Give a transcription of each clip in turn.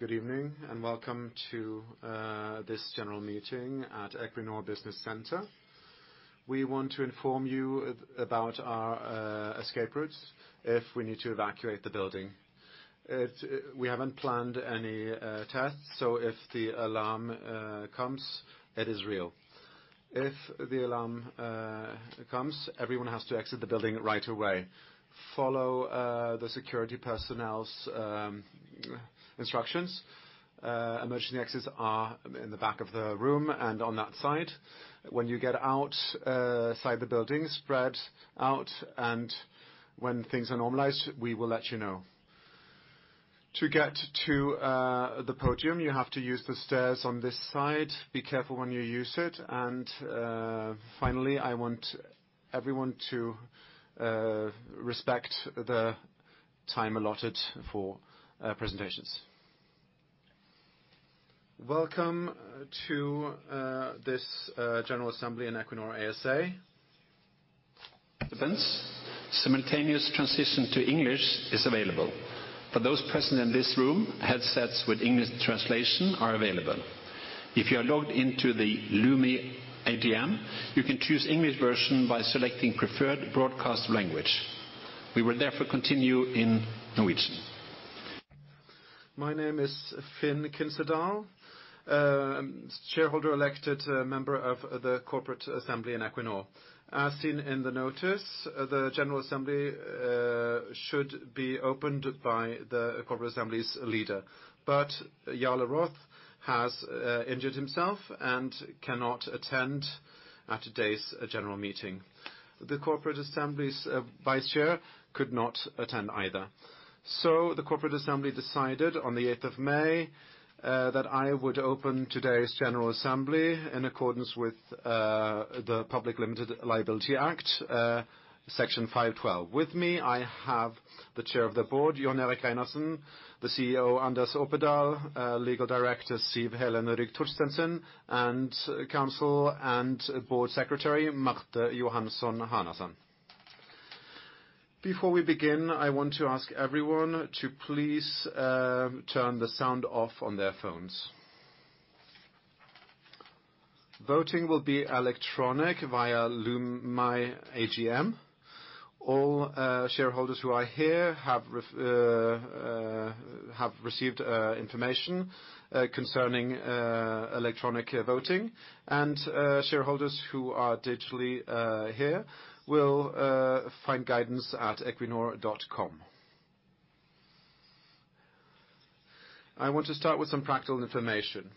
Good evening, and welcome to this general meeting at Equinor Business Center. We want to inform you about our escape routes if we need to evacuate the building. We haven't planned any tests, so if the alarm comes, it is real. If the alarm comes, everyone has to exit the building right away. Follow the security personnel's instructions. Emergency exits are in the back of the room and on that side. When you get outside the building, spread out, and when things are normalized, we will let you know. To get to the podium, you have to use the stairs on this side. Be careful when you use it. Finally, I want everyone to respect the time allotted for presentations. Welcome to this general assembly in Equinor ASA. Simultaneous translation to English is available. For those present in this room, headsets with English translation are available. If you are logged into the Lumi AGM, you can choose English version by selecting Preferred Broadcast Language. We will therefore continue in Norwegian. My name is Finn Kinserdal, shareholder-elected member of the corporate assembly in Equinor. As seen in the notice, the general assembly should be opened by the corporate assembly's leader. Jarle Roth has injured himself and cannot attend today's general meeting. The corporate assembly's vice chair could not attend either. The corporate assembly decided on the 8th of May that I would open today's general assembly in accordance with the Public Limited Liability Companies Act, Section 512. With me, I have the Chair of the Board, Jon Erik Reinhardsen, the CEO, Anders Opedal, Legal Director Siv Helen Rygh Torstensen, and Company Secretary Marte Johansen Hanasand. Before we begin, I want to ask everyone to please turn the sound off on their phones. Voting will be electronic via Lumi AGM. All shareholders who are here have received information concerning electronic voting. Shareholders who are digitally here will find guidance at equinor.com. I want to start with some practical information.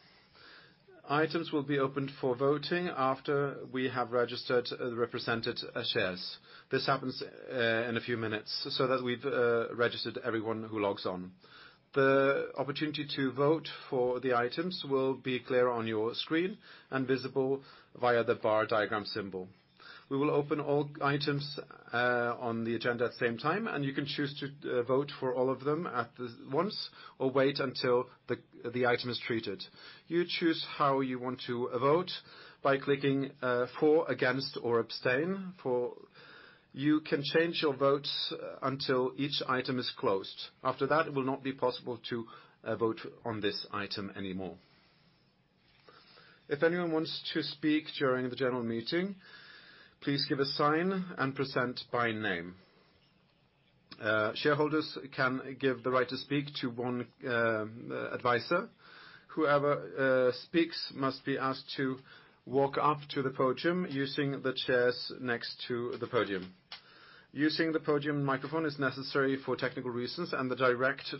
Items will be opened for voting after we have registered the represented shares. This happens in a few minutes so that we've registered everyone who logs on. The opportunity to vote for the items will be clear on your screen and visible via the bar diagram symbol. We will open all items on the agenda at the same time, and you can choose to vote for all of them all at once or wait until the item is treated. You choose how you want to vote by clicking for, against, or abstain. You can change your votes until each item is closed. After that, it will not be possible to vote on this item anymore. If anyone wants to speak during the general meeting, please give a sign and present by name. Shareholders can give the right to speak to 1 advisor. Whoever speaks must be asked to walk up to the podium using the chairs next to the podium. Using the podium microphone is necessary for technical reasons and the direct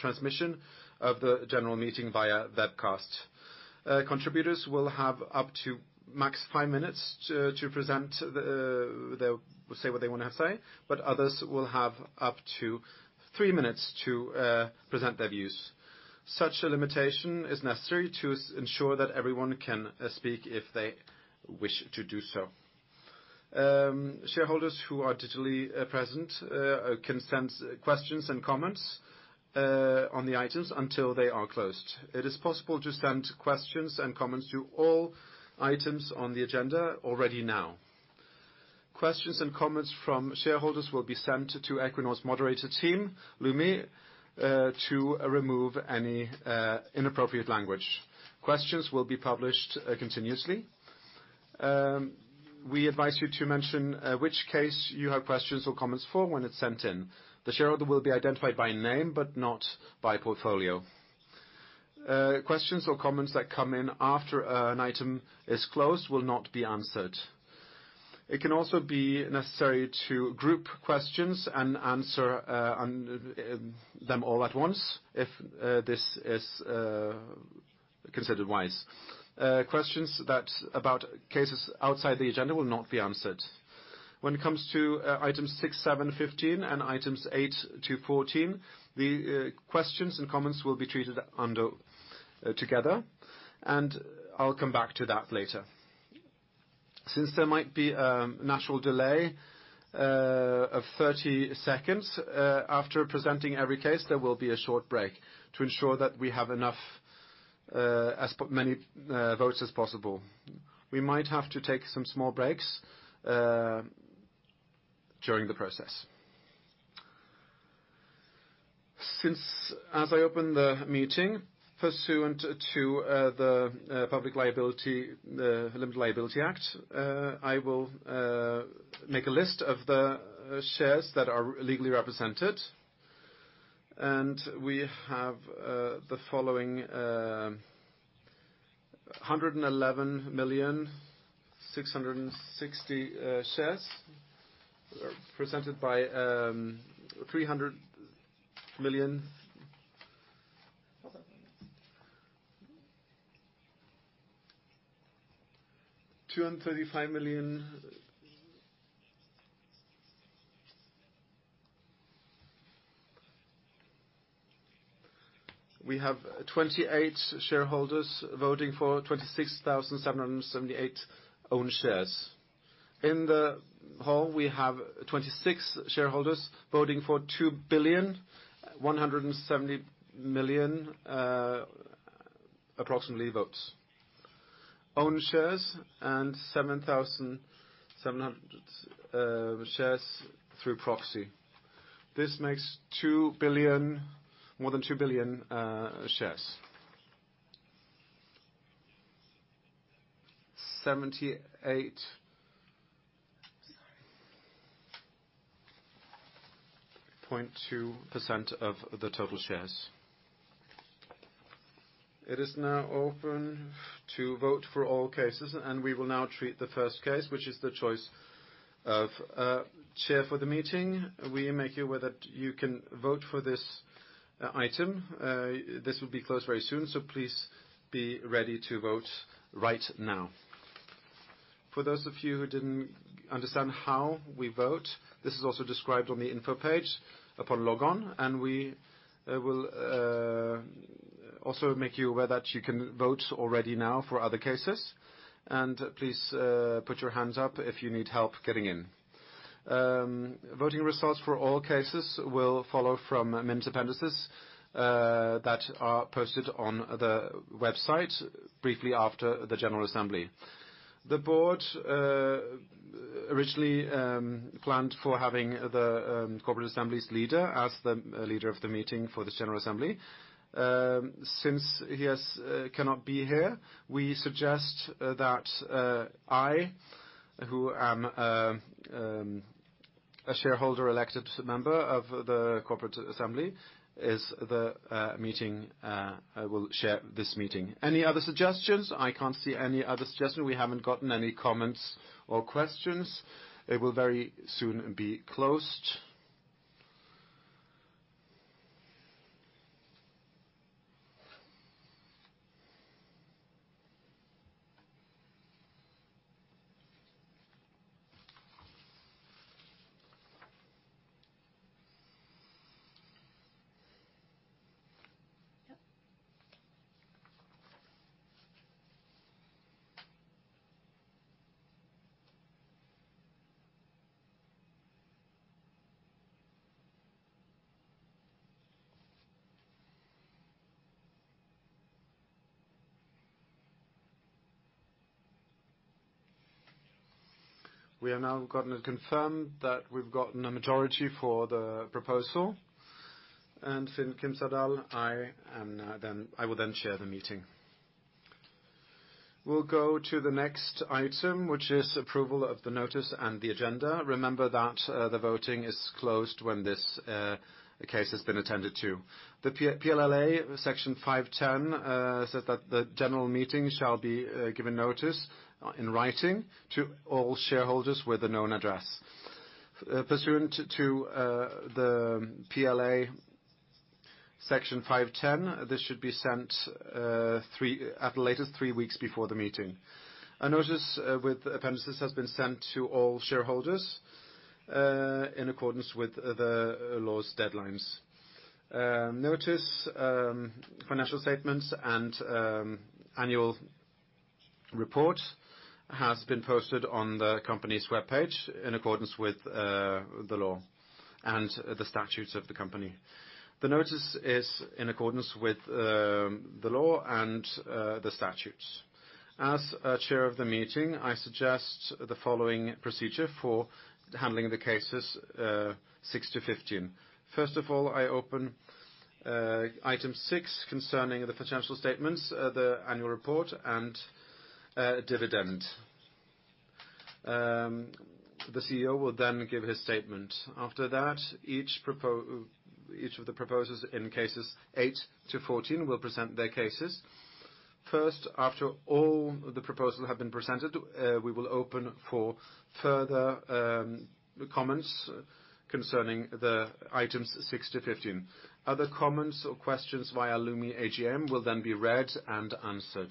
transmission of the general meeting via webcast. Contributors will have up to max 5 minutes to say what they wanna say, but others will have up to 3 minutes to present their views. Such a limitation is necessary to ensure that everyone can speak if they wish to do so. Shareholders who are digitally present can send questions and comments on the items until they are closed. It is possible to send questions and comments to all items on the agenda already now. Questions and comments from shareholders will be sent to Equinor's moderator team, Lumi, to remove any inappropriate language. Questions will be published continuously. We advise you to mention which case you have questions or comments for when it's sent in. The shareholder will be identified by name but not by portfolio. Questions or comments that come in after an item is closed will not be answered. It can also be necessary to group questions and answer on them all at once if this is considered wise. Questions that are about cases outside the agenda will not be answered. When it comes to items 6, 7, 15 and items 8 to 14, the questions and comments will be treated together, and I'll come back to that later. Since there might be a natural delay of 30 seconds after presenting every case, there will be a short break to ensure that we have as many votes as possible. We might have to take some small breaks during the process. As I open the meeting, pursuant to the Public Limited Liability Companies Act, I will make a list of the shares that are legally represented. We have the following 111 million, 660 shares that are presented by 300 million. 235 million. We have 28 shareholders voting for 26,778 own shares. In the hall, we have 26 shareholders voting for 2.17 billion, approximately, votes own shares and 7,700 shares through proxy. This makes more than 2 billion shares. 78.2% of the total shares. It is now open to vote for all cases, and we will now treat the first case, which is the choice of chair for the meeting. We make you aware that you can vote for this item. This will be closed very soon, so please be ready to vote right now. For those of you who didn't understand how we vote, this is also described on the info page upon logon, and we will also make you aware that you can vote already now for other cases. Please put your hands up if you need help getting in. Voting results for all cases will follow from minute appendices that are posted on the website briefly after the general assembly. The board originally planned for having the corporate assembly's leader as the leader of the meeting for this general assembly. Since he cannot be here, we suggest that I, who am a shareholder elected member of the corporate assembly, as the meeting I will chair this meeting. Any other suggestions? I can't see any other suggestion. We haven't gotten any comments or questions. It will very soon be closed. We have now gotten confirmation that we've gotten a majority for the proposal, and since Finn Kinserdal, I will chair the meeting. We'll go to the next item, which is approval of the notice and the agenda. Remember that the voting is closed when this case has been attended to. The Public Limited Liability Companies Act Section 5-10 says that the general meeting shall be given notice in writing to all shareholders with a known address. Pursuant to the Public Limited Liability Companies Act Section 5-10, this should be sent at the latest 3 weeks before the meeting. A notice with appendices has been sent to all shareholders in accordance with the law's deadlines. Notice, financial statements and annual report has been posted on the company's webpage in accordance with the law and the statutes of the company. The notice is in accordance with the law and the statutes. As chair of the meeting, I suggest the following procedure for handling the cases 6 to 15. First of all, I open item 6 concerning the potential statements of the annual report and dividend. The CEO will then give his statement. After that, each of the proposers in cases 8 to 14 will present their cases. First, after all the proposals have been presented, we will open for further comments concerning the items 6 to 15. Other comments or questions via Lumi AGM will then be read and answered.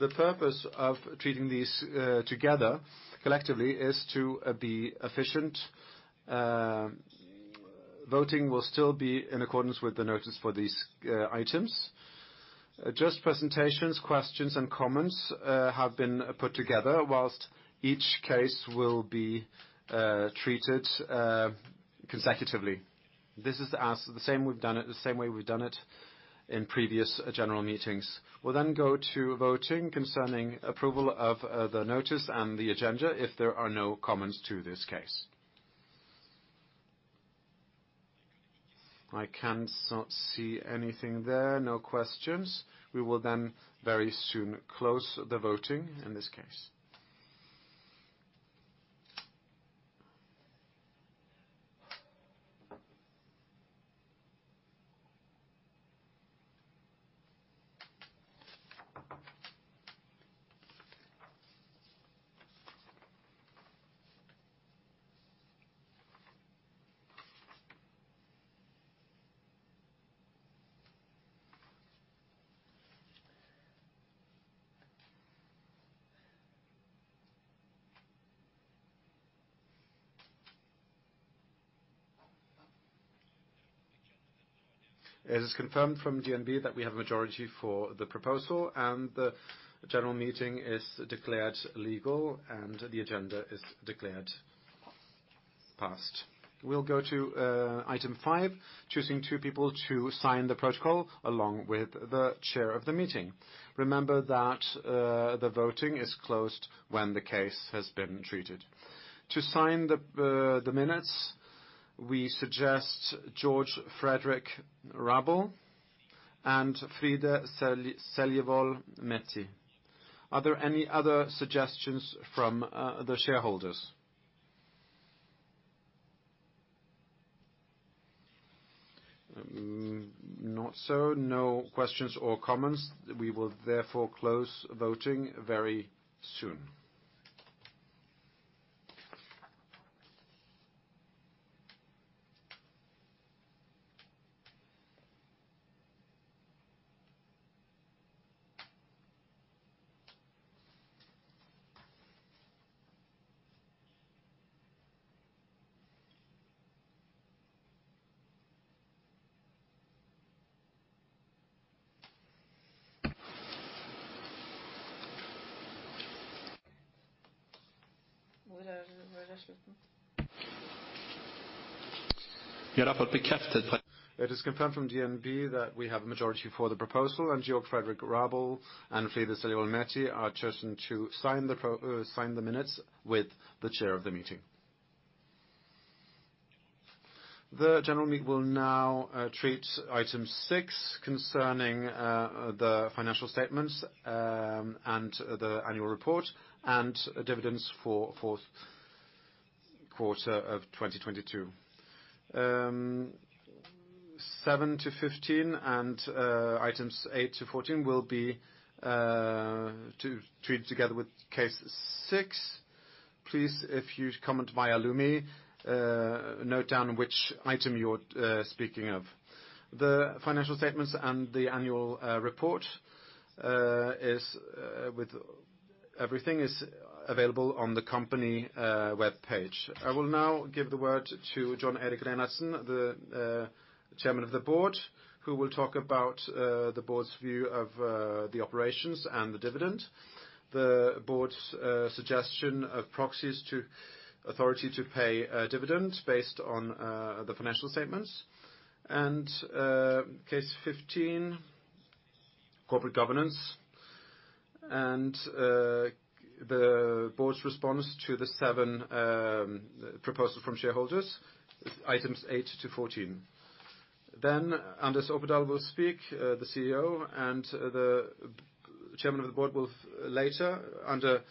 The purpose of treating these together collectively is to be efficient. Voting will still be in accordance with the notice for these items. Just presentations, questions, and comments have been put together while each case will be treated consecutively. This is the same way we've done it in previous general meetings. We'll then go to voting concerning approval of the notice and the agenda, if there are no comments to this case. I cannot see anything there. No questions. We will then very soon close the voting in this case. It is confirmed from DNB that we have a majority for the proposal, and the general meeting is declared legal, and the agenda is declared passed. We'll go to item 5, choosing 2 people to sign the protocol, along with the chair of the meeting. Remember that the voting is closed when the case has been treated. To sign the minutes, we suggest Georg Fredrik Rabel and Frida Sellevold Methi. Are there any other suggestions from the shareholders? Not so. No questions or comments. We will therefore close voting very soon. It is confirmed from DNB that we have a majority for the proposal, and Georg Fredrik Rabel and Frida Sellevold Methi are chosen to sign the minutes with the chair of the meeting. The general meeting will now treat item 6 concerning the financial statements and the annual report and dividends for Q4 of 2022. Items 7 to 15 and items 8 to 14 will be to treat together with case 6. Please if you comment via Lumi, note down which item you're speaking of. The financial statements and the annual report is available on the company webpage. I will now give the word to Jon Erik Reinhardsen, the Chairman of the Board, who will talk about the board's view of the operations and the dividend. The board's proposal to authorize payment of a dividend based on the financial statements. Item 15, corporate governance and the board's response to the 7 proposals from shareholders, items 8 to 14. Anders Opedal, the CEO, will speak, and the Chairman of the Board will later, under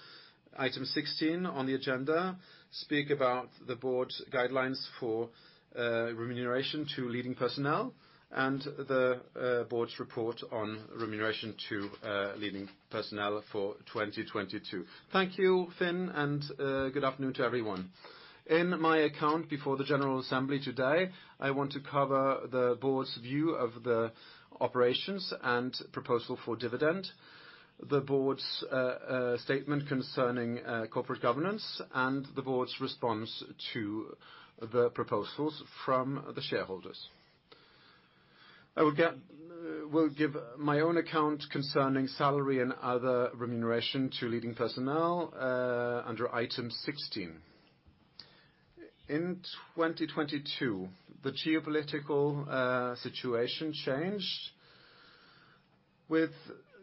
item 16 on the agenda, speak about the board's guidelines for remuneration to leading personnel and the board's report on remuneration to leading personnel for 2022. Thank you, Finn, and good afternoon to everyone. In my account before the general assembly today, I want to cover the board's view of the operations and proposal for dividend, the board's statement concerning corporate governance, and the board's response to the proposals from the shareholders. I will give my own account concerning salary and other remuneration to leading personnel under item 16. In 2022, the geopolitical situation changed with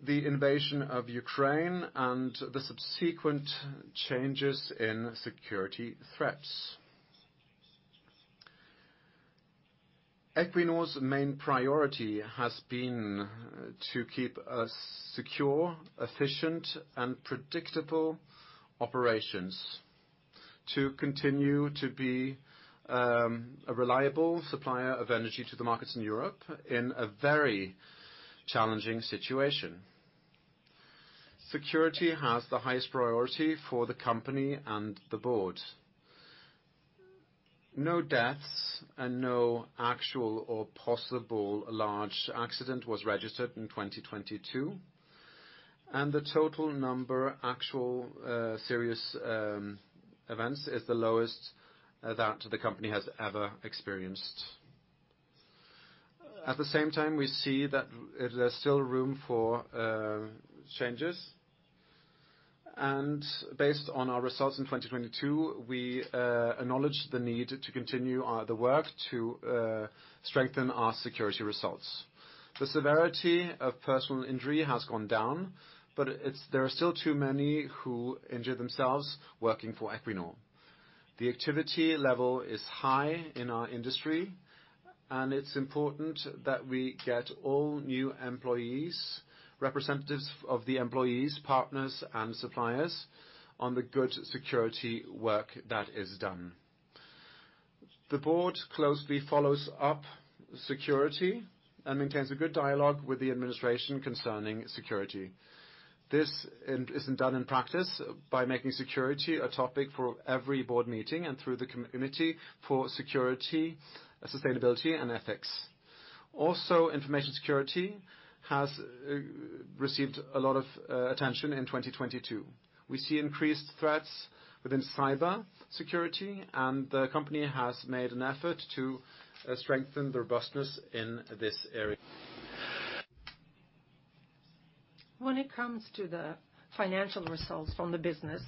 the invasion of Ukraine and the subsequent changes in security threats. Equinor's main priority has been to keep a secure, efficient, and predictable operations to continue to be a reliable supplier of energy to the markets in Europe in a very challenging situation. Security has the highest priority for the company and the board. No deaths and no actual or possible large accident was registered in 2022, and the total number of actual serious events is the lowest that the company has ever experienced. At the same time, we see that there's still room for changes. Based on our results in 2022, we acknowledge the need to continue the work to strengthen our security results. The severity of personal injury has gone down, but there are still too many who injure themselves working for Equinor. The activity level is high in our industry, and it's important that we get all new employees, representatives of the employees, partners, and suppliers on the good security work that is done. The board closely follows up security and maintains a good dialogue with the administration concerning security. This isn't done in practice by making security a topic for every board meeting and through the community for security, sustainability, and ethics. Information security has received a lot of attention in 2022. We see increased threats within cyber security, and the company has made an effort to strengthen the robustness in this area. When it comes to the financial results from the business,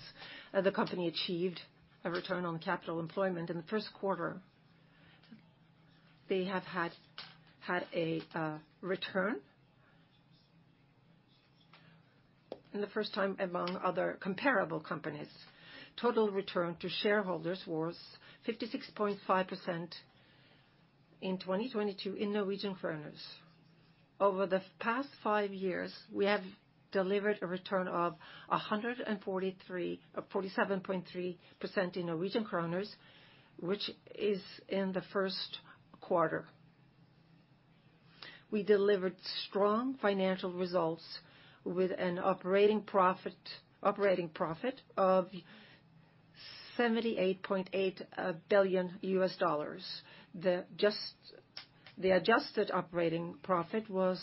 the company achieved a return on capital employed in the Q1. They have had a return in the first quartile among other comparable companies. Total return to shareholders was 56.5% in 2022 in Norwegian kroner. Over the past 5 years, we have delivered a return of 147.3% in Norwegian kroner, which is in the first quartile. We delivered strong financial results with an operating profit of $78.8 billion. The adjusted operating profit was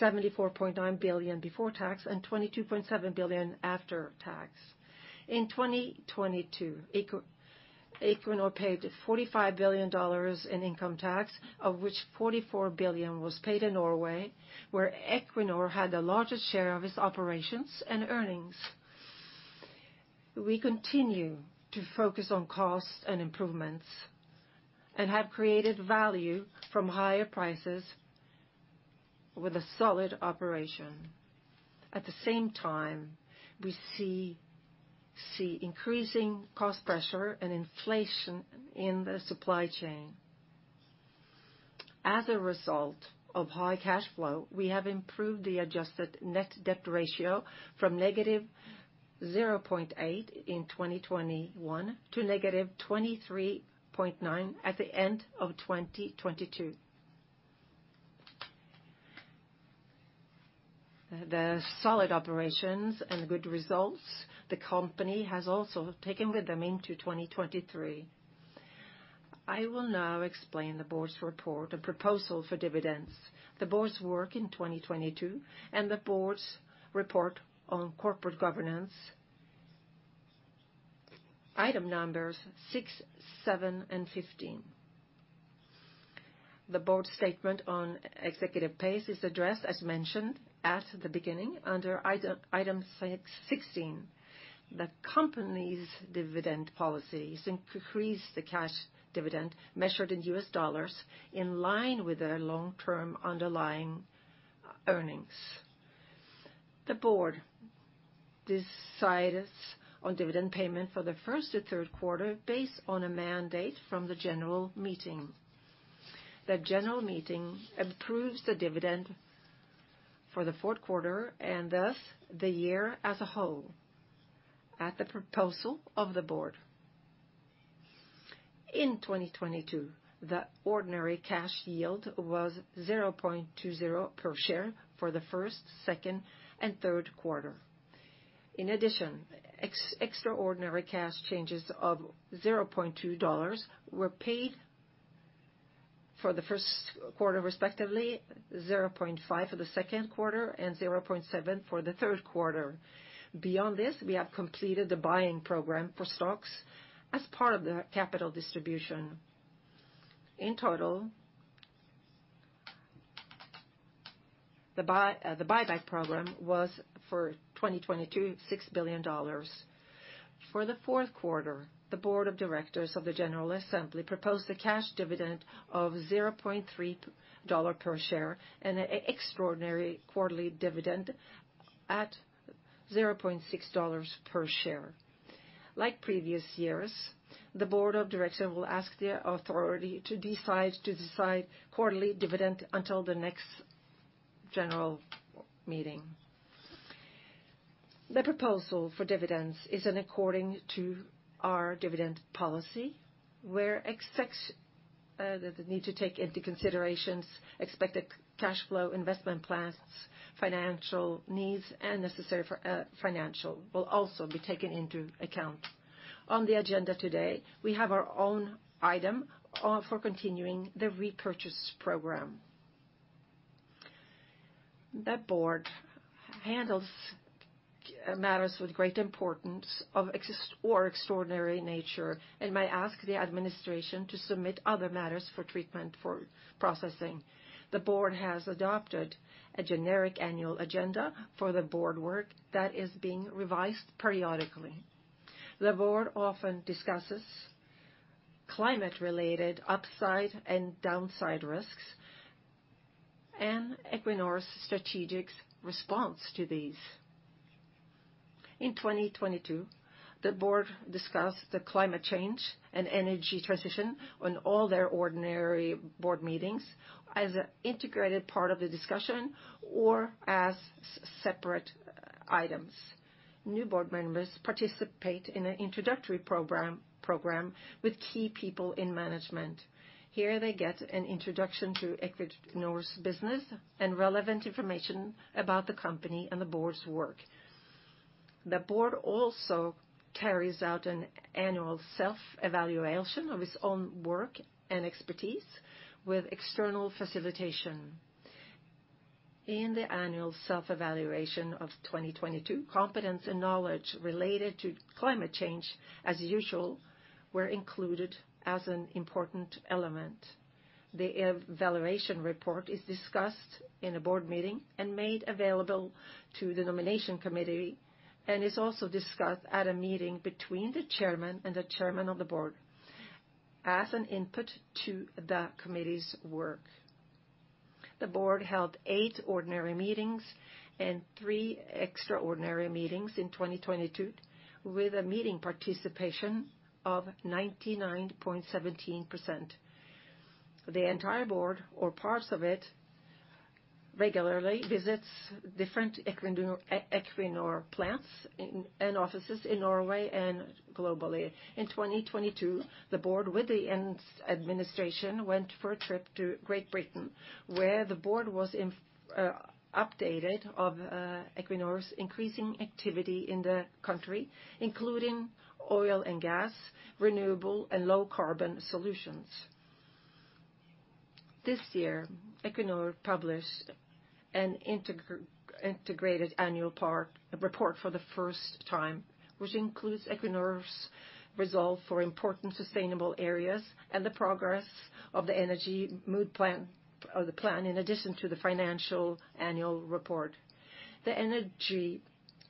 $74.9 billion before tax and $22.7 billion after tax. In 2022, Equinor paid $45 billion in income tax, of which $44 billion was paid in Norway, where Equinor had the largest share of its operations and earnings. We continue to focus on costs and improvements and have created value from higher prices with a solid operation. At the same time, we see increasing cost pressure and inflation in the supply chain. As a result of high cash flow, we have improved the adjusted net debt ratio from negative 0.8 in 2021 to negative 23.9 at the end of 2022. The solid operations and good results the company has also taken with them into 2023. I will now explain the board's report, a proposal for dividends, the board's work in 2022, and the board's report on corporate governance item numbers 6, 7, and 15. The board statement on executive pay is addressed, as mentioned at the beginning under item 16. The company's dividend policies increase the cash dividend measured in US dollars in line with their long-term underlying earnings. The board decides on dividend payment for the Q1 to Q3 based on a mandate from the general meeting. The general meeting approves the dividend for the Q4 and thus the year as a whole at the proposal of the board. In 2022, the ordinary cash yield was $0.20 per share for the Q1, Q2, and Q3. In addition, extraordinary cash dividends of $0.2 were paid for the Q1, respectively $0.5 for the Q2 and $0.7 for the Q3. Beyond this, we have completed the buyback program for stocks as part of the capital distribution. In total, the buyback program was for 2022, $6 billion. For the Q4, the Board of Directors of the general assembly proposed a cash dividend of $0.3 per share and an extraordinary quarterly dividend of $0.6 per share. Like previous years, the Board of Directors will ask the authority to decide quarterly dividend until the next general meeting. The proposal for dividends is in accordance with our dividend policy where the need to take into consideration expected cash flow, investment plans, financial needs, and necessary financial flexibility will also be taken into account. On the agenda today, we have our own item for continuing the repurchase program. The Board handles matters with great importance of existing or extraordinary nature and may ask the administration to submit other matters for treatment or processing. The board has adopted a generic annual agenda for the board work that is being revised periodically. The board often discusses climate related upside and downside risks, and Equinor's strategic response to these. In 2022, the board discussed the climate change and energy transition on all their ordinary board meetings as an integrated part of the discussion or as separate items. New board members participate in an introductory program with key people in management. Here they get an introduction to Equinor's business and relevant information about the company and the board's work. The board also carries out an annual self-evaluation of its own work and expertise with external facilitation. In the annual self-evaluation of 2022, competence and knowledge related to climate change, as usual, were included as an important element. The evaluation report is discussed in a board meeting and made available to the nomination committee, and is also discussed at a meeting between the chairman and the chairman of the board as an input to the committee's work. The board held 8 ordinary meetings and 3 extraordinary meetings in 2022, with a meeting participation of 99.17%. The entire board or parts of it regularly visits different Equinor plants and offices in Norway and globally. In 2022, the board with the senior administration went for a trip to Great Britain, where the board was updated on Equinor's increasing activity in the country, including oil and gas, renewable and low carbon solutions. This year, Equinor published an integrated annual report for the first time, which includes Equinor's results for important sustainable areas and the progress of the energy transition plan in addition to the financial annual report. The energy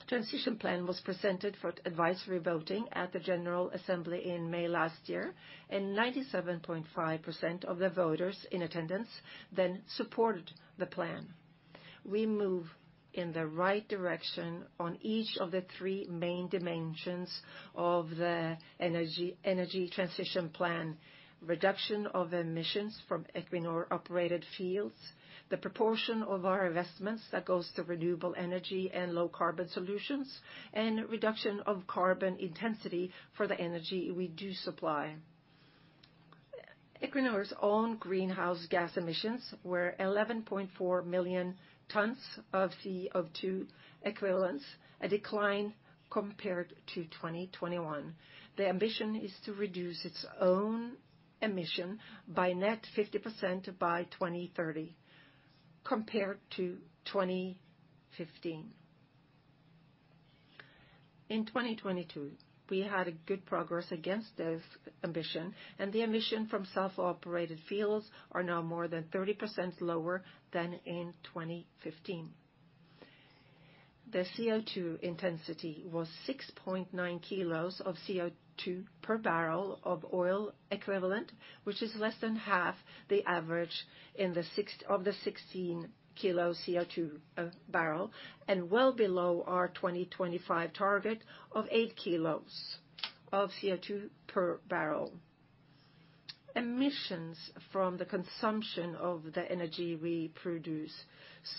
transition plan was presented for advisory voting at the General Assembly in May last year, and 97.5% of the voters in attendance then supported the plan. We move in the right direction on each of the 3 main dimensions of the energy transition plan, reduction of emissions from Equinor operated fields, the proportion of our investments that goes to renewable energy and low carbon solutions, and reduction of carbon intensity for the energy we do supply. Equinor's own greenhouse gas emissions were 11.4 million tons of CO2 equivalent, a decline compared to 2021. The ambition is to reduce its own emission by net 50% by 2030 compared to 2015. In 2022, we had a good progress against this ambition, and the emission from self-operated fields are now more than 30% lower than in 2015. The CO2 intensity was 6.9 kg CO2 per barrel of oil equivalent, which is less than half the average in the sector of the 16 kg CO2 per barrel, and well below our 2025 target of 8 kg CO2 per barrel. Emissions from the consumption of the energy we produce,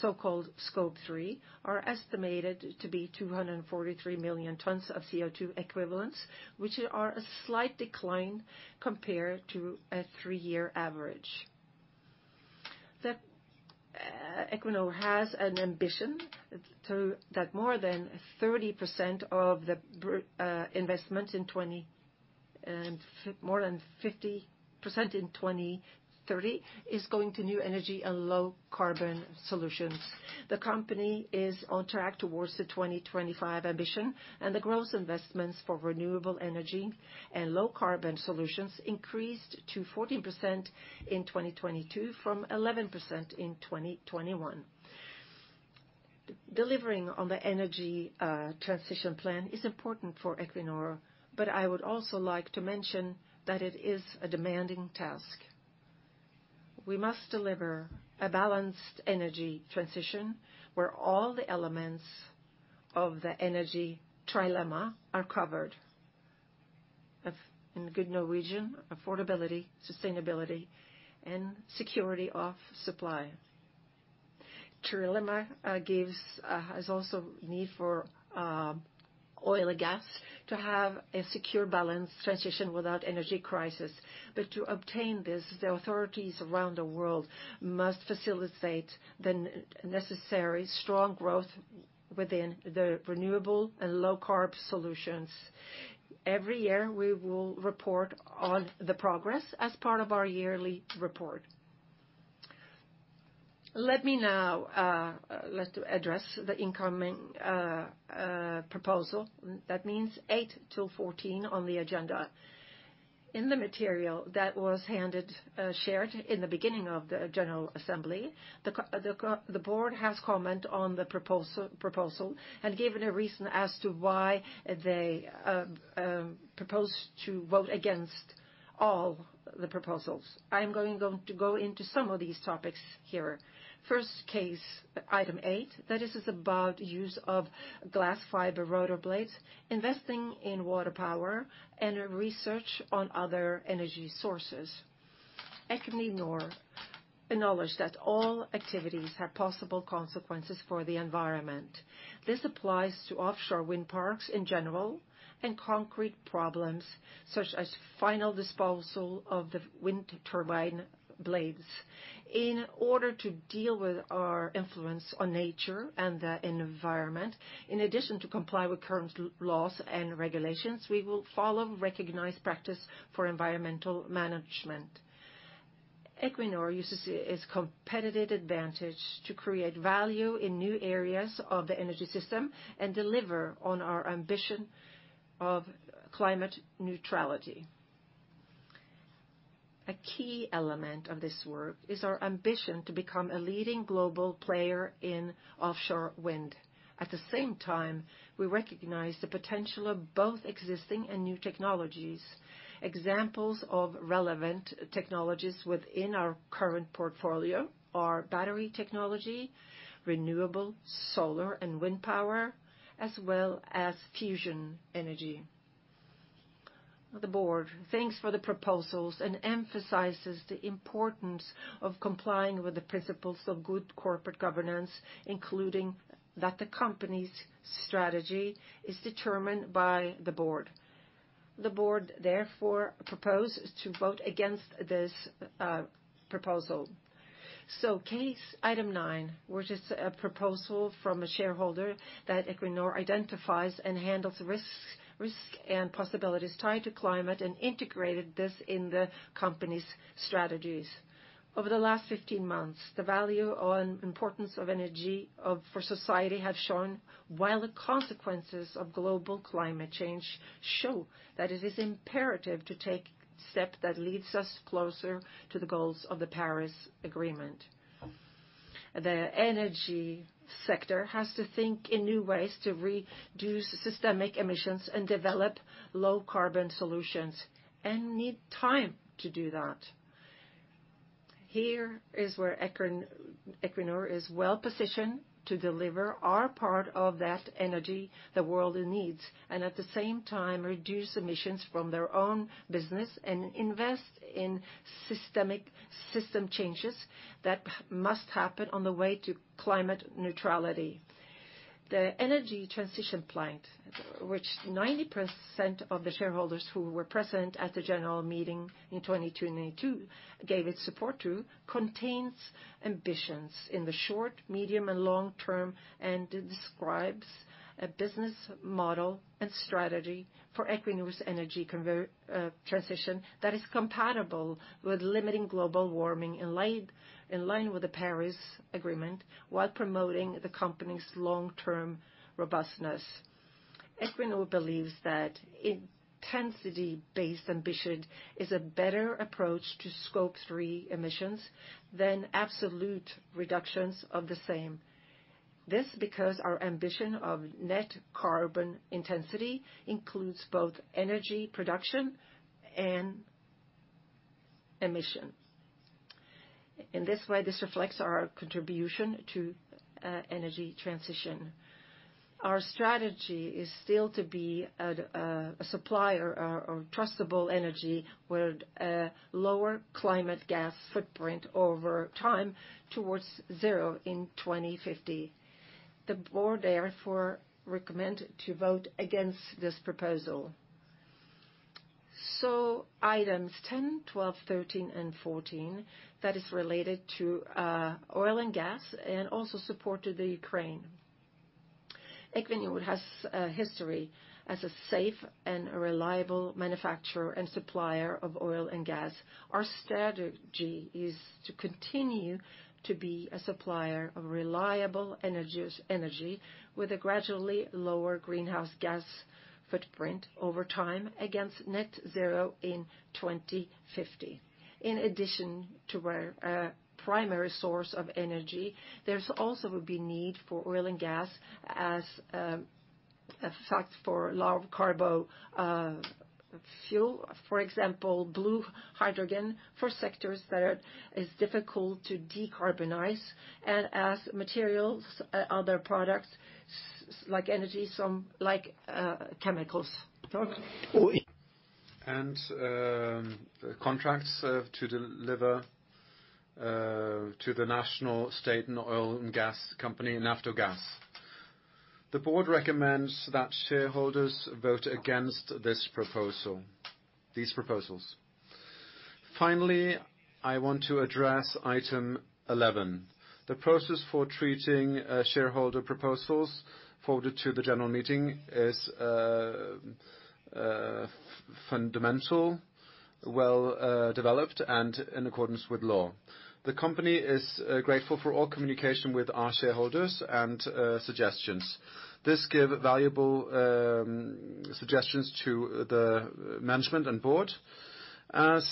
so-called Scope 3, are estimated to be 243 million tons of CO2 equivalents, which are a slight decline compared to a 3-year average. Equinor has an ambition that more than 30% of the investment, more than 50% in 2030 is going to new energy and low carbon solutions. The company is on track towards the 2025 ambition, and the gross investments for renewable energy and low carbon solutions increased to 14% in 2022 from 11% in 2021. Delivering on the energy transition plan is important for Equinor, but I would also like to mention that it is a demanding task. We must deliver a balanced energy transition where all the elements of the energy trilemma are covered. In good Norwegian, affordability, sustainability and security of supply. Trilemma has also need for oil and gas to have a secure balanced transition without energy crisis. To obtain this, the authorities around the world must facilitate the necessary strong growth within the renewable and low-carbon solutions. Every year, we will report on the progress as part of our yearly report. Let me now, let's address the incoming proposal. That means 8 till 14 on the agenda. In the material that was handed, shared in the beginning of the annual general meeting, the board has commented on the proposal and given a reason as to why they propose to vote against all the proposals. I am going to go into some of these topics here. First case, item 8. That is about use of glass fiber rotor blades, investing in water power and research on other energy sources. Equinor acknowledges that all activities have possible consequences for the environment. This applies to offshore wind parks in general, and concrete problems such as final disposal of the wind turbine blades. In order to deal with our influence on nature and the environment, in addition to comply with current laws and regulations, we will follow recognized practice for environmental management. Equinor uses its competitive advantage to create value in new areas of the energy system and deliver on our ambition of climate neutrality. A key element of this work is our ambition to become a leading global player in offshore wind. At the same time, we recognize the potential of both existing and new technologies. Examples of relevant technologies within our current portfolio are battery technology, renewable solar and wind power, as well as fusion energy. The board thanks for the proposals and emphasizes the importance of complying with the principles of good corporate governance, including that the company's strategy is determined by the board. The board therefore proposes to vote against this proposal. Case item 9, which is a proposal from a shareholder that Equinor identifies and handles risks and possibilities tied to climate and integrated this in the company's strategies. Over the last 15 months, the value and importance of energy for society have shown, while the consequences of global climate change show that it is imperative to take steps that leads us closer to the goals of the Paris Agreement. The energy sector has to think in new ways to reduce systemic emissions and develop low carbon solutions and need time to do that. Equinor is well-positioned to deliver our part of that energy the world needs, and at the same time reduce emissions from their own business and invest in system changes that must happen on the way to climate neutrality. The energy transition plan, which 90% of the shareholders who were present at the annual meeting in 2022 gave its support to, contains ambitions in the short, medium and long term, and describes a business model and strategy for Equinor's energy transition that is compatible with limiting global warming in line with the Paris Agreement while promoting the company's long-term robustness. Equinor believes that intensity-based ambition is a better approach to Scope 3 emissions than absolute reductions of the same. This because our ambition of net carbon intensity includes both energy production and emission. In this way, this reflects our contribution to energy transition. Our strategy is still to be a supplier or trustworthy energy with a lower greenhouse gas footprint over time towards 0 in 2050. The board therefore recommend to vote against this proposal. Items 10, 12, 13 and 14, that is related to oil and gas and also support to the Ukraine. Equinor has a history as a safe and reliable manufacturer and supplier of oil and gas. Our strategy is to continue to be a supplier of reliable energy with a gradually lower greenhouse gas footprint over time against net zero in 2050. In addition to our primary source of energy, there also will be need for oil and gas as a feedstock for low carbon fuel, for example, blue hydrogen for sectors that are difficult to decarbonize and as materials, other products like energy, some like chemicals. Contracts serve to deliver to the national state and oil and gas company Naftogaz. The board recommends that shareholders vote against these proposals. Finally, I want to address item 11. The process for treating shareholder proposals forwarded to the annual meeting is fundamental, well, developed and in accordance with law. The company is grateful for all communication with our shareholders and suggestions. This give valuable suggestions to the management and board. As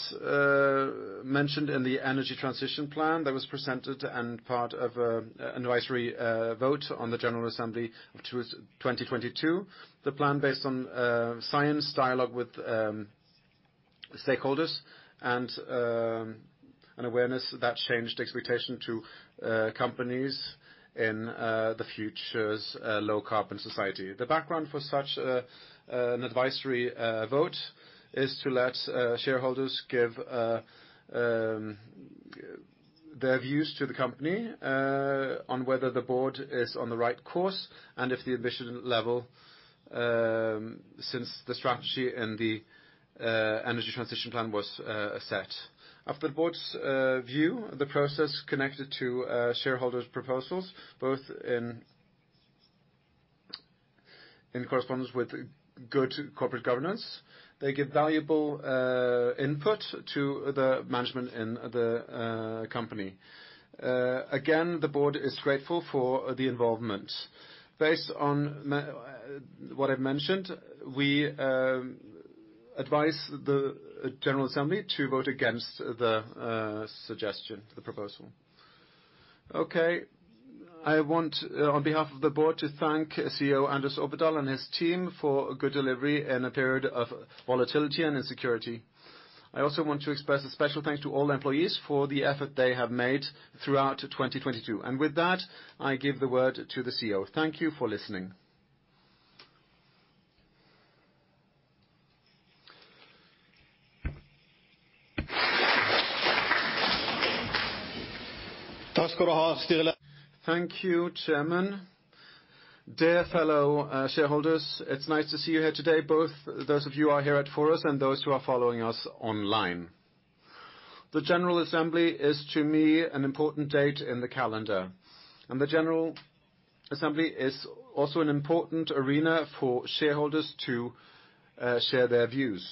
mentioned in the energy transition plan that was presented and part of an advisory vote on the general assembly which was 2022. The plan based on science dialogue with stakeholders and an awareness that changed expectation to companies in the future's low-carbon society. The background for such an advisory vote is to let shareholders give their views to the company on whether the board is on the right course and if the ambition level since the strategy and the energy transition plan was set. After the board's view, the process connected to shareholders' proposals both in correspondence with good corporate governance. They give valuable input to the management in the company. Again, the board is grateful for the involvement. Based on what I've mentioned, we advise the general assembly to vote against the suggestion, the proposal. Okay. I want, on behalf of the board, to thank CEO Anders Opedal and his team for good delivery in a period of volatility and insecurity. I also want to express a special thanks to all employees for the effort they have made throughout 2022. With that, I give the word to the CEO. Thank you for listening. Thank you, Chairman. Dear fellow shareholders, it's nice to see you here today, both those of you are here at Forus and those who are following us online. The general assembly is, to me, an important date in the calendar, and the general assembly is also an important arena for shareholders to share their views.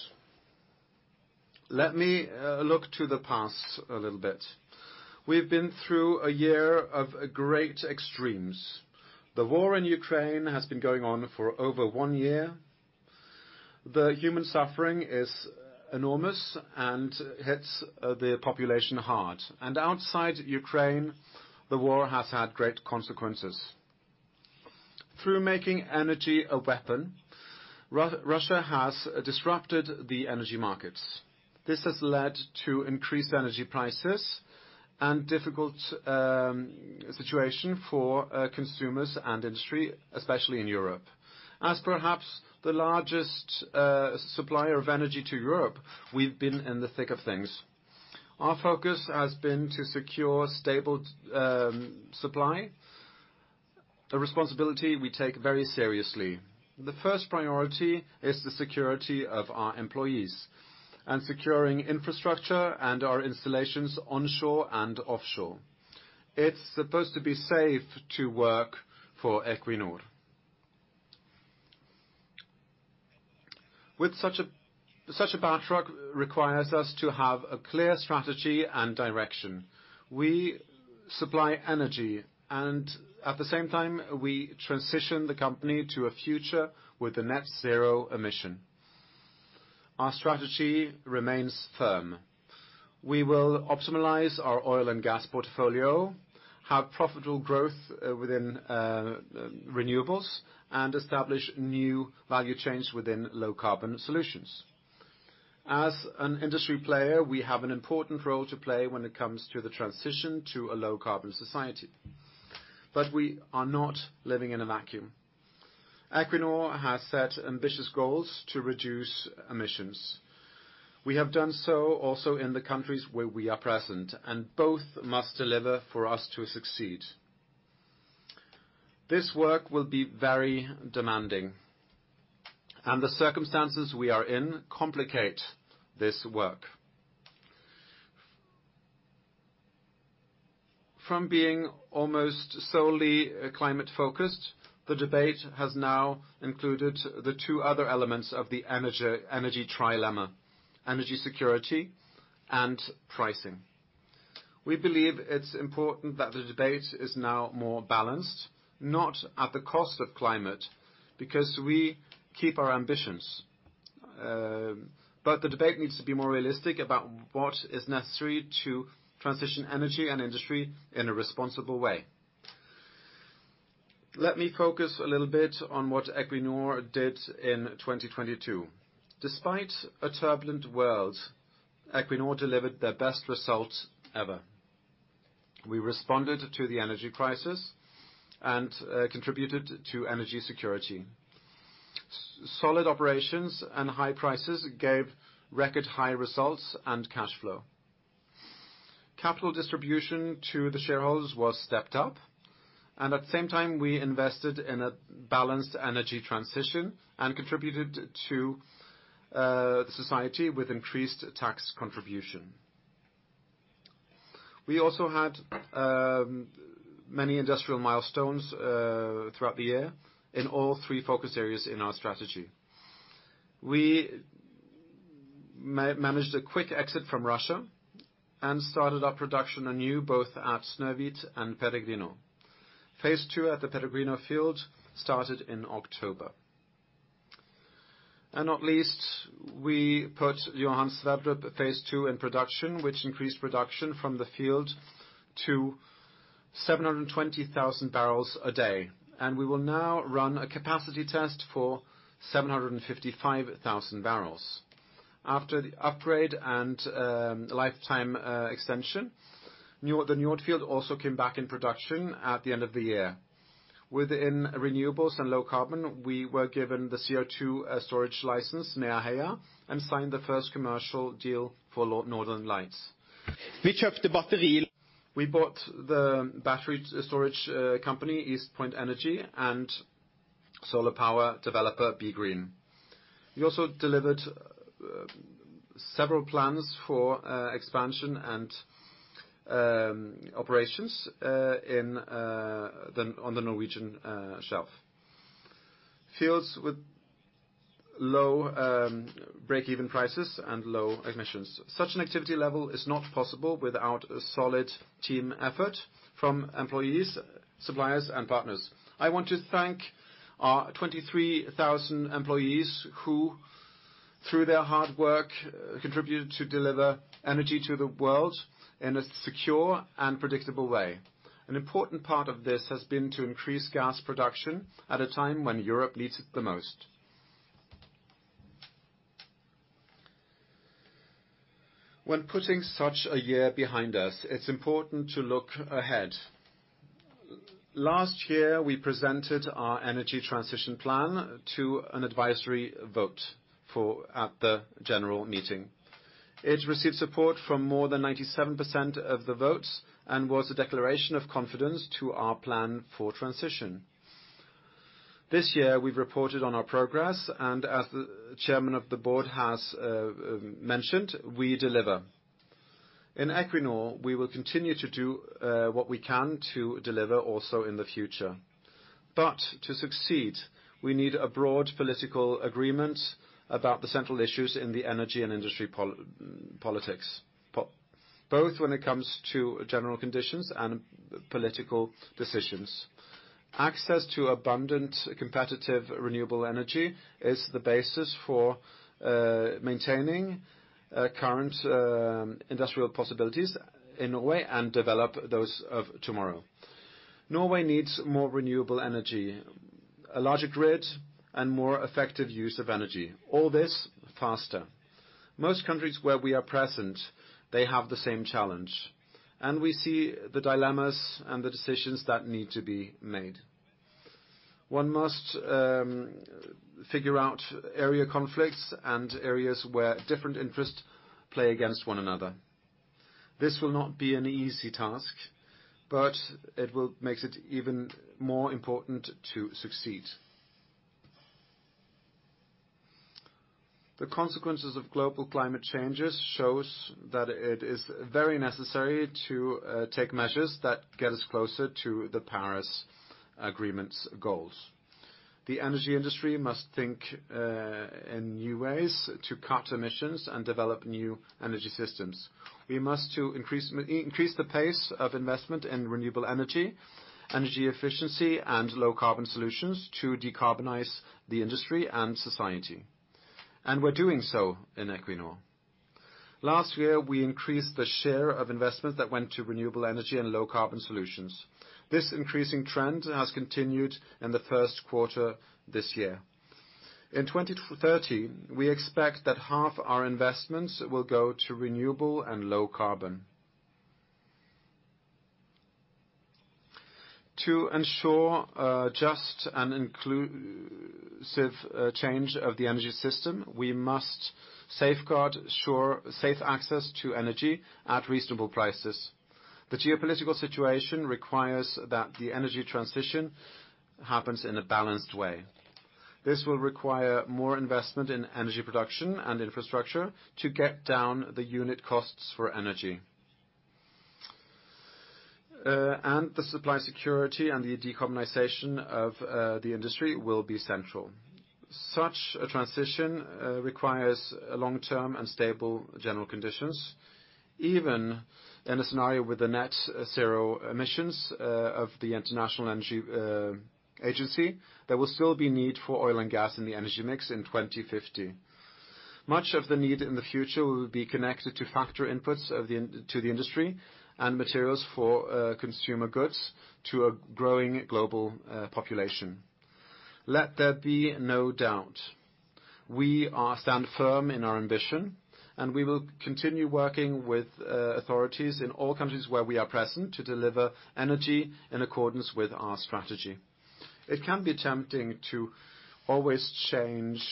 Let me look to the past a little bit. We've been through a year of great extremes. The war in Ukraine has been going on for over one year. The human suffering is enormous and hits the population hard. Outside Ukraine, the war has had great consequences. Through making energy a weapon, Russia has disrupted the energy markets. This has led to increased energy prices and difficult situation for consumers and industry, especially in Europe. As perhaps the largest supplier of energy to Europe, we've been in the thick of things. Our focus has been to secure stable supply. A responsibility we take very seriously. The first priority is the security of our employees and securing infrastructure and our installations onshore and offshore. It's supposed to be safe to work for Equinor. With such a backdrop requires us to have a clear strategy and direction. We supply energy, and at the same time, we transition the company to a future with a net zero emission. Our strategy remains firm. We will optimize our oil and gas portfolio, have profitable growth within renewables, and establish new value chains within low-carbon solutions. As an industry player, we have an important role to play when it comes to the transition to a low-carbon society. We are not living in a vacuum. Equinor has set ambitious goals to reduce emissions. We have done so also in the countries where we are present, and both must deliver for us to succeed. This work will be very demanding, and the circumstances we are in complicate this work. From being almost solely climate-focused, the debate has now included the 2 other elements of the energy trilemma: energy security and pricing. We believe it's important that the debate is now more balanced, not at the cost of climate, because we keep our ambitions. The debate needs to be more realistic about what is necessary to transition energy and industry in a responsible way. Let me focus a little bit on what Equinor did in 2022. Despite a turbulent world, Equinor delivered their best results ever. We responded to the energy crisis and contributed to energy security. Solid operations and high prices gave record high results and cash flow. Capital distribution to the shareholders was stepped up, and at the same time, we invested in a balanced energy transition and contributed to the society with increased tax contribution. We also had many industrial milestones throughout the year in all 3 focus areas in our strategy. We managed a quick exit from Russia and started our production anew both at Snøhvit and Peregrino. Phase II at the Peregrino field started in October. Not least, we put Johan Sverdrup phase II in production, which increased production from the field to 720,000 barrels a day. We will now run a capacity test for 755,000 barrels. After the upgrade and lifetime extension, the Njord field also came back in production at the end of the year. Within renewables and low carbon, we were given the CO₂ storage license near Heimdal and signed the first commercial deal for Northern Lights. We bought the battery storage company, East Point Energy, and solar power developer, BeGreen. We also delivered several plans for expansion and operations on the Norwegian shelf. Fields with low break-even prices and low emissions. Such an activity level is not possible without a solid team effort from employees, suppliers, and partners. I want to thank our 23,000 employees who, through their hard work, contributed to deliver energy to the world in a secure and predictable way. An important part of this has been to increase gas production at a time when Europe needs it the most. When putting such a year behind us, it's important to look ahead. Last year, we presented our energy transition plan to an advisory vote at the general meeting. It received support from more than 97% of the votes and was a declaration of confidence to our plan for transition. This year, we've reported on our progress, and as the Chairman of the Board has mentioned, we deliver. In Equinor, we will continue to do what we can to deliver also in the future. To succeed, we need a broad political agreement about the central issues in the energy and industry politics, both when it comes to general conditions and political decisions. Access to abundant competitive renewable energy is the basis for maintaining current industrial possibilities in a way and develop those of tomorrow. Norway needs more renewable energy, a larger grid, and more effective use of energy. All this faster. Most countries where we are present, they have the same challenge, and we see the dilemmas and the decisions that need to be made. 1 must figure out area conflicts and areas where different interests play against one another. This will not be an easy task, but it will make it even more important to succeed. The consequences of global climate changes shows that it is very necessary to take measures that get us closer to the Paris Agreement's goals. The energy industry must think in new ways to cut emissions and develop new energy systems. We must increase the pace of investment in renewable energy efficiency, and low carbon solutions to decarbonize the industry and society. We're doing so in Equinor. Last year, we increased the share of investment that went to renewable energy and low carbon solutions. This increasing trend has continued in the Q1 this year. In 2030, we expect that half our investments will go to renewable and low carbon. To ensure a just and inclusive change of the energy system, we must safeguard safe access to energy at reasonable prices. The geopolitical situation requires that the energy transition happens in a balanced way. This will require more investment in energy production and infrastructure to get down the unit costs for energy. The supply security and the decarbonization of the industry will be central. Such a transition requires long-term and stable general conditions. Even in a scenario with the net zero emissions of the International Energy Agency, there will still be need for oil and gas in the energy mix in 2050. Much of the need in the future will be connected to factor inputs to the industry and materials for consumer goods to a growing global population. Let there be no doubt. We stand firm in our ambition, and we will continue working with authorities in all countries where we are present to deliver energy in accordance with our strategy. It can be tempting to always change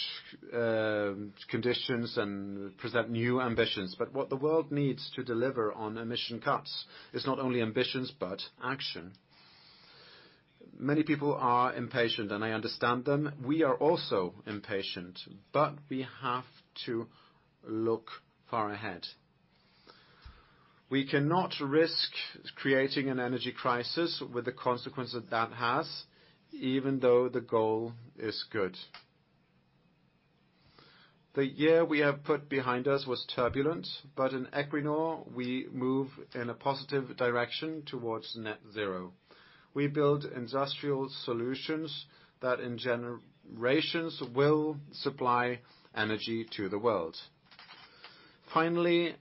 conditions and present new ambitions, but what the world needs to deliver on emission cuts is not only ambitions, but action. Many people are impatient, and I understand them. We are also impatient, but we have to look far ahead. We cannot risk creating an energy crisis with the consequence that has, even though the goal is good. The year we have put behind us was turbulent, but in Equinor, we move in a positive direction towards net zero. We build industrial solutions that in generations will supply energy to the world. Finally,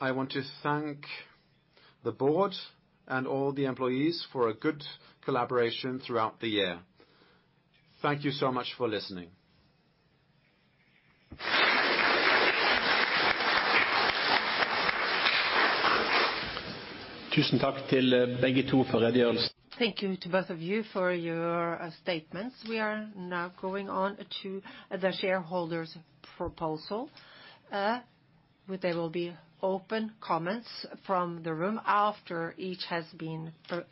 I want to thank the board and all the employees for a good collaboration throughout the year. Thank you so much for listening. Thank you to both of you for your statements. We are now going on to the shareholders proposal, where there will be open comments from the room after each has been presented.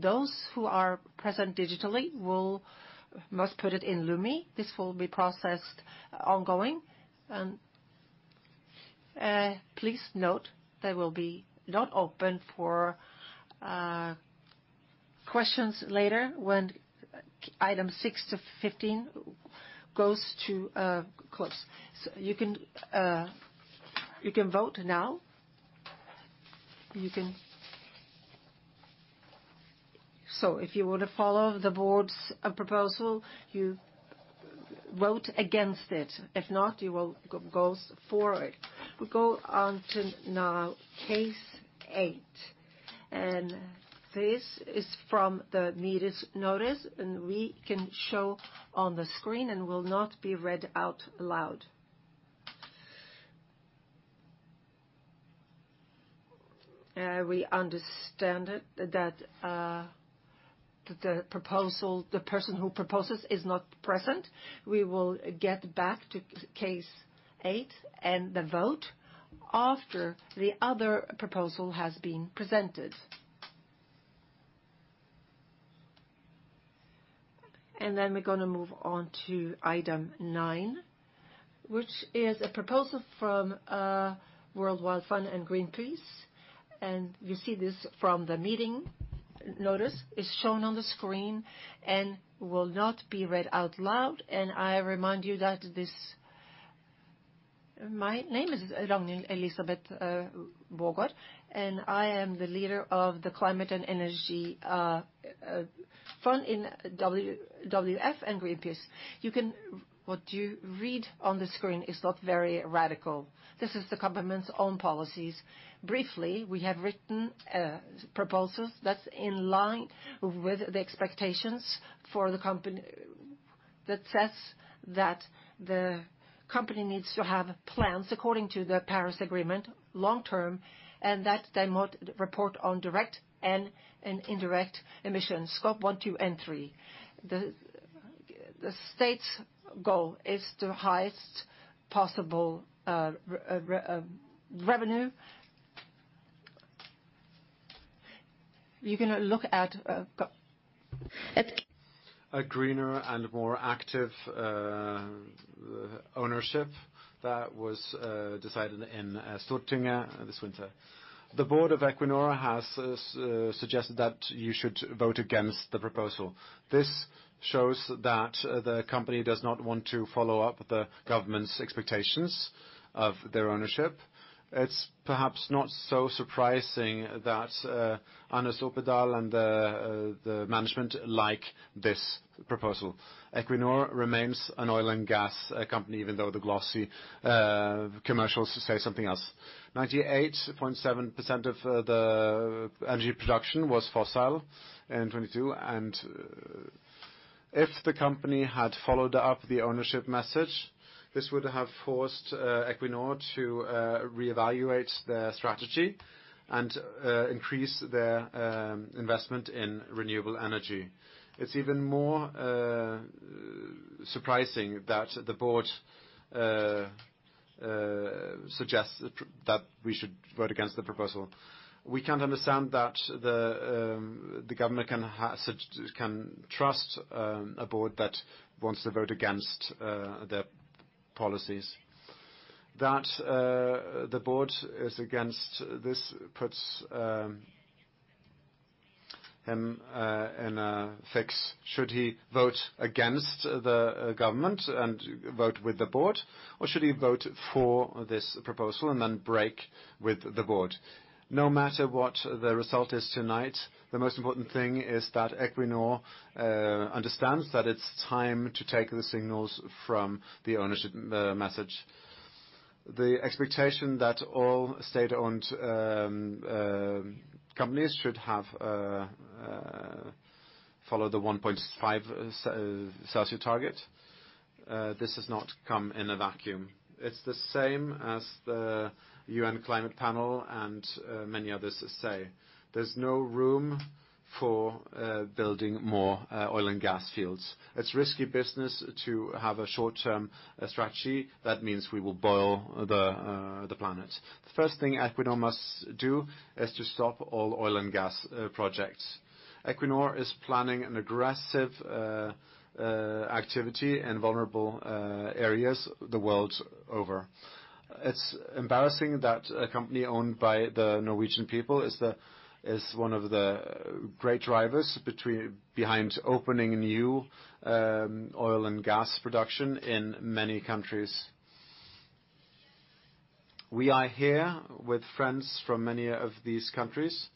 Those who are present digitally must put it in Lumi. This will be processed ongoing. Please note they will not be open for questions later when item 6 to 15 goes to close. You can vote now. If you were to follow the board's proposal, you vote against it. If not, you will go for it. We go on to now item 8, and this is from the meeting's notice, and we can show on the screen and will not be read out loud. We understand it that the proposal, the person who proposes is not present. We will get back to case 8 and the vote after the other proposal has been presented. Then we're gonna move on to item 9, which is a proposal from World Wide Fund and Greenpeace. You see this from the meeting notice. It's shown on the screen and will not be read out loud. I remind you that this. My name is Ragnhild Elisabeth Bjørgaas, and I am the leader of the Climate and Energy Fund in WWF and Greenpeace. You can. What you read on the screen is not very radical. This is the company's own policies. Briefly, we have written proposals that's in line with the expectations for the company, that says that the company needs to have plans according to the Paris Agreement long term, and that they must report on direct and indirect emissions, scope 1, 2, and 3. The state's goal is the highest possible revenue. You're gonna look at go- A greener and more active ownership that was decided in Stortinget this winter. The board of Equinor has suggested that you should vote against the proposal. This shows that the company does not want to follow up the government's expectations of their ownership. It's perhaps not so surprising that Anders Opedal and the management like this proposal. Equinor remains an oil and gas company even though the glossy commercials say something else. 98.7% of the energy production was fossil in 2022, and if the company had followed up the ownership message, this would have forced Equinor to reevaluate their strategy and increase their investment in renewable energy. It's even more surprising that the board suggests that we should vote against the proposal. We can't understand that the government can trust a board that wants to vote against their policies. That the board is against this puts him in a fix. Should he vote against the government and vote with the board, or should he vote for this proposal and then break with the board? No matter what the result is tonight, the most important thing is that Equinor understands that it's time to take the signals from the ownership message. The expectation that all state-owned companies should have follow the 1.5 Celsius target, this has not come in a vacuum. It's the same as the UN climate panel and many others say. There's no room for building more oil and gas fields. It's risky business to have a short-term strategy. That means we will boil the planet. The first thing Equinor must do is to stop all oil and gas projects. Equinor is planning an aggressive activity in vulnerable areas the world over. It's embarrassing that a company owned by the Norwegian people is one of the great drivers behind opening new oil and gas production in many countries. We are here with friends from many of these countries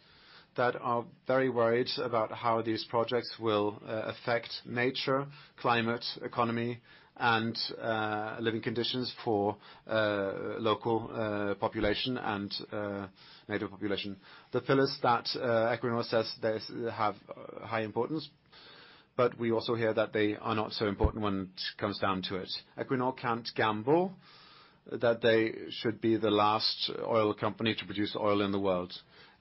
that are very worried about how these projects will affect nature, climate, economy, and living conditions for local population and native population. The pillars that Equinor says they have high importance, but we also hear that they are not so important when it comes down to it. Equinor can't gamble that they should be the last oil company to produce oil in the world.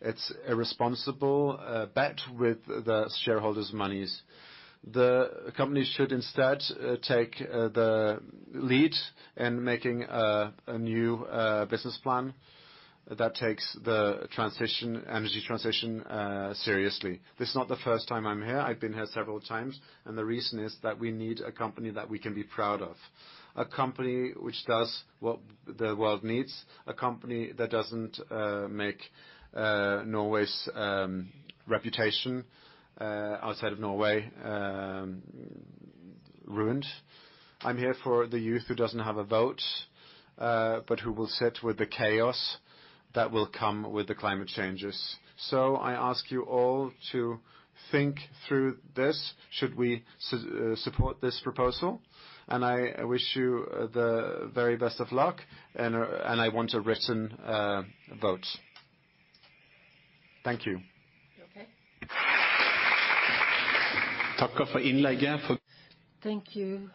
It's a responsible bet with the shareholders monies. The company should instead take the lead in making a new business plan that takes the transition, energy transition, seriously. This is not the first time I'm here. I've been here several times, and the reason is that we need a company that we can be proud of, a company which does what the world needs, a company that doesn't make Norway's reputation outside of Norway ruined. I'm here for the youth who doesn't have a vote, but who will sit with the chaos that will come with the climate changes. I ask you all to think through this. Should we support this proposal? I wish you the very best of luck, and I want a written vote. Thank you. Thank you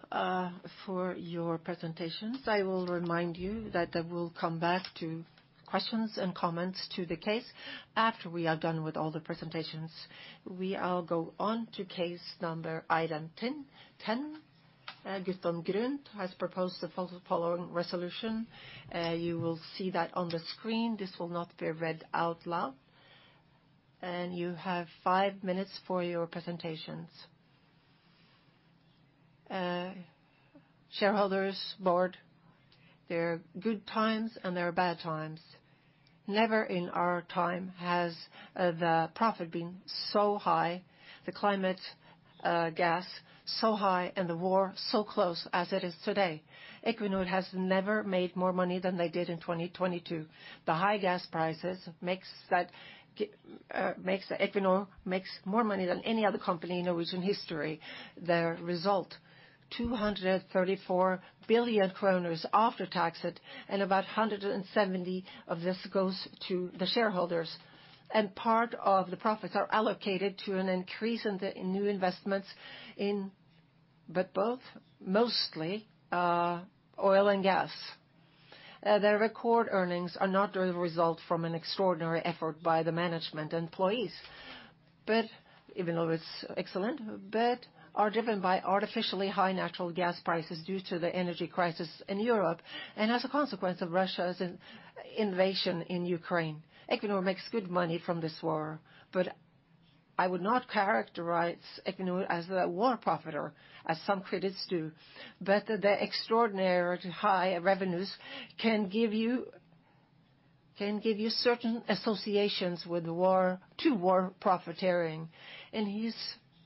for your presentations. I will remind you that I will come back to questions and comments to the case after we are done with all the presentations. We now go on to case number item 10. Gustav Guldberg has proposed the following resolution. You will see that on the screen. This will not be read out loud. You have 5 minutes for your presentations. Shareholders, board, there are good times, and there are bad times. Never in our time has the profit been so high, the climate gas so high, and the war so close as it is today. Equinor has never made more money than they did in 2022. The high gas prices makes Equinor make more money than any other company in Norwegian history. The result, 234 billion kroner after taxes, and about 170 billion of this goes to the shareholders. Part of the profits are allocated to an increase in the new investments in, but both mostly, oil and gas. Their record earnings are not the result from an extraordinary effort by the management employees, but even though it's excellent, but are driven by artificially high natural gas prices due to the energy crisis in Europe and as a consequence of Russia's invasion in Ukraine. Equinor makes good money from this war, but I would not characterize Equinor as a war profiteer, as some critics do. The extraordinary high revenues can give you, can give you certain associations with war, to war profiteering. In his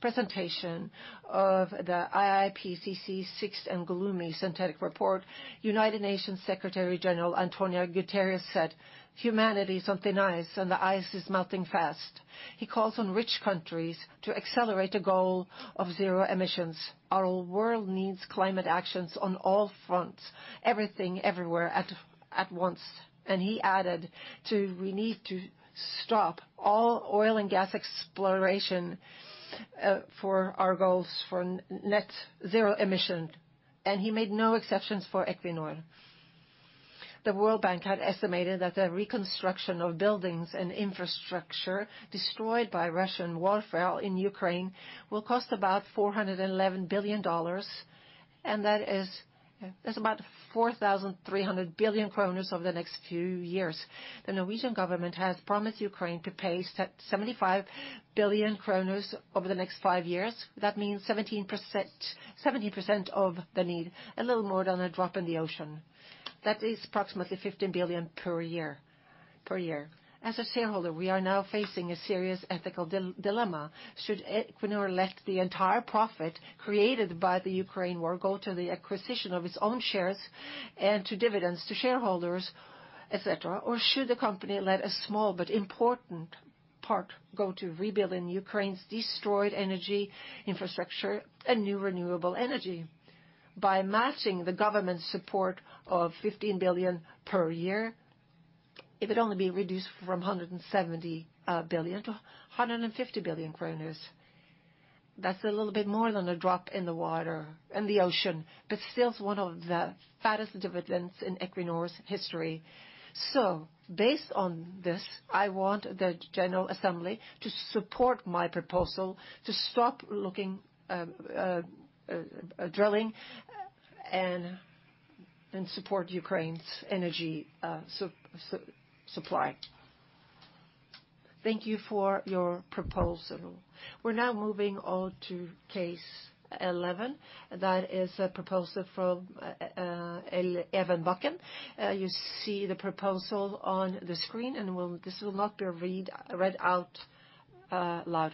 presentation of the IPCC 6th Assessment Report, United Nations Secretary-General António Guterres said, "Humanity is on thin ice, and the ice is melting fast." He calls on rich countries to accelerate a goal of 0 emissions. Our world needs climate actions on all fronts, everything, everywhere, at once. He added, "We need to stop all oil and gas exploration for our goals for net zero emission." He made no exceptions for Equinor. The World Bank had estimated that the reconstruction of buildings and infrastructure destroyed by Russian warfare in Ukraine will cost about $411 billion, and that's about 4,300 billion kroner over the next few years. The Norwegian government has promised Ukraine to pay 75 billion kroner over the next 5 years. That means 17%, 70% of the need, a little more than a drop in the ocean. That is approximately 15 billion per year. As a shareholder, we are now facing a serious ethical dilemma. Should Equinor let the entire profit created by the Ukraine war go to the acquisition of its own shares and to dividends to shareholders, et cetera? Or should the company let a small but important part go to rebuilding Ukraine's destroyed energy infrastructure and new renewable energy? By matching the government support of 15 billion per year, it would only be reduced from 170 billion to 150 billion kroners. That's a little bit more than a drop in the water, in the ocean, but still is one of the fattest dividends in Equinor's history. Based on this, I want the General Assembly to support my proposal to stop looking, drilling and support Ukraine's energy supply. Thank you for your proposal. We're now moving on to case 11. That is a proposal from Evan Bakken. You see the proposal on the screen, and this will not be read out loud.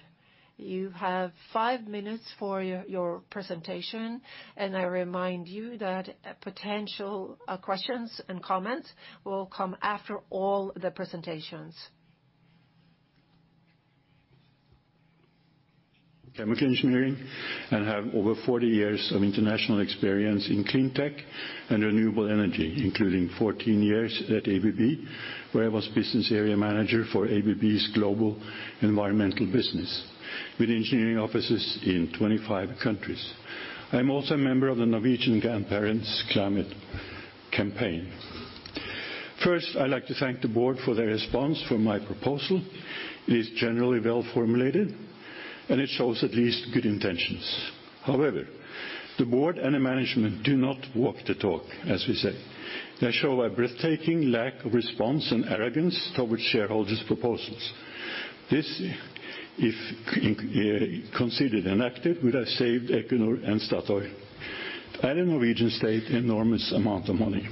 You have 5 minutes for your presentation, and I remind you that potential questions and comments will come after all the presentations. Chemical engineering, and have over 40 years of international experience in clean tech and renewable energy, including 14 years at ABB, where I was Business Area Manager for ABB's global environmental business with engineering offices in 25 countries. I'm also a member of the Norwegian Grandparents' Climate Campaign. First, I'd like to thank the board for their response for my proposal. It is generally well-formulated, and it shows at least good intentions. However, the board and the management do not walk the talk, as we say. They show a breathtaking lack of response and arrogance towards shareholders' proposals. This, if considered and acted, would have saved Equinor and Statoil, and the Norwegian state enormous amount of money.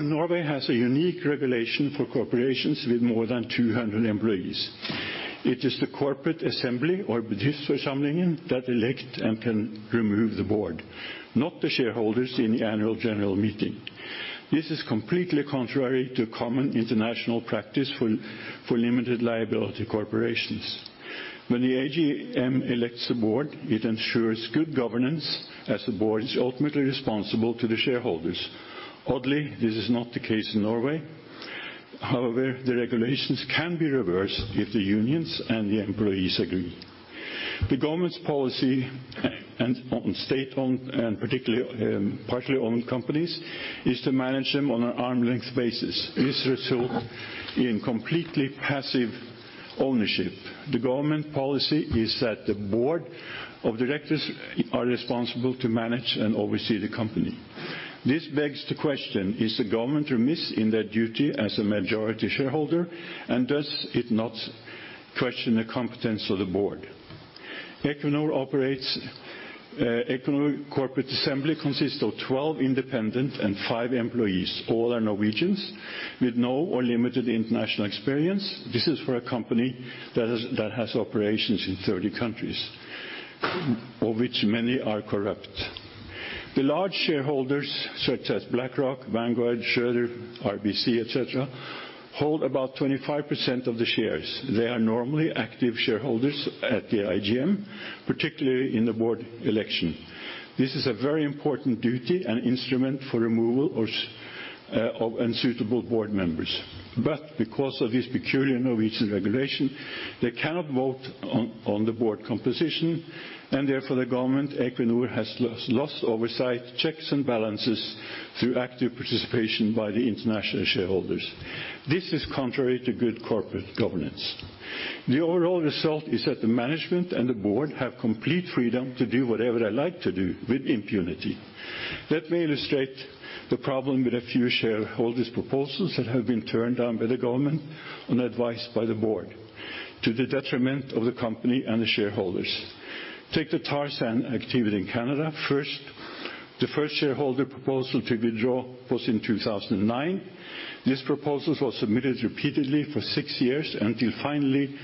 Norway has a unique regulation for corporations with more than 200 employees. It is the corporate assembly or Bedriftsforsamlingen that elect and can remove the board, not the shareholders in the annual general meeting. This is completely contrary to common international practice for limited liability corporations. When the AGM elects the board, it ensures good governance as the board is ultimately responsible to the shareholders. Oddly, this is not the case in Norway. However, the regulations can be reversed if the unions and the employees agree. The government's policy and, on state-owned and particularly, partly owned companies, is to manage them on an arm's-length basis. This result in completely passive ownership. The government policy is that the board of directors are responsible to manage and oversee the company. This begs the question, is the government remiss in their duty as a majority shareholder, and does it not question the competence of the board? Equinor operates. Equinor Corporate Assembly consists of 12 independent and 5 employees. All are Norwegians with no or limited international experience. This is for a company that has operations in 30 countries, of which many are corrupt. The large shareholders, such as BlackRock, Vanguard, Schroders, RBC, etc., hold about 25% of the shares. They are normally active shareholders at the AGM, particularly in the board election. This is a very important duty and instrument for removal of unsuitable board members. Because of this peculiar Norwegian regulation, they cannot vote on the board composition, and therefore the government, Equinor, has lost oversight checks and balances through active participation by the international shareholders. This is contrary to good corporate governance. The overall result is that the management and the board have complete freedom to do whatever they like to do with impunity. Let me illustrate the problem with a few shareholders' proposals that have been turned down by the government on advice by the board to the detriment of the company and the shareholders. Take the tar sand activity in Canada first. The first shareholder proposal to withdraw was in 2009. These proposals were submitted repeatedly for 6 years until finally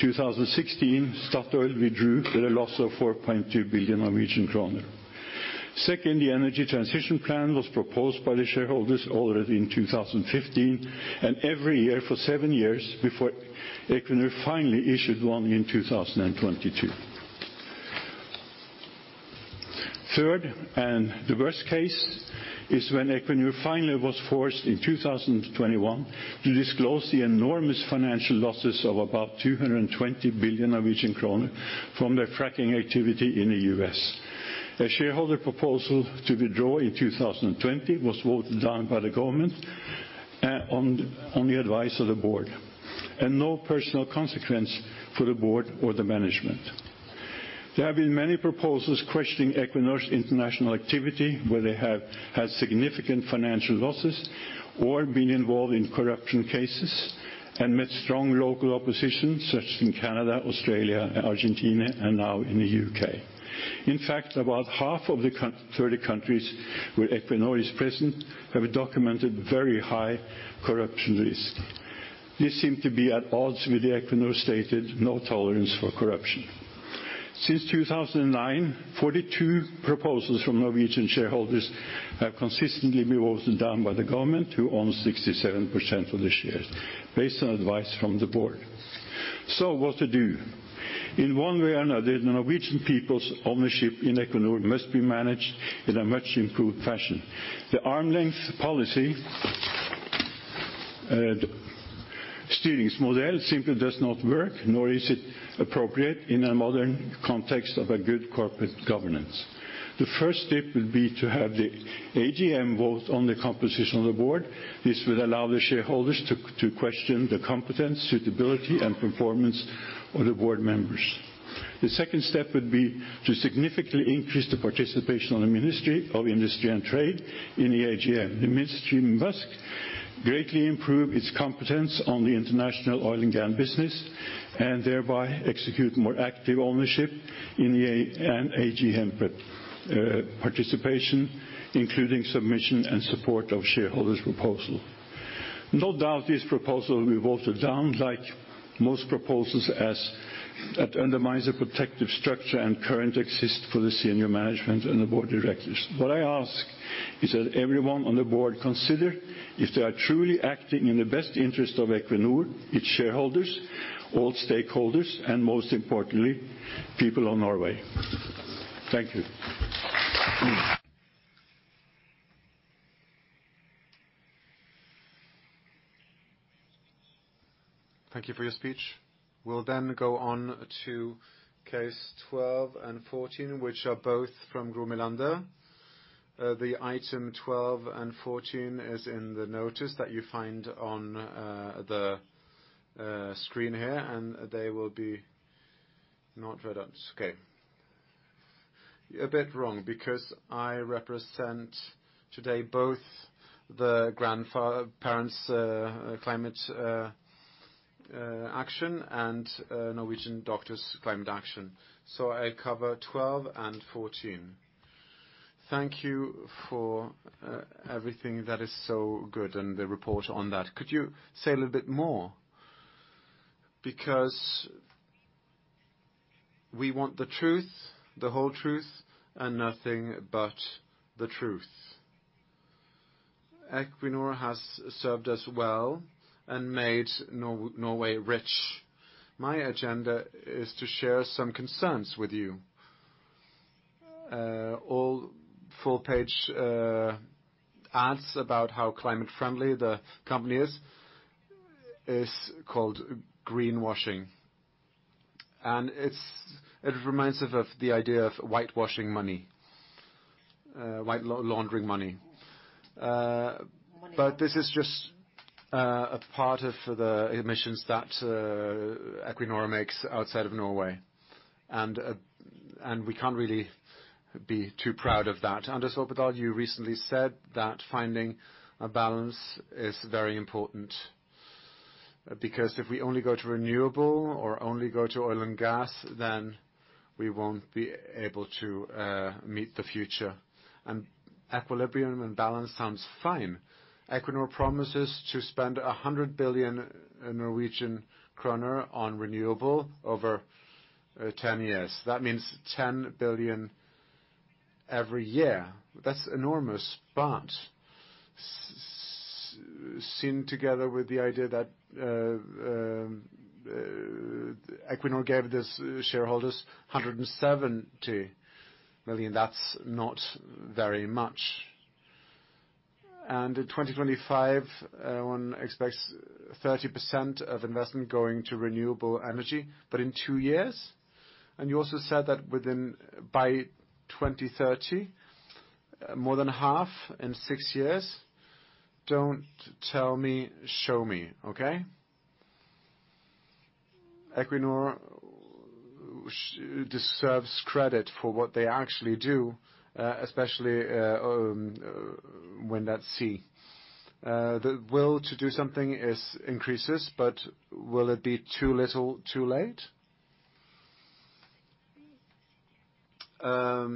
2016, Statoil withdrew with a loss of 4.2 billion Norwegian kroner. Second, the energy transition plan was proposed by the shareholders already in 2015, and every year for 7 years before Equinor finally issued 1 in 2022. Third, the worst case, is when Equinor finally was forced in 2021 to disclose the enormous financial losses of about 220 billion Norwegian kroner from their fracking activity in the U.S. A shareholder proposal to withdraw in 2020 was voted down by the government on the advice of the board, and no personal consequence for the board or the management. There have been many proposals questioning Equinor's international activity, where they have had significant financial losses or been involved in corruption cases and met strong local opposition, such as in Canada, Australia, Argentina, and now in the UK. In fact, about half of the 30 countries where Equinor is present have a documented very high corruption risk. This seem to be at odds with the Equinor-stated no tolerance for corruption. Since 2009, 42 proposals from Norwegian shareholders have consistently been voted down by the government, who own 67% of the shares based on advice from the board. What to do? In one way or another, the Norwegian people's ownership in Equinor must be managed in a much improved fashion. The arm's length policy, styringsmodell, simply does not work, nor is it appropriate in a modern context of a good corporate governance. The first step would be to have the AGM vote on the composition of the board. This would allow the shareholders to question the competence, suitability, and performance of the board members. The second step would be to significantly increase the participation of the Ministry of Trade, Industry and Fisheries in the AGM. The Ministry must greatly improve its competence on the international oil and gas business and thereby execute more active ownership in the AGM participation, including submission and support of shareholders' proposal. No doubt this proposal will be voted down like most proposals as it undermines the protective structure and current existence for the senior management and the board of directors. What I ask is that everyone on the board consider if they are truly acting in the best interest of Equinor, its shareholders, all stakeholders, and most importantly, people of Norway. Thank you. Thank you for your speech. We'll then go on to case 12 and 14, which are both from Gro Melander. The item 12 and 14 is in the notice that you find on the screen here, and they will be not read out. Okay. A bit wrong, because I represent today both the Grandparents' Climate Action and Norwegian Doctors Climate Action. I cover 12 and 14. Thank you for everything that is so good and the report on that. Could you say a little bit more? Because we want the truth, the whole truth, and nothing but the truth. Equinor has served us well and made Norway rich. My agenda is to share some concerns with you. All full page ads about how climate friendly the company is is called greenwashing, and it's it reminds us of the idea of whitewashing money, white laundering money. This is just a part of the emissions that Equinor makes outside of Norway and we can't really be too proud of that. Anders Opedal, you recently said that finding a balance is very important because if we only go to renewable or only go to oil and gas, then we won't be able to meet the future. Equilibrium and balance sounds fine. Equinor promises to spend 100 billion Norwegian kroner on renewable over 10 years. That means 10 billion every year. That's enormous, but seen together with the idea that Equinor gave its shareholders 170 million, that's not very much. In 2025, 1 expects 30% of investment going to renewable energy, but in 2 years? You also said that within, by 2030, more than half in 6 years. Don't tell me, show me, okay? Equinor deserves credit for what they actually do, especially when that's key. The will to do something is increasing, but will it be too little too late? A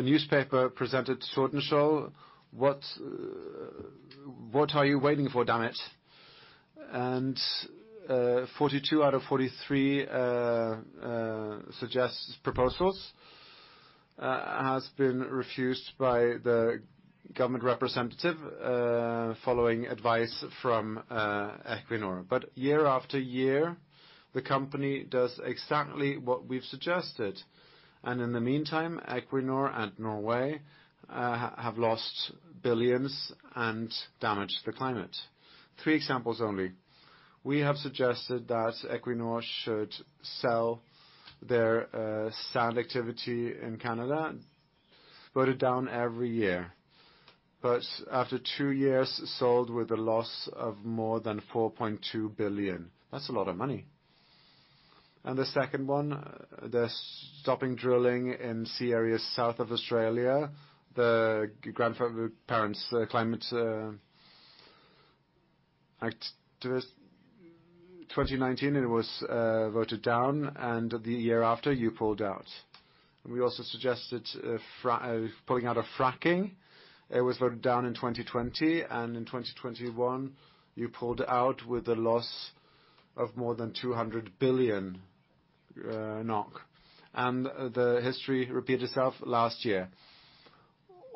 newspaper presented to Tordenskjold, what are you waiting for, damn it. 42 out of 43 suggested proposals has been refused by the government representative, following advice from Equinor. Year-after-year, the company does exactly what we've suggested. In the meantime, Equinor and Norway have lost $ billions and damaged the climate. 3 examples only. We have suggested that Equinor should sell their oil sands activity in Canada, voted down every year. After 2 years, sold with a loss of more than 4.2 billion. That's a lot of money. The second one, they're stopping drilling in sea areas south of Australia. The Grandparents Climate Campaign, 2019, it was voted down, and the year after you pulled out. We also suggested pulling out of fracking. It was voted down in 2020, and in 2021, you pulled out with a loss of more than 200 billion NOK. The history repeat itself last year.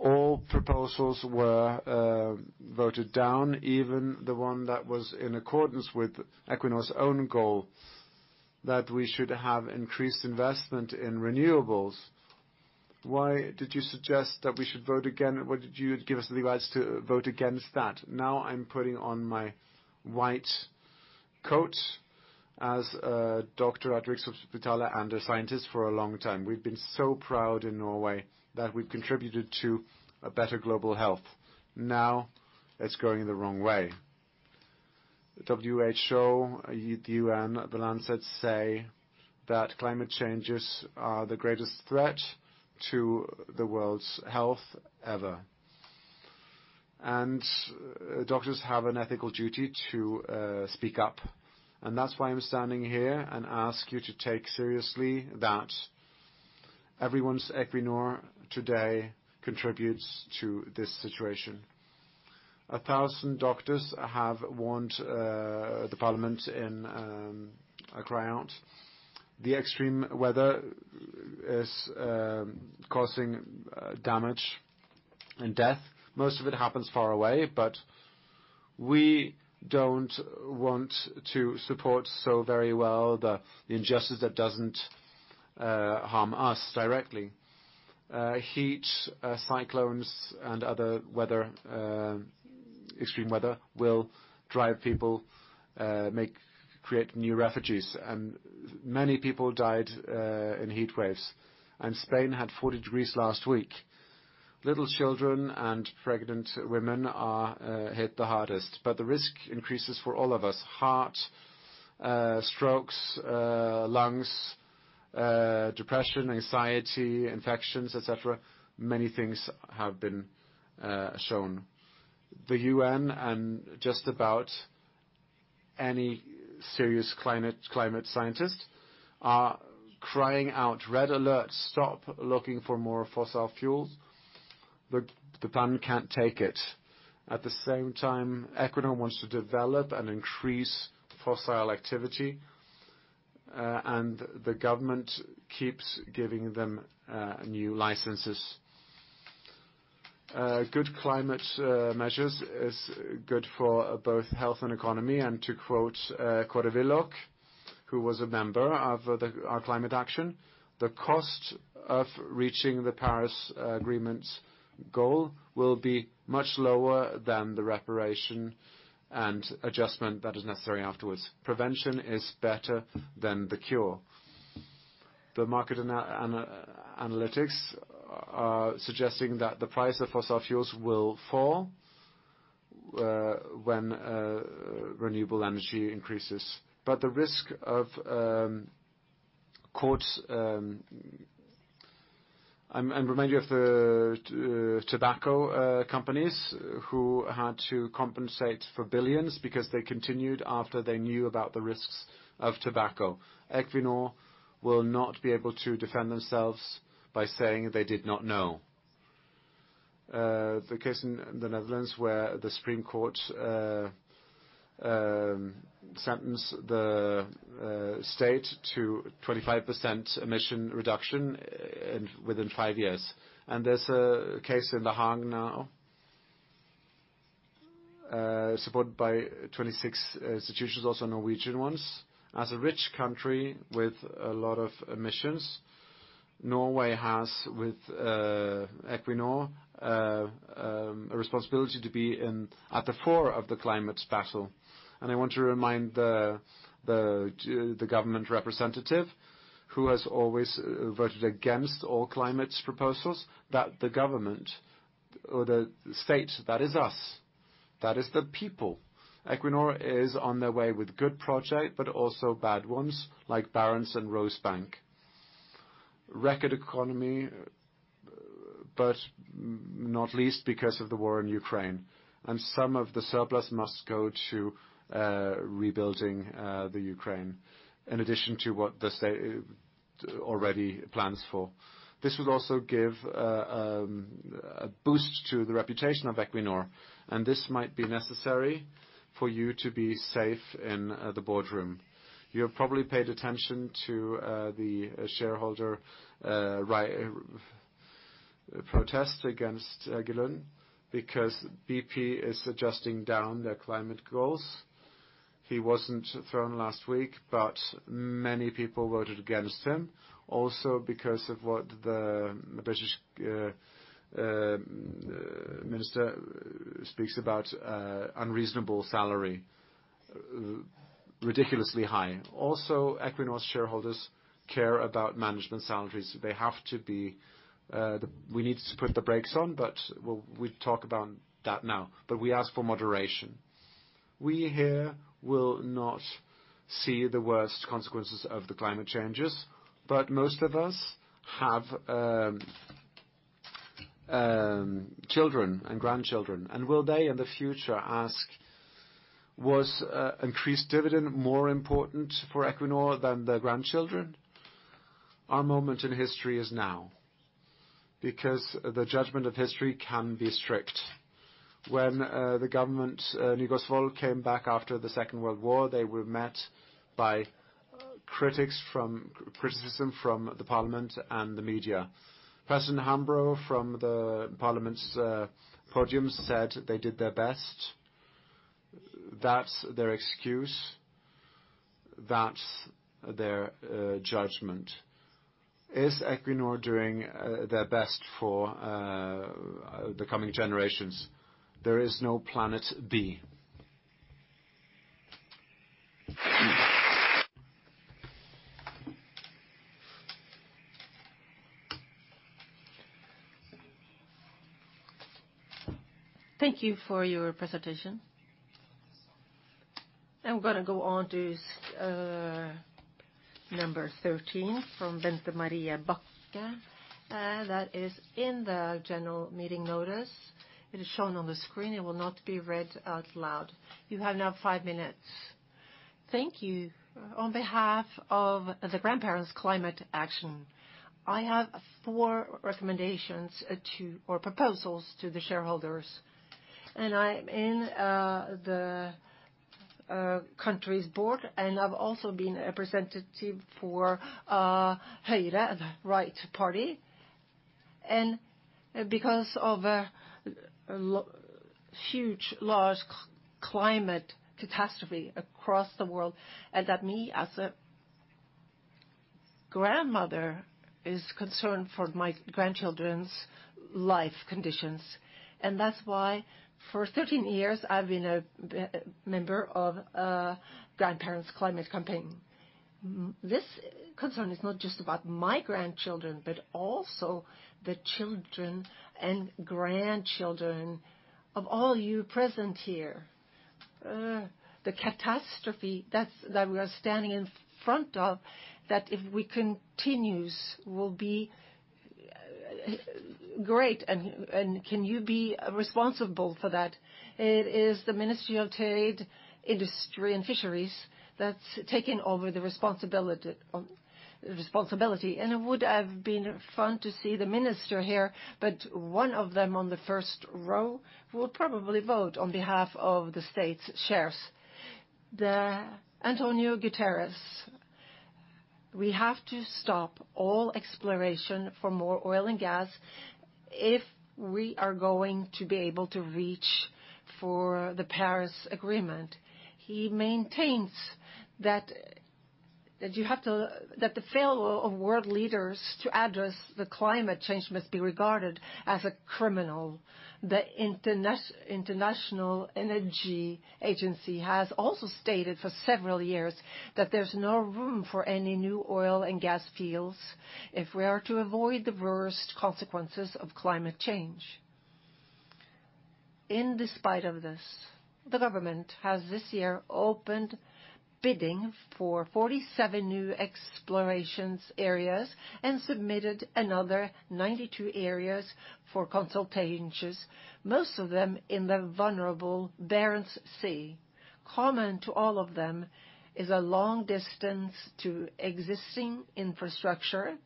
All proposals were voted down, even the one that was in accordance with Equinor's own goal that we should have increased investment in renewables. Why did you suggest that we should vote again? Why did you give us the advice to vote against that? Now I'm putting on my white coat as a doctor at Rikshospitalet and a scientist for a long time. We've been so proud in Norway that we've contributed to a better global health. Now, it's going the wrong way. WHO, the UN, The Lancet say that climate changes are the greatest threat to the world's health ever. Doctors have an ethical duty to speak up. That's why I'm standing here and ask you to take seriously that Equinor today contributes to this situation. 1,000 doctors have warned the parliament in a cry out. The extreme weather is causing damage and death. Most of it happens far away, but we don't want to support so very well the injustice that doesn't harm us directly. Heat, cyclones and other extreme weather will drive people to create new refugees, and many people died in heat waves. Spain had 40 degrees last week. Little children and pregnant women are hit the hardest, but the risk increases for all of us. Heart strokes, lungs, depression, anxiety, infections, et cetera, many things have been shown. The UN and just about any serious climate scientist are crying out, "Red alert. Stop looking for more fossil fuels." The planet can't take it. At the same time, Equinor wants to develop and increase fossil activity, and the government keeps giving them new licenses. Good climate measures is good for both health and economy. To quote Kåre Willoch, who was a member of our climate action, "The cost of reaching the Paris Agreement's goal will be much lower than the reparation and adjustment that is necessary afterwards. Prevention is better than the cure." The market analytics are suggesting that the price of fossil fuels will fall when renewable energy increases. The risk of courts and remind you of the tobacco companies who had to compensate for billions because they continued after they knew about the risks of tobacco. Equinor will not be able to defend themselves by saying they did not know. The case in the Netherlands, where the Supreme Court sentenced the state to 25% emission reduction within 5 years. There's a case in The Hague now, supported by 26 institutions, also Norwegian ones. As a rich country with a lot of emissions, Norway has, with, Equinor, a responsibility to be in, at the fore of the climate battle. I want to remind the government representative, who has always voted against all climate proposals, that the government or the state, that is us, that is the people. Equinor is on their way with good project, but also bad ones like Barents and Rosebank. Record economy, but not least, because of the war in Ukraine. Some of the surplus must go to, rebuilding, the Ukraine, in addition to what the state already plans for. This would also give a boost to the reputation of Equinor, and this might be necessary for you to be safe in the boardroom. You have probably paid attention to the shareholder protest against Bernard Looney, because BP is adjusting down their climate goals. He wasn't thrown last week, but many people voted against him. Also, because of what the British minister speaks about, unreasonable salary, ridiculously high. Also, Equinor's shareholders care about management salaries. They have to be, we need to put the brakes on, but we'll talk about that now. We ask for moderation. We here will not see the worst consequences of the climate changes, but most of us have children and grandchildren, and will they, in the future, ask, "Was increased dividend more important for Equinor than their grandchildren?" Our moment in history is now, because the judgment of history can be strict. When the government, Nygaardsvold, came back after the 2nd World War, they were met by criticism from the parliament and the media. President Hambro, from the parliament's podium, said they did their best. That's their excuse. That's their judgment. Is Equinor doing their best for the coming generations? There is no planet B. Thank you for your presentation. I'm gonna go on to number 13 from Bente Marie Bakke, that is in the general meeting notice. It is shown on the screen. It will not be read out loud. You have now 5 minutes. Thank you. On behalf of the Grandparents Climate Campaign, I have 4 recommendations to, or proposals to the shareholders. I'm in the country's board, and I've also been a representative for Høyre, the right party. Because of a huge, large climate catastrophe across the world, and that me as a grandmother is concerned for my grandchildren's life conditions. That's why for 13 years I've been a member of Grandparents Climate Campaign. This concern is not just about my grandchildren, but also the children and grandchildren of all you present here. The catastrophe that's we are standing in front of, that if we continues, will be great, and can you be responsible for that? It is the Ministry of Trade, Industry, and Fisheries that's taken over the responsibility, and it would have been fun to see the minister here, but one of them on the first row will probably vote on behalf of the state's shares. António Guterres, we have to stop all exploration for more oil and gas if we are going to be able to reach for the Paris Agreement. He maintains that you have to, that the failure of world leaders to address the climate change must be regarded as a criminal. The International Energy Agency has also stated for several years that there's no room for any new oil and gas fields if we are to avoid the worst consequences of climate change. Despite this, the government has this year opened bidding for 47 new exploration areas and submitted another 92 areas for consultations, most of them in the vulnerable Barents Sea. Common to all of them is a long distance to existing infrastructure.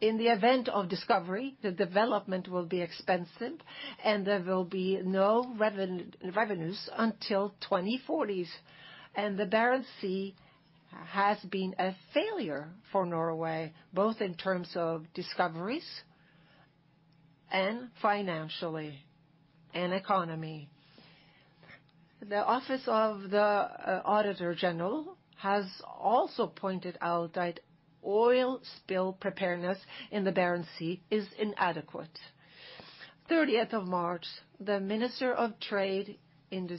In the event of discovery, the development will be expensive, and there will be no revenues until the 2040s. The Barents Sea has been a failure for Norway, both in terms of discoveries and financially and economically. The Office of the Auditor General has also pointed out that oil spill preparedness in the Barents Sea is inadequate. On March 30, the Minister of Trade and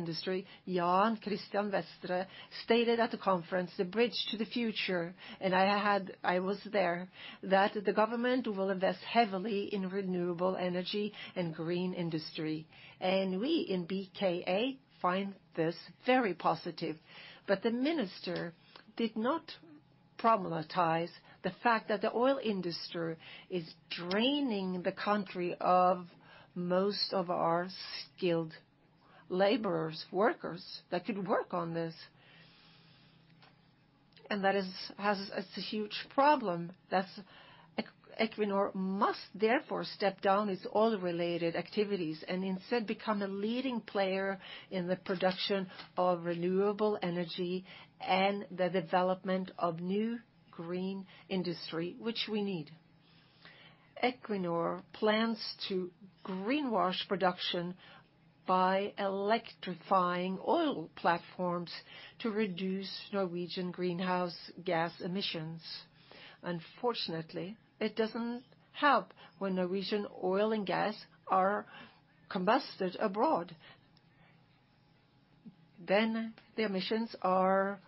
Industry, Jan Christian Vestre, stated at the conference, "The Bridge to the Future," I was there, that the government will invest heavily in renewable energy and green industry. We in BKA find this very positive. The minister did not problematize the fact that the oil industry is draining the country of most of our skilled laborers, workers that could work on this. That is a huge problem. That is Equinor must therefore step down its oil-related activities and instead become a leading player in the production of renewable energy and the development of new green industry, which we need. Equinor plans to greenwash production by electrifying oil platforms to reduce Norwegian greenhouse gas emissions. Unfortunately, it doesn't help when Norwegian oil and gas are combusted abroad. The emissions are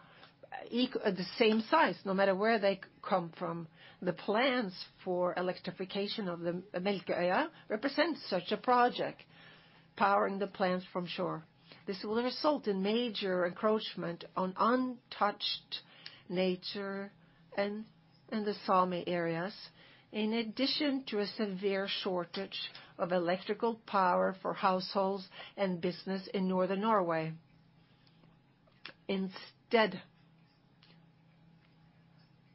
the same size, no matter where they come from. The plans for electrification of the Melkøya represents such a project, powering the plants from shore. This will result in major encroachment on untouched nature and in the same areas, in addition to a severe shortage of electrical power for households and business in northern Norway. Instead,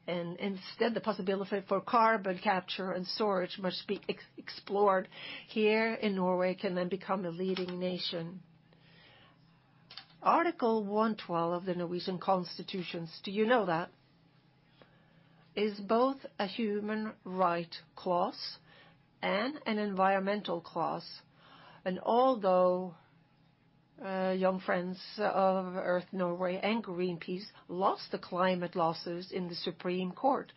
the possibility for carbon capture and storage must be explored here in Norway can then become a leading nation. Article 112 of the Norwegian Constitution, do you know that? Is both a human right clause and an environmental clause. Although, Young Friends of the Earth Norway and Greenpeace lost the climate case in the Supreme Court,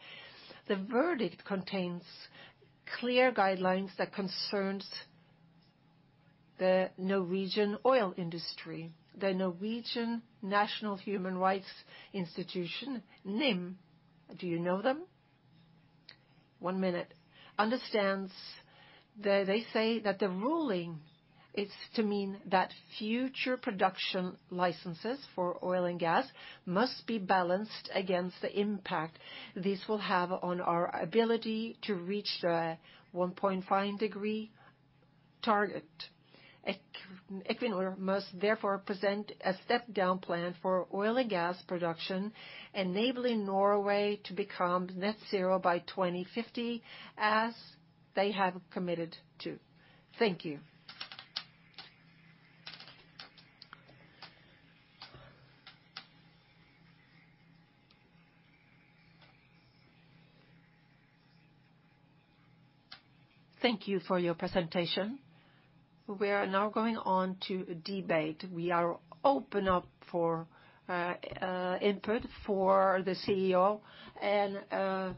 the verdict contains clear guidelines that concerns the Norwegian oil industry. The Norwegian National Human Rights Institution, NIM, do you know them? 1 minute. Understands the, they say that the ruling is to mean that future production licenses for oil and gas must be balanced against the impact this will have on our ability to reach the 1.5 degree target. Equinor must therefore present a step down plan for oil and gas production, enabling Norway to become net zero by 2050, as they have committed to. Thank you. Thank you for your presentation. We are now going on to debate. We are opening up for input from the CEO and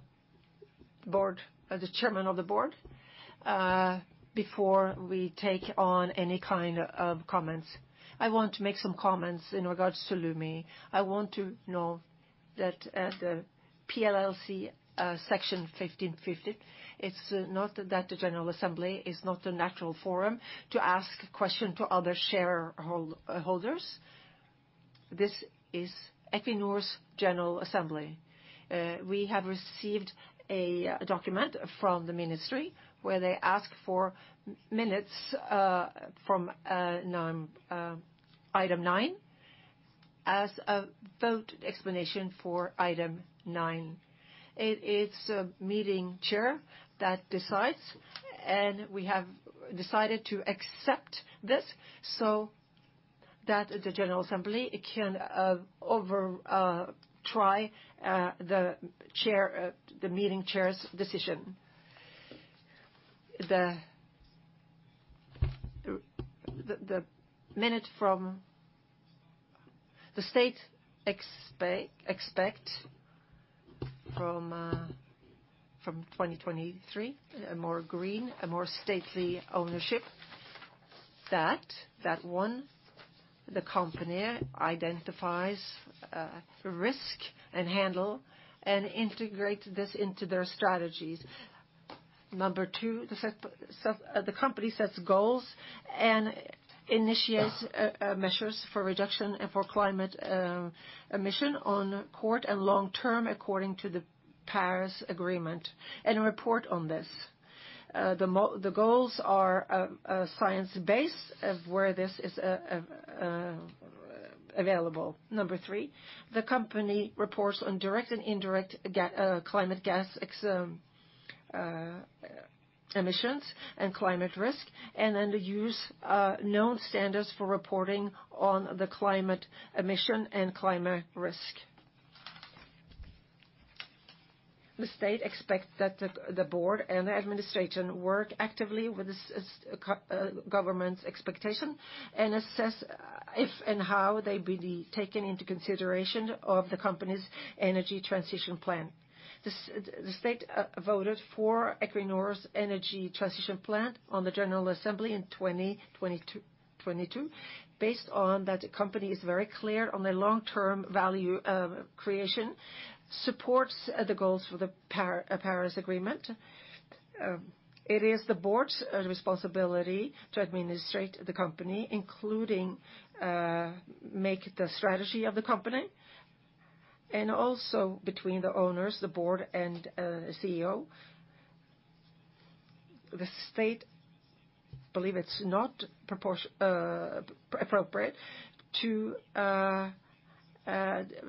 board, the chairman of the board, before we take on any kind of comments. I want to make some comments in regards to Lumi. I want to note that the PLLC section 15-50, it's not that the general assembly is not the natural forum to ask question to other shareholders. This is Equinor's general assembly. We have received a document from the ministry where they ask for minutes from item 9 as a vote explanation for item 9. It is a meeting chair that decides, and we have decided to accept this so that the general assembly can override the meeting chair's decision. The state's expectation from 2023, a more green, a more state ownership, that one, the company identifies risks and handles and integrates this into their strategies. 2, the company sets goals and initiates measures for reduction and for climate emissions on short and long term according to the Paris Agreement and report on this. The goals are science-based where this is available. Number 3, the company reports on direct and indirect climate gas emissions and climate risk, and then they use known standards for reporting on the climate emission and climate risk. The state expects that the board and administration work actively with the government's expectation and assess if and how they be taken into consideration of the company's energy transition plan. The state voted for Equinor's energy transition plan on the general assembly in 2022 based on that the company is very clear on their long-term value creation, supports the goals for the Paris Agreement. It is the board's responsibility to administrate the company, including make the strategy of the company, and also between the owners, the board, and CEO. The state believe it's not appropriate to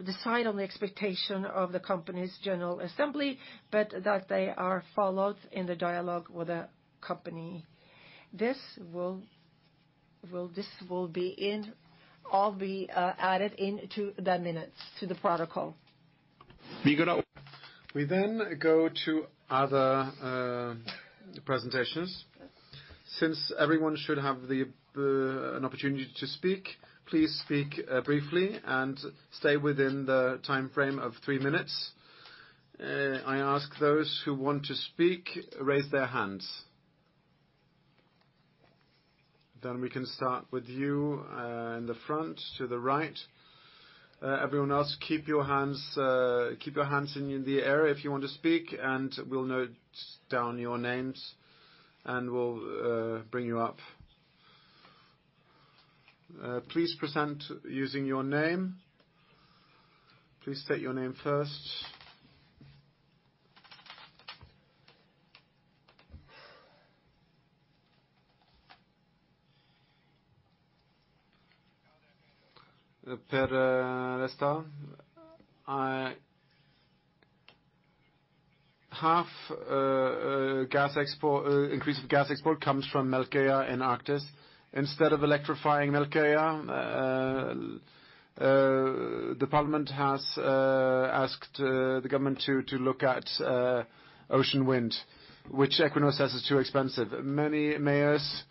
decide on the expectation of the company's general assembly, but that they are followed in the dialogue with the company. This will all be added into the minutes to the protocol. We go to other presentations. Since everyone should have an opportunity to speak, please speak briefly and stay within the timeframe of 3 minutes. I ask those who want to speak raise their hands. We can start with you in the front to the right. Everyone else, keep your hands in the air if you want to speak, and we'll note down your names, and we'll bring you up. Please present using your name. Please state your name first. Per Restad. Half gas export increase of gas export comes from Melkøya and Arctic. Instead of electrifying Melkøya, the parliament has asked the government to look at offshore wind, which Equinor says is too expensive. Many mayors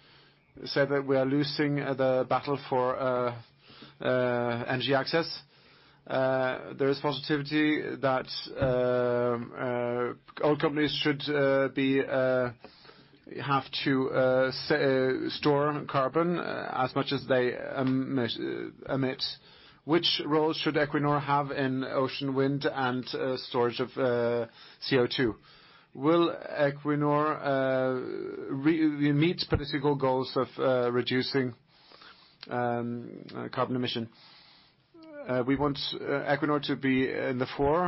say that we are losing the battle for energy access. There is positivity that oil companies should have to store carbon as much as they emit. Which role should Equinor have in ocean wind and storage of CO2? Will Equinor meet political goals of reducing carbon emission? We want Equinor to be in the fore.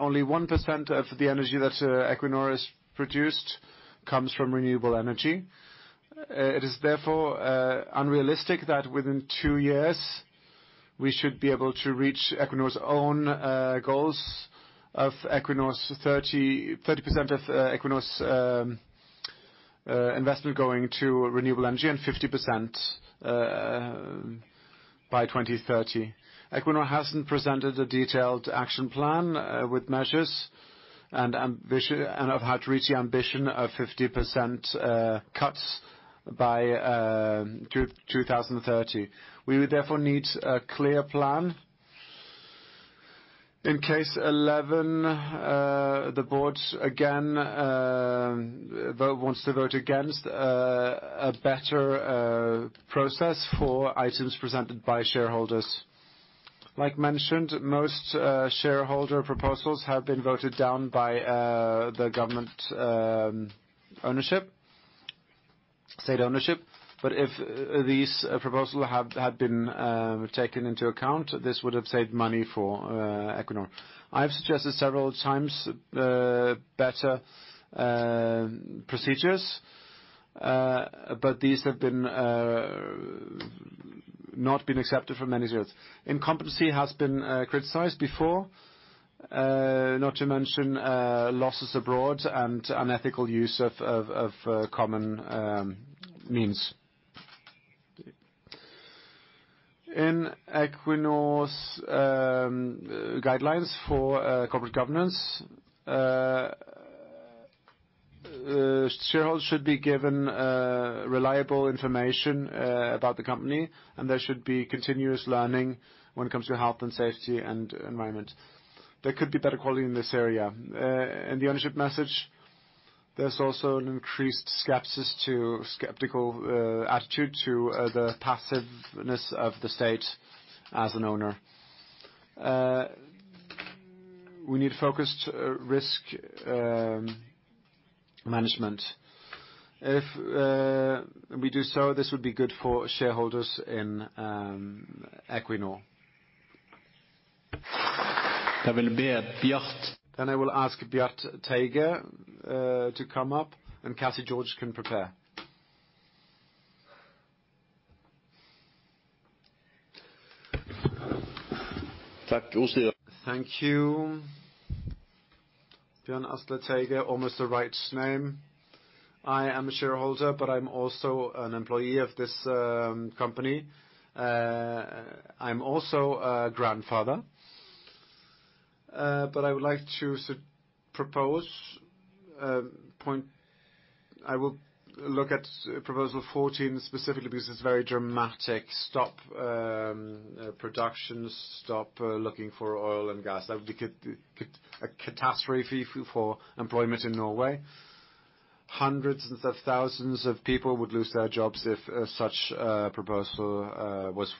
Only 1% of the energy that Equinor has produced comes from renewable energy. It is therefore unrealistic that within 2 years we should be able to reach Equinor's own goals of Equinor's 30% of Equinor's investment going to renewable energy and 50% by 2030. Equinor hasn't presented a detailed action plan with measures and ambition, and of how to reach the ambition of 50% cuts by 2030. We would therefore need a clear plan. In case 11, the board again wants to vote against a better process for items presented by shareholders. Like mentioned, most shareholder proposals have been voted down by the government ownership, state ownership. If these proposals had been taken into account, this would have saved money for Equinor. I have suggested several times better procedures, but these have not been accepted for many years. Incompetency has been criticized before, not to mention losses abroad and unethical use of common means. In Equinor's guidelines for corporate governance, shareholders should be given reliable information about the company, and there should be continuous learning when it comes to health and safety and environment. There could be better quality in this area. In the ownership message, there's also an increased skeptical attitude to the passiveness of the state as an owner. We need focused risk management. If we do so, this would be good for shareholders in Equinor. I will ask Bjørn Asle Teige to come up, and Cathy George can prepare. Thank you. Bjørn Asle Teige, almost the right name. I am a shareholder, but I'm also an employee of this company. I'm also a grandfather. I would like to propose. I will look at proposal 14 specifically because it's very dramatic. Stop production. Stop looking for oil and gas. That would be a catastrophe for employment in Norway. Hundreds of thousands of people would lose their jobs if such proposal was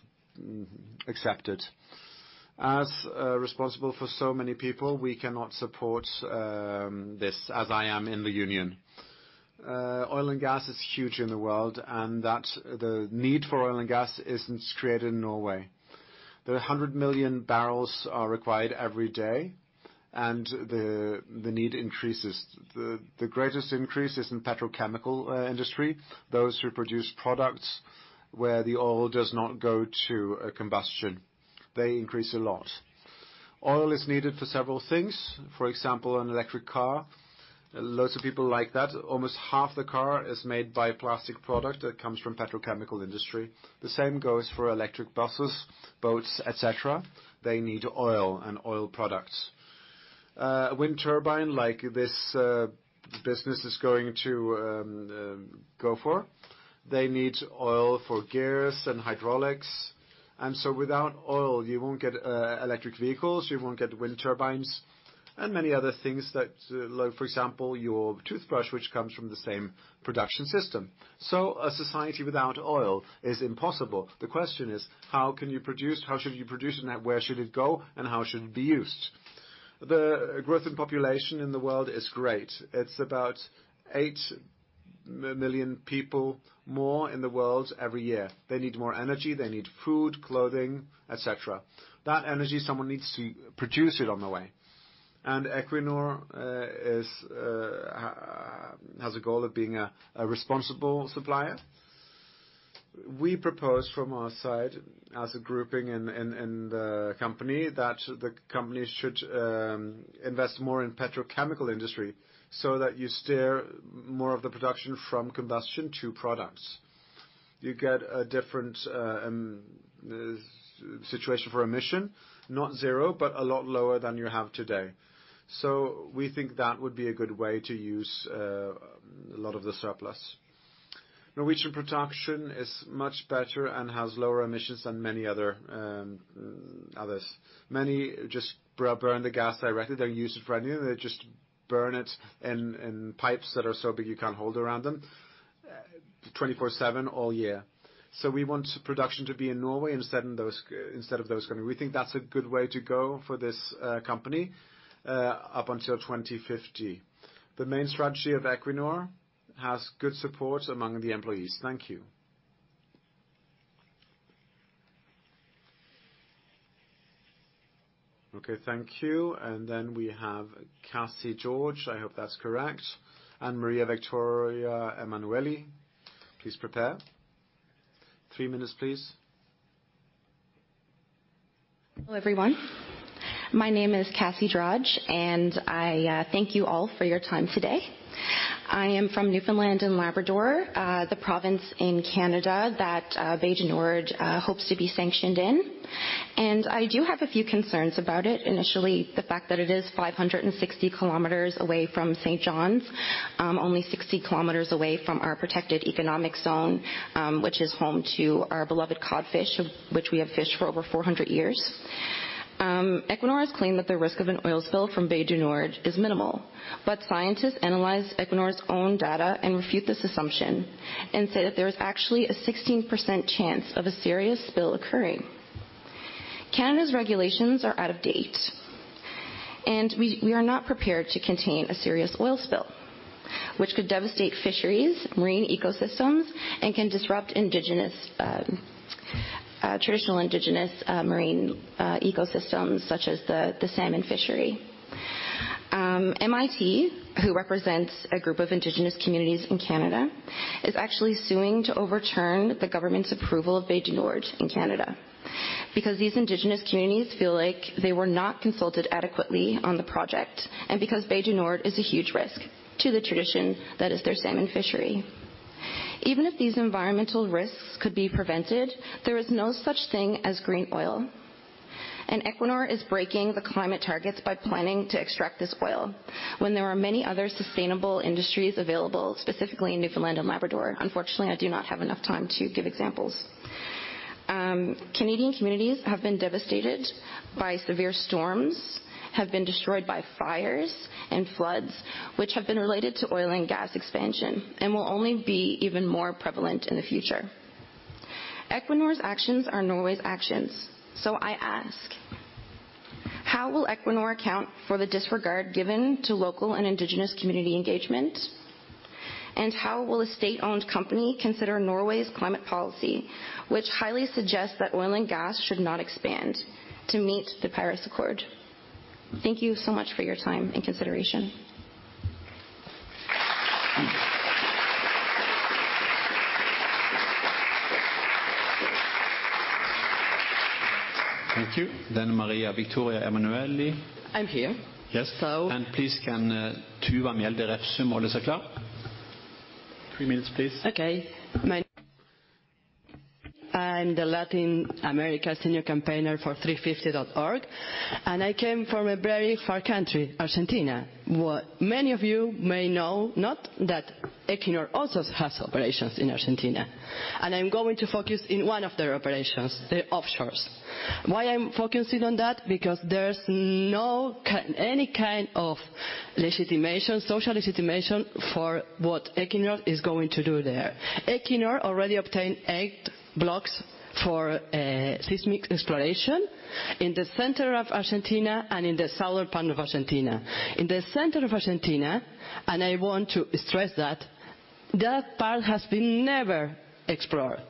accepted. As responsible for so many people, we cannot support this, as I am in the union. Oil and gas is huge in the world, and that the need for oil and gas isn't created in Norway. The 100 million barrels are required every day, and the need increases. The greatest increase is in petrochemical industry. Those who produce products where the oil does not go to a combustion, they increase a lot. Oil is needed for several things, for example, an electric car. Loads of people like that. Almost half the car is made by plastic product that comes from petrochemical industry. The same goes for electric buses, boats, et cetera. They need oil and oil products. A wind turbine like this business is going to go for. They need oil for gears and hydraulics. Without oil, you won't get electric vehicles, you won't get wind turbines, and many other things that like for example, your toothbrush, which comes from the same production system. A society without oil is impossible. The question is, how can you produce? How should you produce it? Now where should it go, and how it should be used? The growth in population in the world is great. It's about 8 million people more in the world every year. They need more energy. They need food, clothing, et cetera. That energy, someone needs to produce it on the way. Equinor is has a goal of being a responsible supplier. We propose from our side, as a grouping in the company, that the company should invest more in petrochemical industry so that you steer more of the production from combustion to products. You get a different situation for emissions. Not 0, but a lot lower than you have today. We think that would be a good way to use a lot of the surplus. Norwegian production is much better and has lower emissions than many other others. Many just burn the gas directly. They use it for energy. They just burn it in pipes that are so big you can't hold around them, 24/7, all year. We want production to be in Norway instead in those, instead of those country. We think that's a good way to go for this company up until 2050. The main strategy of Equinor has good support among the employees. Thank you. Okay, thank you. We have Cassie George. I hope that's correct, and Maria Victoria Emanuelli, please prepare. 3 minutes, please. Hello, everyone. My name is Cassie George, and I thank you all for your time today. I am from Newfoundland and Labrador, the province in Canada that Bay du Nord hopes to be sanctioned in. I do have a few concerns about it. Initially, the fact that it is 560 kilometers away from St. John's, only 60 kilometers away from our protected economic zone, which is home to our beloved codfish, of which we have fished for over 400 years. Equinor has claimed that the risk of an oil spill from Bay du Nord is minimal, but scientists analyze Equinor's own data and refute this assumption and say that there is actually a 16% chance of a serious spill occurring. Canada's regulations are out of date, and we are not prepared to contain a serious oil spill which could devastate fisheries, marine ecosystems, and can disrupt indigenous, traditional indigenous, marine, ecosystems such as the salmon fishery. MIT, who represents a group of indigenous communities in Canada, is actually suing to overturn the government's approval of Bay du Nord in Canada because these indigenous communities feel like they were not consulted adequately on the project and because Bay du Nord is a huge risk to the tradition that is their salmon fishery. Even if these environmental risks could be prevented, there is no such thing as green oil, and Equinor is breaking the climate targets by planning to extract this oil when there are many other sustainable industries available, specifically in Newfoundland and Labrador. Unfortunately, I do not have enough time to give examples. Canadian communities have been devastated by severe storms, have been destroyed by fires and floods which have been related to oil and gas expansion, and will only be even more prevalent in the future. Equinor's actions are Norway's actions, so I ask, how will Equinor account for the disregard given to local and indigenous community engagement? How will a state-owned company consider Norway's climate policy, which highly suggests that oil and gas should not expand to meet the Paris Accord? Thank you so much for your time and consideration. Thank you. Maria Victoria Emanuelli. I'm here. Yes. So- Please can Tuva Mjelde Refsum. 3 minutes, please. Okay. I'm the Latin America senior campaigner for 350.org, and I came from a very far country, Argentina. What many of you may not know is that Equinor also has operations in Argentina, and I'm going to focus on one of their operations, the offshores. Why I'm focusing on that? Because there's no kind of legitimation, social legitimation for what Equinor is going to do there. Equinor already obtained 8 blocks for seismic exploration in the center of Argentina and in the southern part of Argentina. In the center of Argentina, and I want to stress that part has never been explored.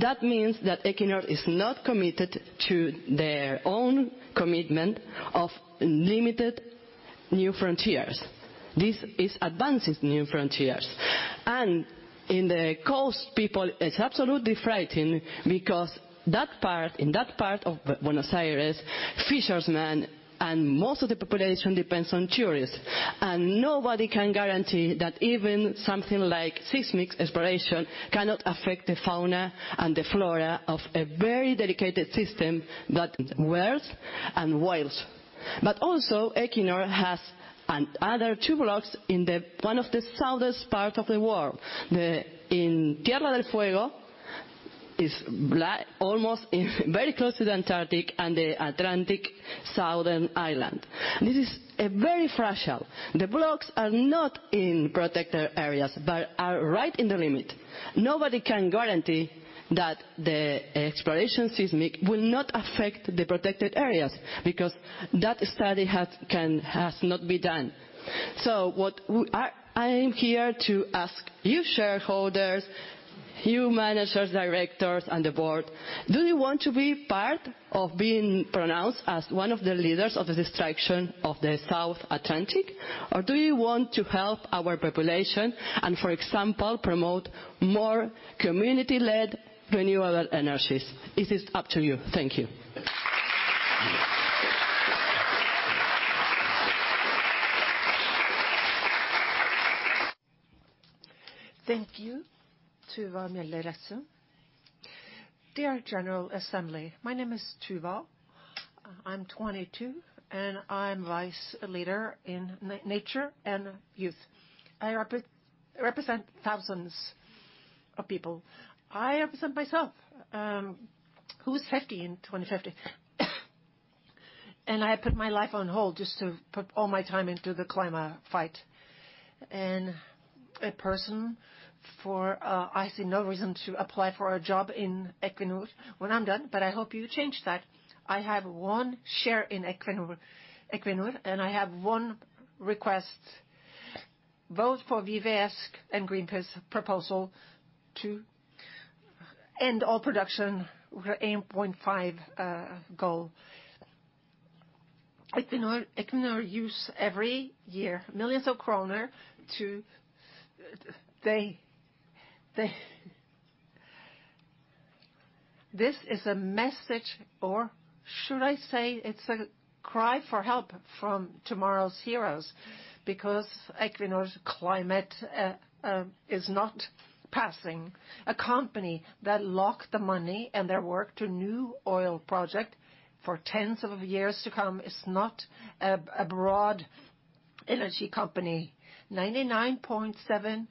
That means that Equinor is not committed to their own commitment of limited new frontiers. This is advancing new frontiers, and in the coastal people are absolutely frightened because that part, in that part of Buenos Aires, fishermen and most of the population depends on tourists, and nobody can guarantee that even something like seismic exploration cannot affect the fauna and the flora of a very delicate system that whales. Also, Equinor has another 2 blocks in one of the southern part of the world. In Tierra del Fuego is almost in, very close to the Antarctic and the Atlantic southern island. This is very fragile. The blocks are not in protected areas but are right in the limit. Nobody can guarantee that the seismic exploration will not affect the protected areas because that study has not been done. I am here to ask you shareholders, you managers, directors on the board, do you want to be part of being pronounced as one of the leaders of the destruction of the South Atlantic? Or do you want to help our population and, for example, promote more community-led renewable energies? It is up to you. Thank you. Thank you, Tuva Mjelde Refsum. Dear general assembly, my name is Tuva. I'm 22, and I'm vice leader in Nature and Youth. I represent thousands of people. I represent myself, who's 50 in 2050, and I put my life on hold just to put all my time into the climate fight. A person I see no reason to apply for a job in Equinor when I'm done, but I hope you change that. I have 1 share in Equinor and I have 1 request both for WWF's and Greenpeace proposal to end all production with a 8.5 goal. Equinor uses every year NOK millions to. This is a message, or should I say it's a cry for help from tomorrow's heroes because Equinor's climate is not passing. A company that lock the money and their work to new oil project for 10's of years to come is not a broad energy company. 99.7%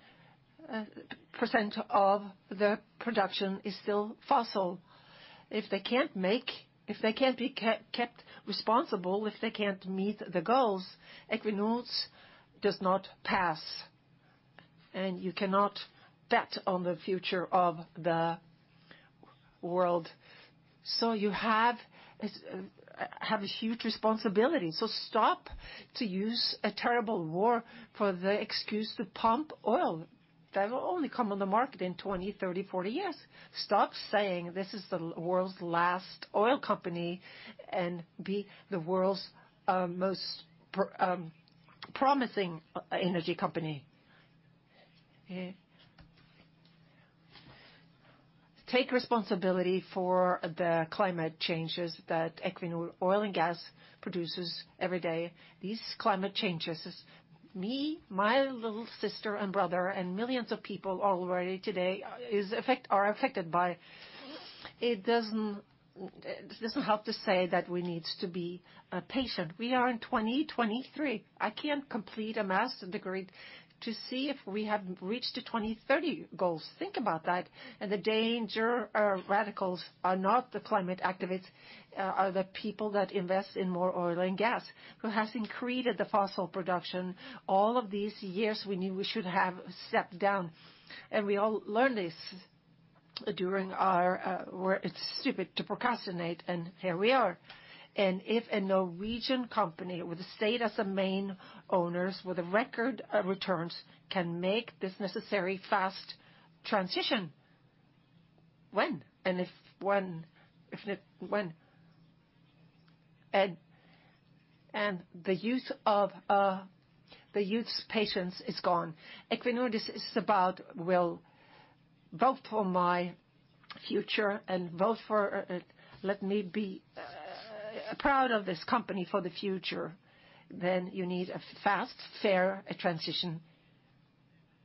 of the production is still fossil. If they can't make, if they can't be kept responsible, if they can't meet the goals, Equinor does not pass, and you cannot bet on the future of the world. You have a huge responsibility. Stop using a terrible war for the excuse to pump oil that will only come on the market in 20, 30, 40 years. Stop saying this is the world's last oil company and be the world's most promising energy company. Take responsibility for the climate changes that Equinor oil and gas produces every day. These climate changes, me, my little sister and brother, and millions of people already today, are affected by. It doesn't help to say that we need to be patient. We are in 2023. I can't complete a master's degree to see if we have reached the 2030 goals. Think about that. The danger of radicals are not the climate activists, are the people that invest in more oil and gas, who has increased the fossil production all of these years we knew we should have stepped down. We all learned this where it's stupid to procrastinate, and here we are. If a Norwegian company with the state as the main owners, with the record returns, can make this necessary fast transition, when? If and when. The youth's patience is gone. Equinor, this is about will. Vote for my future and vote for let me be proud of this company for the future. You need a fast, fair transition,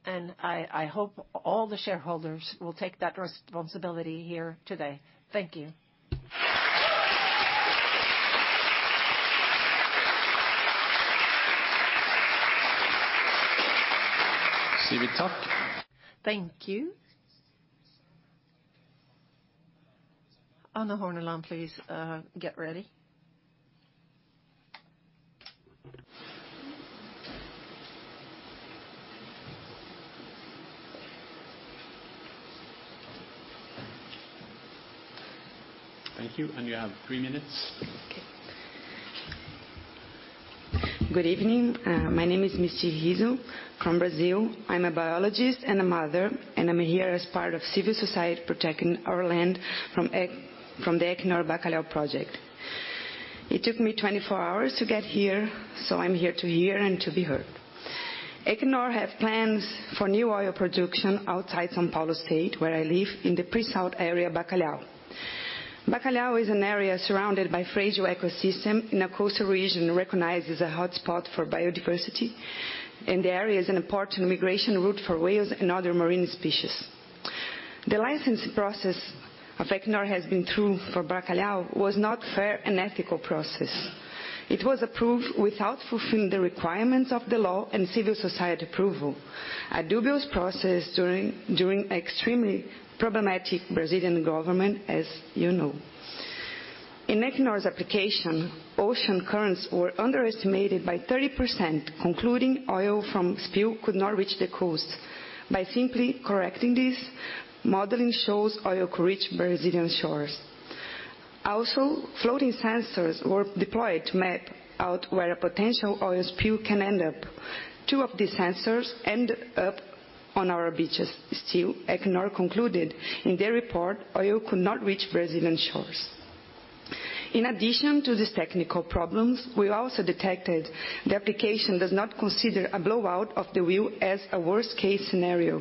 and I hope all the shareholders will take that responsibility here today. Thank you. Thank you. Anne Horneland, please, get ready. Thank you. You have 3 minutes. Okay. Good evening. My name is Misty Rizo from Brazil. I'm a biologist and a mother, and I'm here as part of civil society protecting our land from the Equinor Bacalhau project. It took me 24 hours to get here, so I'm here to hear and to be heard. Equinor have plans for new oil production outside São Paulo state, where I live in the pre-salt area Bacalhau. Bacalhau is an area surrounded by fragile ecosystem in a coastal region recognized as a hotspot for biodiversity, and the area is an important migration route for whales and other marine species. The license process of Equinor has been through for Bacalhau was not fair and ethical process. It was approved without fulfilling the requirements of the law and civil society approval, a dubious process during extremely problematic Brazilian government, as you know. In Equinor's application, ocean currents were underestimated by 30%, concluding oil from spill could not reach the coast. By simply correcting this, modeling shows oil could reach Brazilian shores. Also, floating sensors were deployed to map out where a potential oil spill can end up. 2 of these sensors ended up on our beaches still. Equinor concluded in their report oil could not reach Brazilian shores. In addition to these technical problems, we also detected the application does not consider a blowout of the well as a worst-case scenario.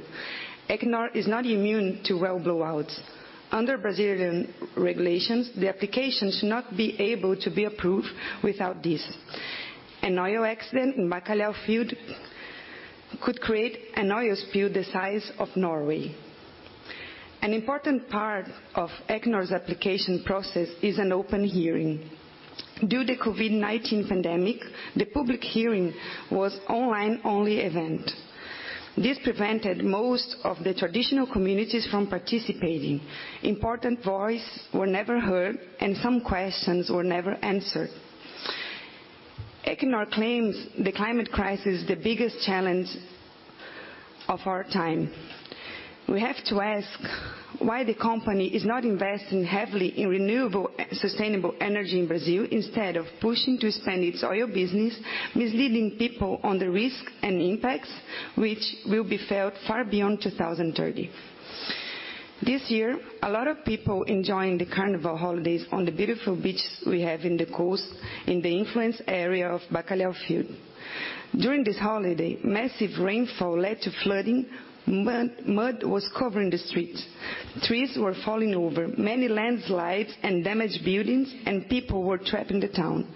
Equinor is not immune to well blowouts. Under Brazilian regulations, the application should not be able to be approved without this. An oil accident in Bacalhau field could create an oil spill the size of Norway. An important part of Equinor's application process is an open hearing. Due to COVID-19 pandemic, the public hearing was online-only event. This prevented most of the traditional communities from participating. Important voice were never heard, and some questions were never answered. Equinor claims the climate crisis the biggest challenge of our time. We have to ask why the company is not investing heavily in renewable sustainable energy in Brazil instead of pushing to expand its oil business, misleading people on the risks and impacts which will be felt far beyond 2030. This year, a lot of people enjoying the carnival holidays on the beautiful beach we have in the coast in the influence area of Bacalhau Field. During this holiday, massive rainfall led to flooding. Mud was covering the streets. Trees were falling over. Many landslides and damaged buildings, and people were trapped in the town.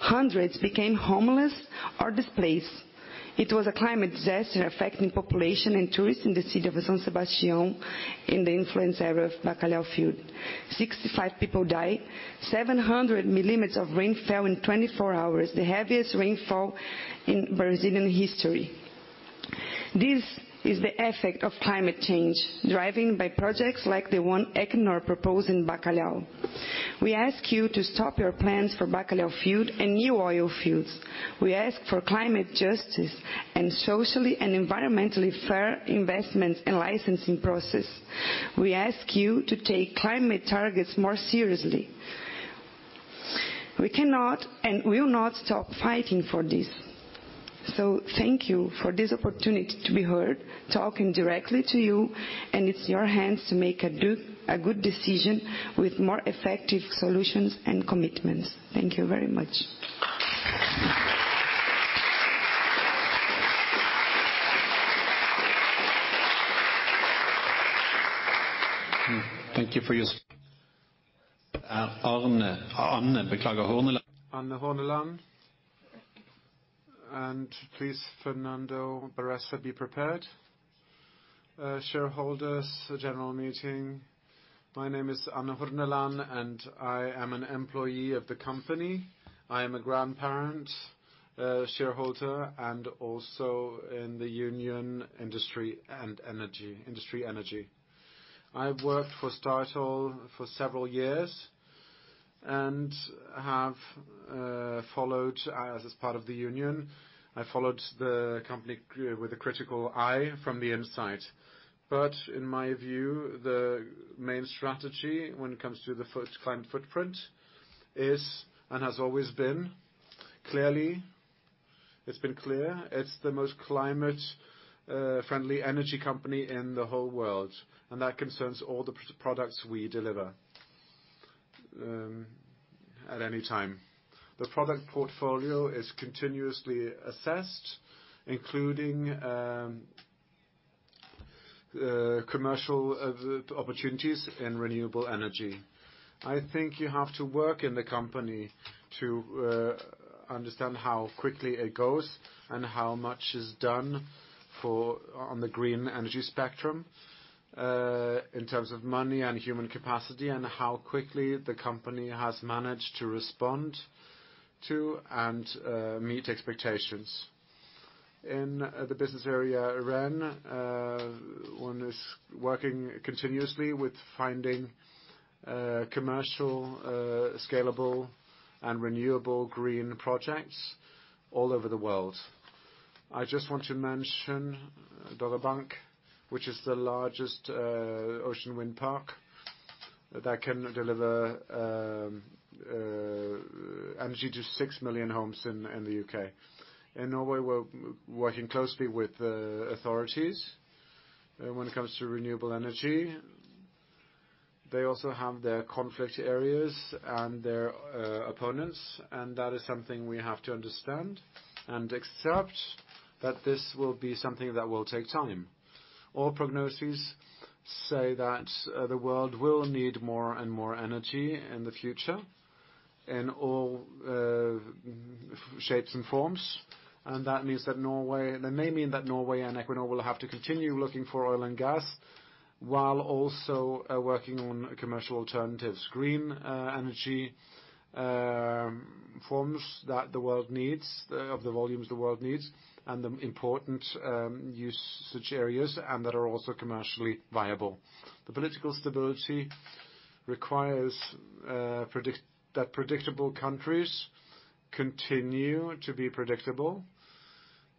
Hundreds became homeless or displaced. It was a climate disaster affecting population and tourists in the city of São Sebastião in the influence area of Bacalhau Field. 65 people die. 700 millimeters of rain fell in 24 hours, the heaviest rainfall in Brazilian history. This is the effect of climate change, driven by projects like the one Equinor proposed in Bacalhau. We ask you to stop your plans for Bacalhau Field and new oil fields. We ask for climate justice and socially and environmentally fair investments and licensing process. We ask you to take climate targets more seriously. We cannot and will not stop fighting for this. Thank you for this opportunity to be heard, talking directly to you, and it's in your hands to make a good decision with more effective solutions and commitments. Thank you very much. Thank you for your. Please, Fernando Barraza, be prepared. Shareholders general meeting. My name is Anne Horneland, and I am an employee of the company. I am a grandparent, shareholder, and also in the union Industri Energi. I've worked for Statoil for several years and have followed, as part of the union. I followed the company with a critical eye from the inside. In my view, the main strategy when it comes to the climate footprint is, and has always been, clearly, it's been clear, it's the most climate friendly energy company in the whole world, and that concerns all the products we deliver at any time. The product portfolio is continuously assessed, including commercial opportunities in renewable energy. I think you have to work in the company to understand how quickly it goes and how much is done for on the green energy spectrum, in terms of money and human capacity, and how quickly the company has managed to respond to and meet expectations. In the business area, Renewables, one is working continuously with finding commercial, scalable and renewable green projects all over the world. I just want to mention Dogger Bank, which is the largest ocean wind park that can deliver energy to 6 million homes in the UK. In Norway, we're working closely with authorities when it comes to renewable energy. They also have their conflict areas and their opponents, and that is something we have to understand and accept that this will be something that will take time. All prognoses say that the world will need more and more energy in the future in all shapes and forms. That means that Norway may mean that Norway and Equinor will have to continue looking for oil and gas while also working on commercial alternatives. Green energy forms that the world needs, of the volumes the world needs and the important usage areas, and that are also commercially viable. The political stability requires that predictable countries continue to be predictable,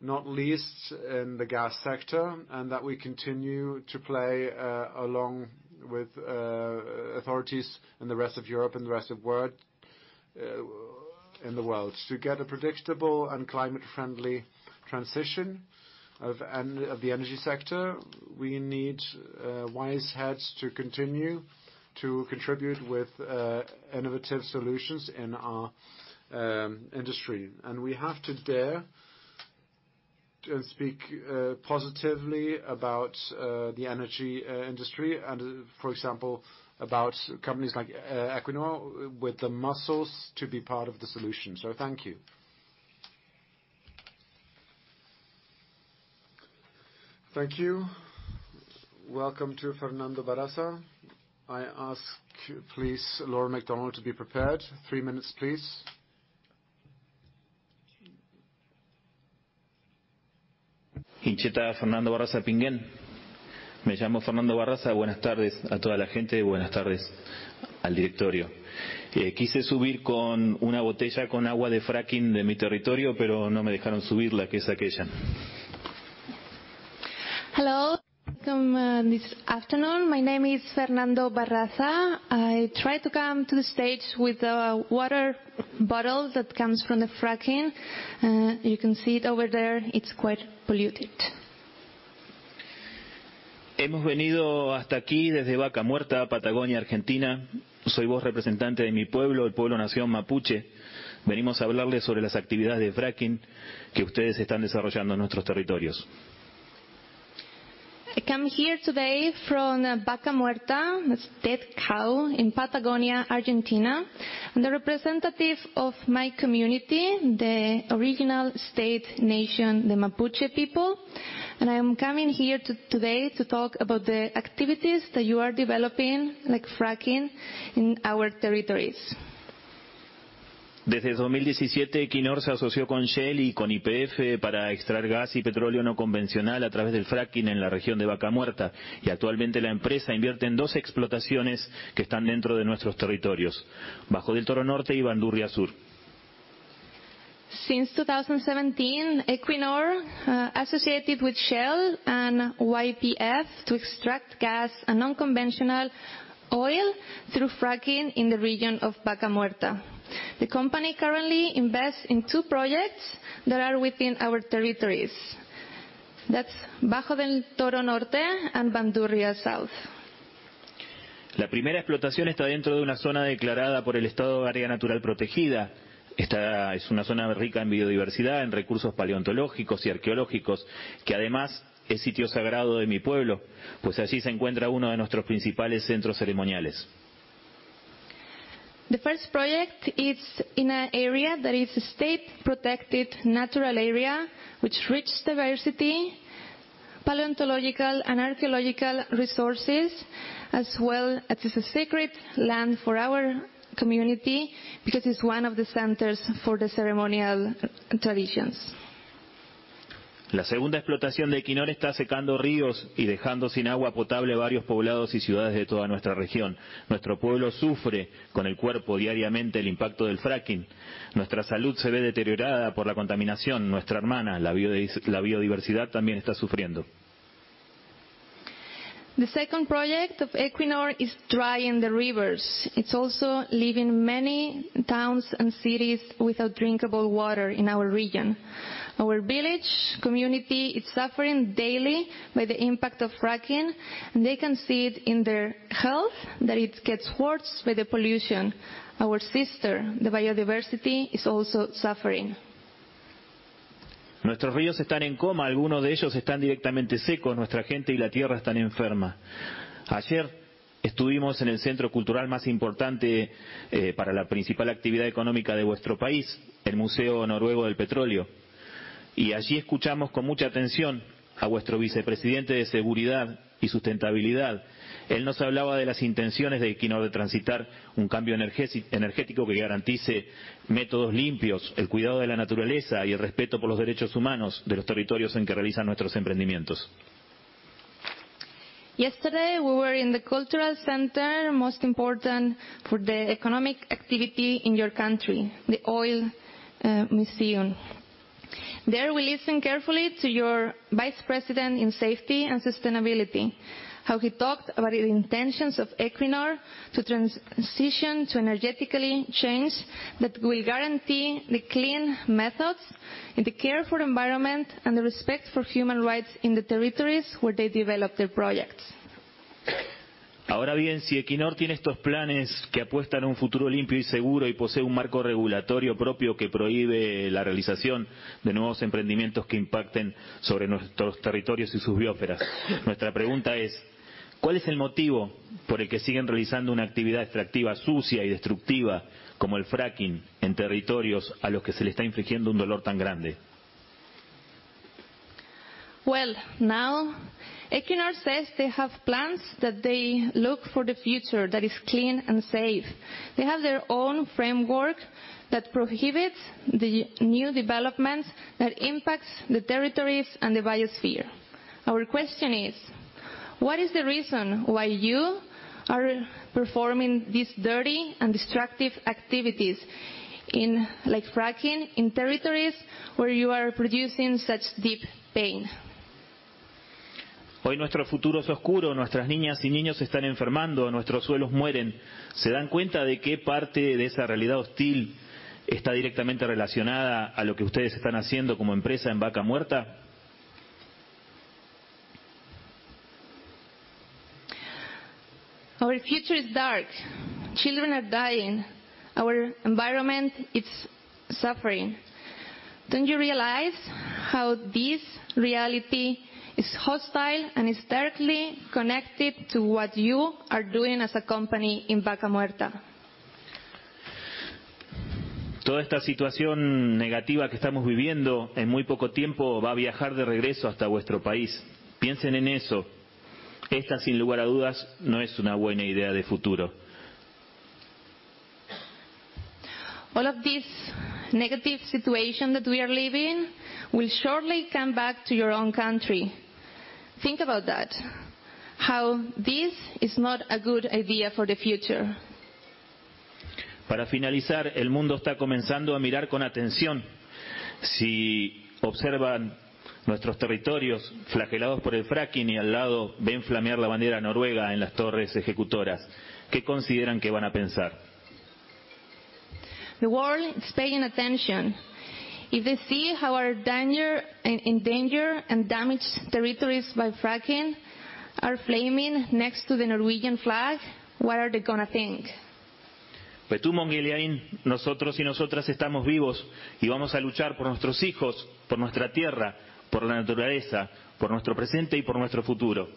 not least in the gas sector, and that we continue to play along with authorities in the rest of Europe and the rest of world, in the world. To get a predictable and climate-friendly transition of the energy sector, we need wise heads to continue to contribute with innovative solutions in our industry. We have to dare to speak positively about the energy industry and for example, about companies like Equinor with the muscles to be part of the solution. Thank you. Thank you. Welcome to Fernando Barraza. I ask please Lauren MacDonald to be prepared. 3 minutes, please. Hinchéta, Fernando Barraza, Neuquén. Me llamo Fernando Barraza. Buenas tardes a toda la gente. Buenas tardes al directorio. Quise subir con una botella con agua de fracking de mi territorio, pero no me dejaron subirla, que es aquella. Hello, welcome this afternoon. My name is Fernando Barraza. I tried to come to the stage with a water bottle that comes from the fracking. You can see it over there. It's quite polluted. Hemos venido hasta aquí desde Vaca Muerta, Patagonia, Argentina. Soy voz representante de mi pueblo, el pueblo nación Mapuche. Venimos a hablarles sobre las actividades de fracking que ustedes están desarrollando en nuestros territorios. I come here today from Vaca Muerta, it's dead cow, in Patagonia, Argentina. I'm the representative of my community, the original state nation, the Mapuche people. I am coming here today to talk about the activities that you are developing, like fracking, in our territories. Desde 2017, Equinor se asoció con Shell y con YPF para extraer gas y petróleo no convencional a través del fracking en la región de Vaca Muerta y actualmente la empresa invierte en dos explotaciones que están dentro de nuestros territorios, Bajo del Toro Norte y Bandurria Sur. Since 2017, Equinor associated with Shell and YPF to extract gas and non-conventional oil through fracking in the region of Vaca Muerta. The company currently invests in 2 projects that are within our territories. That's Bajo del Toro Norte and Bandurria South. La primera explotación está dentro de una zona declarada por el Estado área natural protegida. Esta es una zona rica en biodiversidad, en recursos paleontológicos y arqueológicos, que además es sitio sagrado de mi pueblo, pues allí se encuentra uno de nuestros principales centros ceremoniales. The first project is in an area that is a state-protected natural area with rich diversity, paleontological and archaeological resources, as well as is a sacred land for our community because it's one of the centers for the ceremonial traditions. La segunda explotación de Equinor está secando ríos y dejando sin agua potable varios poblados y ciudades de toda nuestra región. Nuestro pueblo sufre con el cuerpo diariamente el impacto del fracking. Nuestra salud se ve deteriorada por la contaminación. Nuestra hermana, la biodiversidad, también está sufriendo. The second project of Equinor is drying the rivers. It's also leaving many towns and cities without drinkable water in our region. Our village community is suffering daily by the impact of fracking. They can see it in their health, that it gets worse by the pollution. Our sister, the biodiversity, is also suffering. Nuestros ríos están en coma, algunos de ellos están directamente secos. Nuestra gente y la tierra están enferma. Ayer estuvimos en el centro cultural más importante para la principal actividad económica de vuestro país, el Museo Noruego del Petróleo, y allí escuchamos con mucha atención a vuestro vicepresidente de Seguridad y Sostenibilidad. Él nos hablaba de las intenciones de Equinor de transitar un cambio energético que garantice métodos limpios, el cuidado de la naturaleza y el respeto por los derechos humanos de los territorios en que realizan nuestros emprendimientos. Yesterday, we were in the cultural center most important for the economic activity in your country, the Oil Museum. There we listened carefully to your vice president in safety and sustainability, how he talked about the intentions of Equinor to transition to energetically change that will guarantee the clean methods and the care for environment and the respect for human rights in the territories where they develop their projects. Ahora bien, si Equinor tiene estos planes que apuestan a un futuro limpio y seguro y posee un marco regulatorio propio que prohíbe la realización de nuevos emprendimientos que impacten sobre nuestros territorios y su biosfera, nuestra pregunta es: ¿cuál es el motivo por el que siguen realizando una actividad extractiva sucia y destructiva como el fracking en territorios a los que se les está infligiendo un dolor tan grande? Equinor says they have plans that they look for the future that is clean and safe. They have their own framework that prohibits the new developments that impacts the territories and the biosphere. Our question is: what is the reason why you are performing these dirty and destructive activities in, like fracking, in territories where you are producing such deep pain? Hoy nuestro futuro es oscuro. Nuestras niñas y niños están enfermando. Nuestros suelos mueren. ¿Se dan cuenta de qué parte de esa realidad hostil está directamente relacionada a lo que ustedes están haciendo como empresa en Vaca Muerta? Our future is dark. Children are dying. Our environment is suffering. Don't you realize how this reality is hostile and is directly connected to what you are doing as a company in Vaca Muerta? Toda esta situación negativa que estamos viviendo en muy poco tiempo va a viajar de regreso hasta vuestro país. Piensen en eso. Esta, sin lugar a dudas, no es una buena idea de futuro. All of this negative situation that we are living will surely come back to your own country. Think about that, how this is not a good idea for the future. Para finalizar, el mundo está comenzando a mirar con atención. Si observan nuestros territorios flagelados por el fracking y al lado ven flamear la bandera noruega en las torres ejecutoras, ¿qué consideran que van a pensar? The world is paying attention. If they see how our endangered and damaged territories by fracking are flaming next to the Norwegian flag, what are they gonna think? Retomo, Gideon. Nosotros y nosotras estamos vivos y vamos a luchar por nuestros hijos, por nuestra tierra, por la naturaleza, por nuestro presente y por nuestro futuro.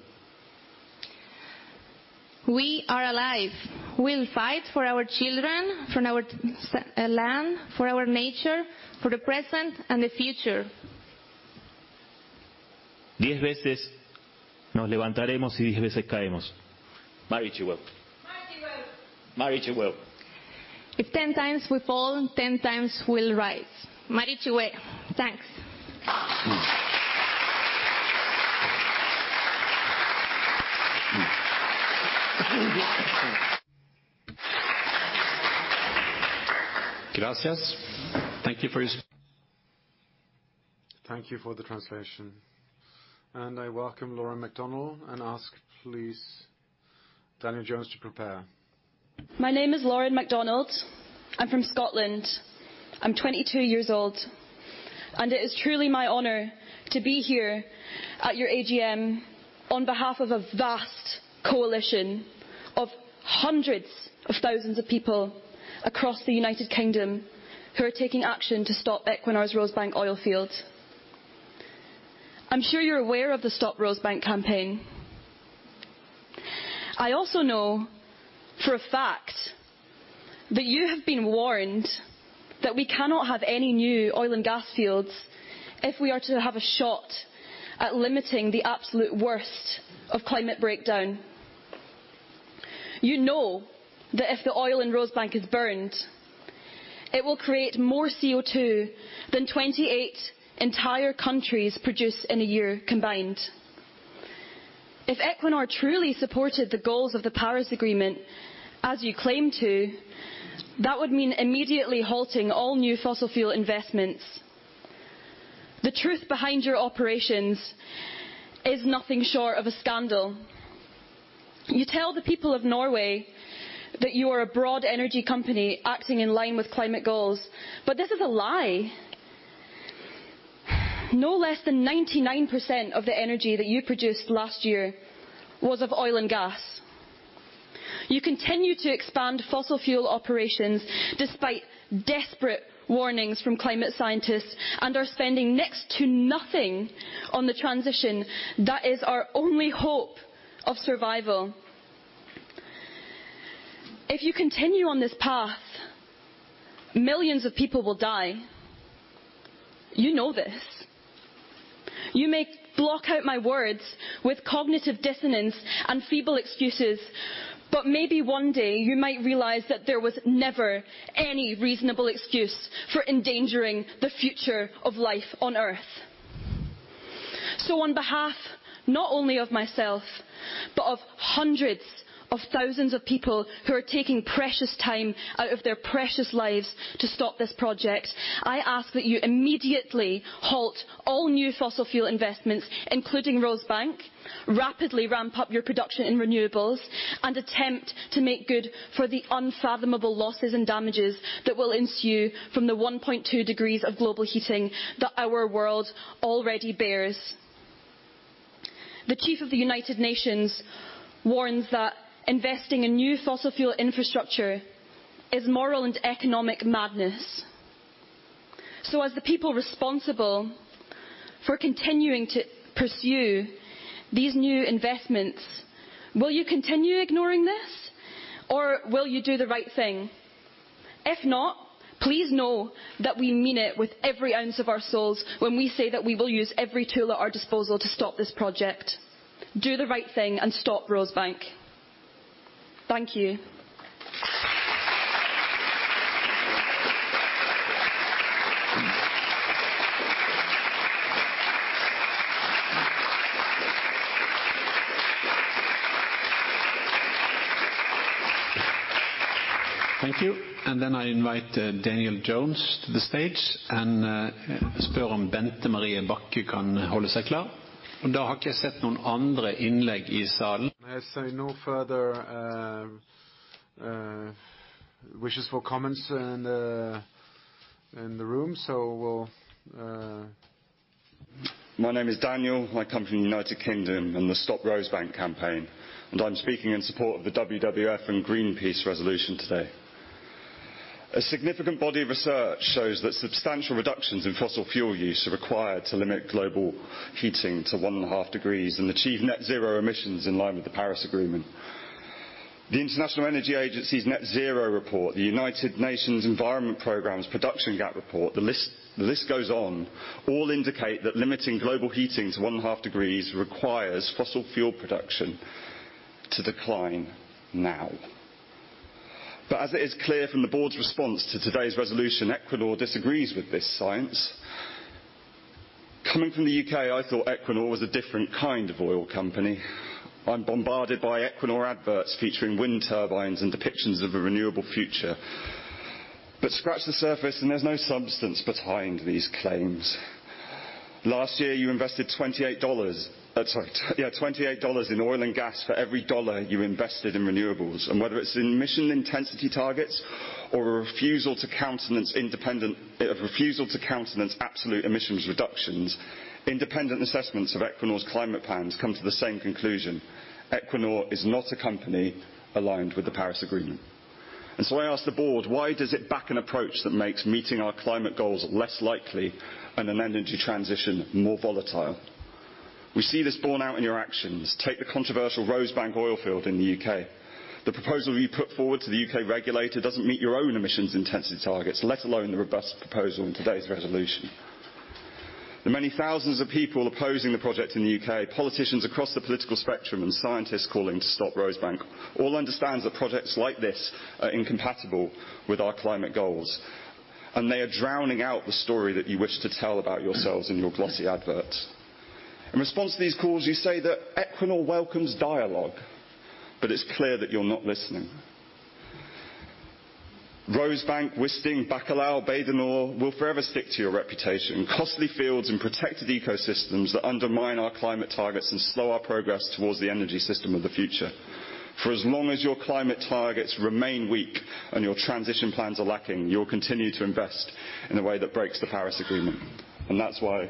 We are alive. We'll fight for our children, for our land, for our nature, for the present and the future. Diez veces nos levantaremos si diez veces caemos. Marichiweu. Marichiweu. Marichiweu. If 10x we fall, 10 times we'll rise. Marichiweu. Thanks. Gracias. Thank you for your Thank you for the translation. I welcome Lauren MacDonald and ask please Daniel Jones to prepare. My name is Lauren MacDonald. I'm from Scotland. I'm 22 years old, and it is truly my honor to be here at your AGM on behalf of a vast coalition of hundreds of thousands of people across the United Kingdom who are taking action to stop Equinor's Rosebank oil field. I'm sure you're aware of the Stop Rosebank campaign. I also know for a fact that you have been warned that we cannot have any new oil and gas fields if we are to have a shot at limiting the absolute worst of climate breakdown. You know that if the oil in Rosebank is burned, it will create more CO2 than 28 entire countries produce in a year combined. If Equinor truly supported the goals of the Paris Agreement, as you claim to, that would mean immediately halting all new fossil fuel investments. The truth behind your operations is nothing short of a scandal. You tell the people of Norway that you are a broad energy company acting in line with climate goals, but this is a lie. No less than 99% of the energy that you produced last year was of oil and gas. You continue to expand fossil fuel operations despite desperate warnings from climate scientists, and are spending next to nothing on the transition that is our only hope of survival. If you continue on this path, millions of people will die. You know this. You may block out my words with cognitive dissonance and feeble excuses, but maybe one day you might realize that there was never any reasonable excuse for endangering the future of life on Earth. On behalf not only of myself, but of hundreds of thousands of people who are taking precious time out of their precious lives to stop this project, I ask that you immediately halt all new fossil fuel investments, including Rosebank, rapidly ramp up your production in renewables, and attempt to make good for the unfathomable losses and damages that will ensue from the 1.2 degrees of global heating that our world already bears. The Chief of the United Nations warns that investing in new fossil fuel infrastructure is moral and economic madness. As the people responsible for continuing to pursue these new investments, will you continue ignoring this or will you do the right thing? If not, please know that we mean it with every ounce of our souls when we say that we will use every tool at our disposal to stop this project. Do the right thing and stop Rosebank. Thank you. Thank you. I invite Daniel Jones to the stage and og Bente Marie Bakke kan holde seg klar. Da har ikke jeg sett noen andre innlegg i salen. I see no further wishes for comments in the room, so we'll My name is Daniel. I come from the United Kingdom and the Stop Rosebank campaign, and I'm speaking in support of the WWF and Greenpeace resolution today. A significant body of research shows that substantial reductions in fossil fuel use are required to limit global heating to 1/2 degrees and achieve net zero emissions in line with the Paris Agreement. The International Energy Agency's Net Zero report, the United Nations Environment Programme's Production Gap report, the list goes on, all indicate that limiting global heating to 1/2 degrees requires fossil fuel production to decline now. As it is clear from the board's response to today's resolution, Equinor disagrees with this science. Coming from the UK, I thought Equinor was a different kind of oil company. I'm bombarded by Equinor adverts featuring wind turbines and depictions of a renewable future. Scratch the surface, and there's no substance behind these claims. Last year, you invested $28 in oil and gas for every $1 you invested in renewables. Whether it's emission intensity targets or a refusal to countenance absolute emissions reductions, independent assessments of Equinor's climate plans come to the same conclusion. Equinor is not a company aligned with the Paris Agreement. I ask the board, why does it back an approach that makes meeting our climate goals less likely and an energy transition more volatile? We see this borne out in your actions. Take the controversial Rosebank oil field in the U.K. The proposal you put forward to the U.K. regulator doesn't meet your own emissions intensity targets, let alone the robust proposal in today's resolution. The many thousands of people opposing the project in the UK, politicians across the political spectrum, and scientists calling to stop Rosebank all understand that projects like this are incompatible with our climate goals, and they are drowning out the story that you wish to tell about yourselves in your glossy adverts. In response to these calls, you say that Equinor welcomes dialogue, but it's clear that you're not listening. Rosebank, Wisting, Bacalhau, Bay du Nord will forever stick to your reputation. Costly fields and protected ecosystems that undermine our climate targets and slow our progress towards the energy system of the future. For as long as your climate targets remain weak and your transition plans are lacking, you'll continue to invest in a way that breaks the Paris Agreement, and that's why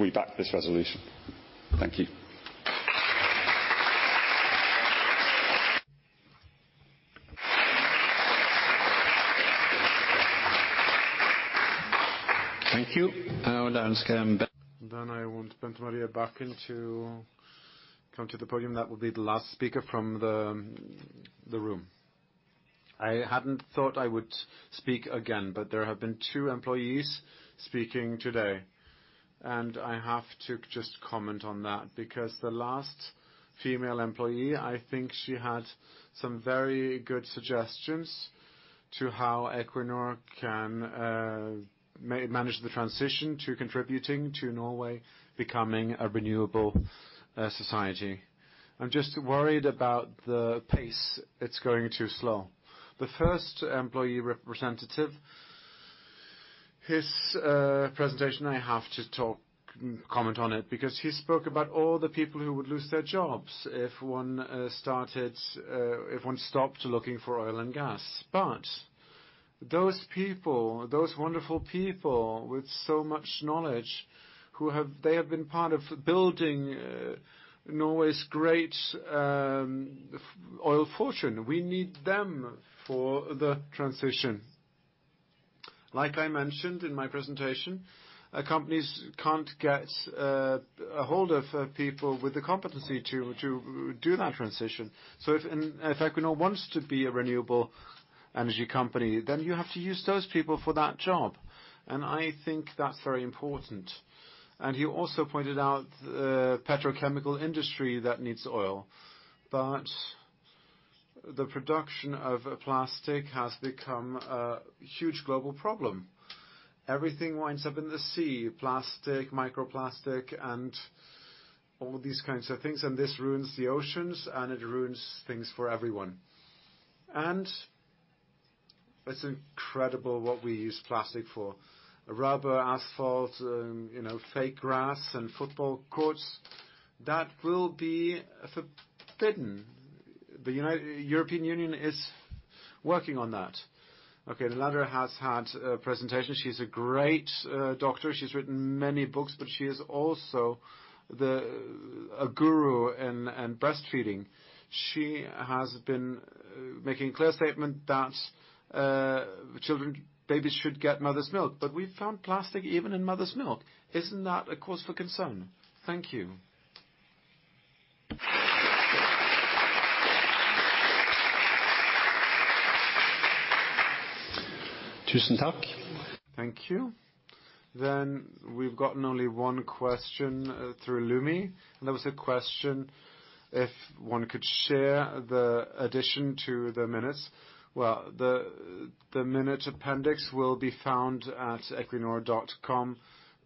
we back this resolution. Thank you. Thank you. I want Bente Maria Bakke to come to the podium. That will be the last speaker from the room. I hadn't thought I would speak again, but there have been 2 employees speaking today, and I have to just comment on that because the last female employee, I think she had some very good suggestions to how Equinor can manage the transition to contributing to Norway becoming a renewable society. I'm just worried about the pace. It's going too slow. The first employee representative, his presentation, I have to comment on it because he spoke about all the people who would lose their jobs if 1 stopped looking for oil and gas. Those people, those wonderful people with so much knowledge who have been part of building Norway's great oil fortune. We need them for the transition. Like I mentioned in my presentation, companies can't get a hold of people with the competency to do that transition. If Equinor wants to be a renewable energy company, then you have to use those people for that job, and I think that's very important. He also pointed out the petrochemical industry that needs oil, but the production of plastic has become a huge global problem. Everything winds up in the sea, plastic, microplastic, and all these kinds of things, and this ruins the oceans, and it ruins things for everyone. It's incredible what we use plastic for. Rubber, asphalt, you know, fake grass and football courts, that will be forbidden. The European Union is working on that. Okay, Lunder has had a presentation. She's a great doctor. She's written many books, but she is also a guru in breastfeeding. She has been making clear statement that children, babies should get mother's milk. We found plastic even in mother's milk. Isn't that a cause for concern? Thank you. Thank you. We've gotten only 1 question through Lumi, and that was a question if 1 could share the addition to the minutes. Well, the minute appendix will be found at equinor.com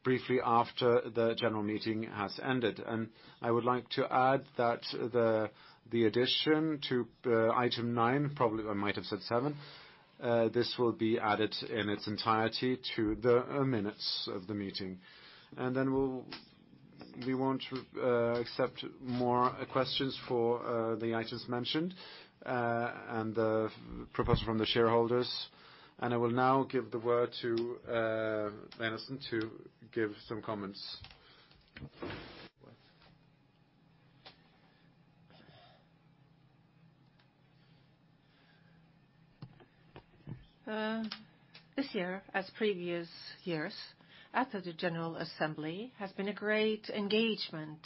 briefly after the general meeting has ended. I would like to add that the addition to item 9, probably I might have said 7, this will be added in its entirety to the minutes of the meeting. We won't accept more questions for the items mentioned and the proposal from the shareholders. I will now give the word to Anders Opedal to give some comments. This year, as previous years, at the general assembly, has been a great engagement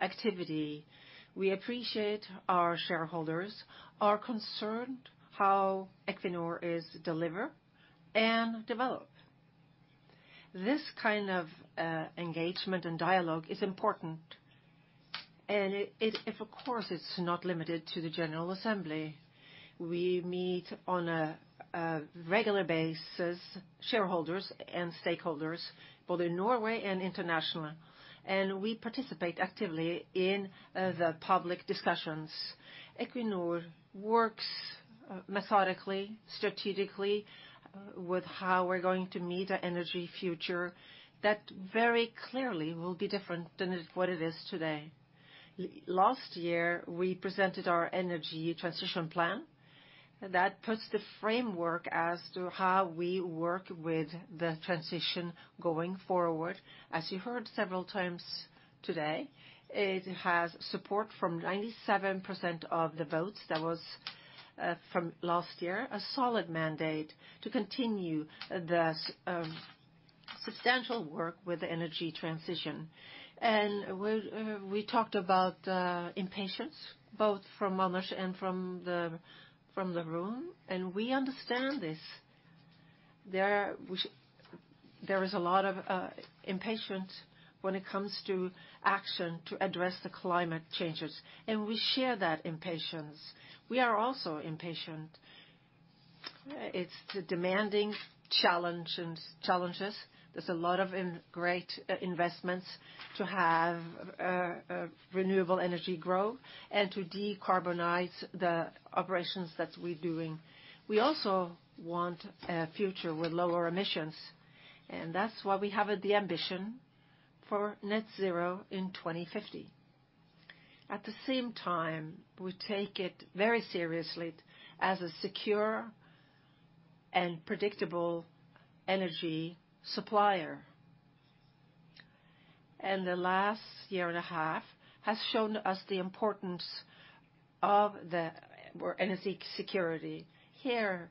activity. We appreciate our shareholders are concerned how Equinor is deliver and develop. This kind of engagement and dialogue is important, and, of course, it's not limited to the general assembly. We meet on a regular basis, shareholders and stakeholders, both in Norway and international, and we participate actively in the public discussions. Equinor works methodically, strategically with how we're going to meet the energy future that very clearly will be different than it is today. Last year, we presented our energy transition plan. That puts the framework as to how we work with the transition going forward. As you heard several times today, it has support from 97% of the votes. That was from last year, a solid mandate to continue the substantial work with the energy transition. We'll talked about impatience both from Manish and from the room, and we understand this. There is a lot of impatience when it comes to action to address the climate changes, and we share that impatience. We are also impatient. It's demanding challenges. There's a lot of great investments to have renewable energy grow and to decarbonize the operations that we're doing. We also want a future with lower emissions, and that's why we have the ambition for Net Zero in 2050. At the same time, we take it very seriously as a secure and predictable energy supplier. The last year and a half has shown us the importance of energy security. Here,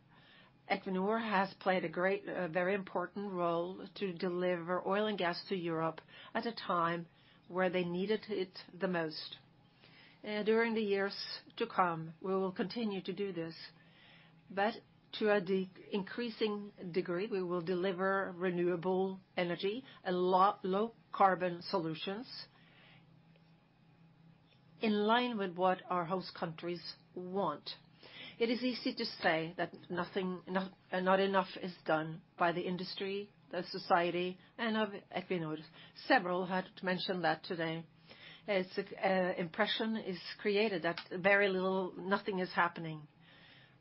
Equinor has played a great, a very important role to deliver oil and gas to Europe at a time where they needed it the most. During the years to come, we will continue to do this. To a decreasing degree, we will deliver renewable energy, low carbon solutions in line with what our host countries want. It is easy to say that nothing, not enough is done by the industry, the society, and Equinor. Several had mentioned that today. An impression is created that very little, nothing is happening.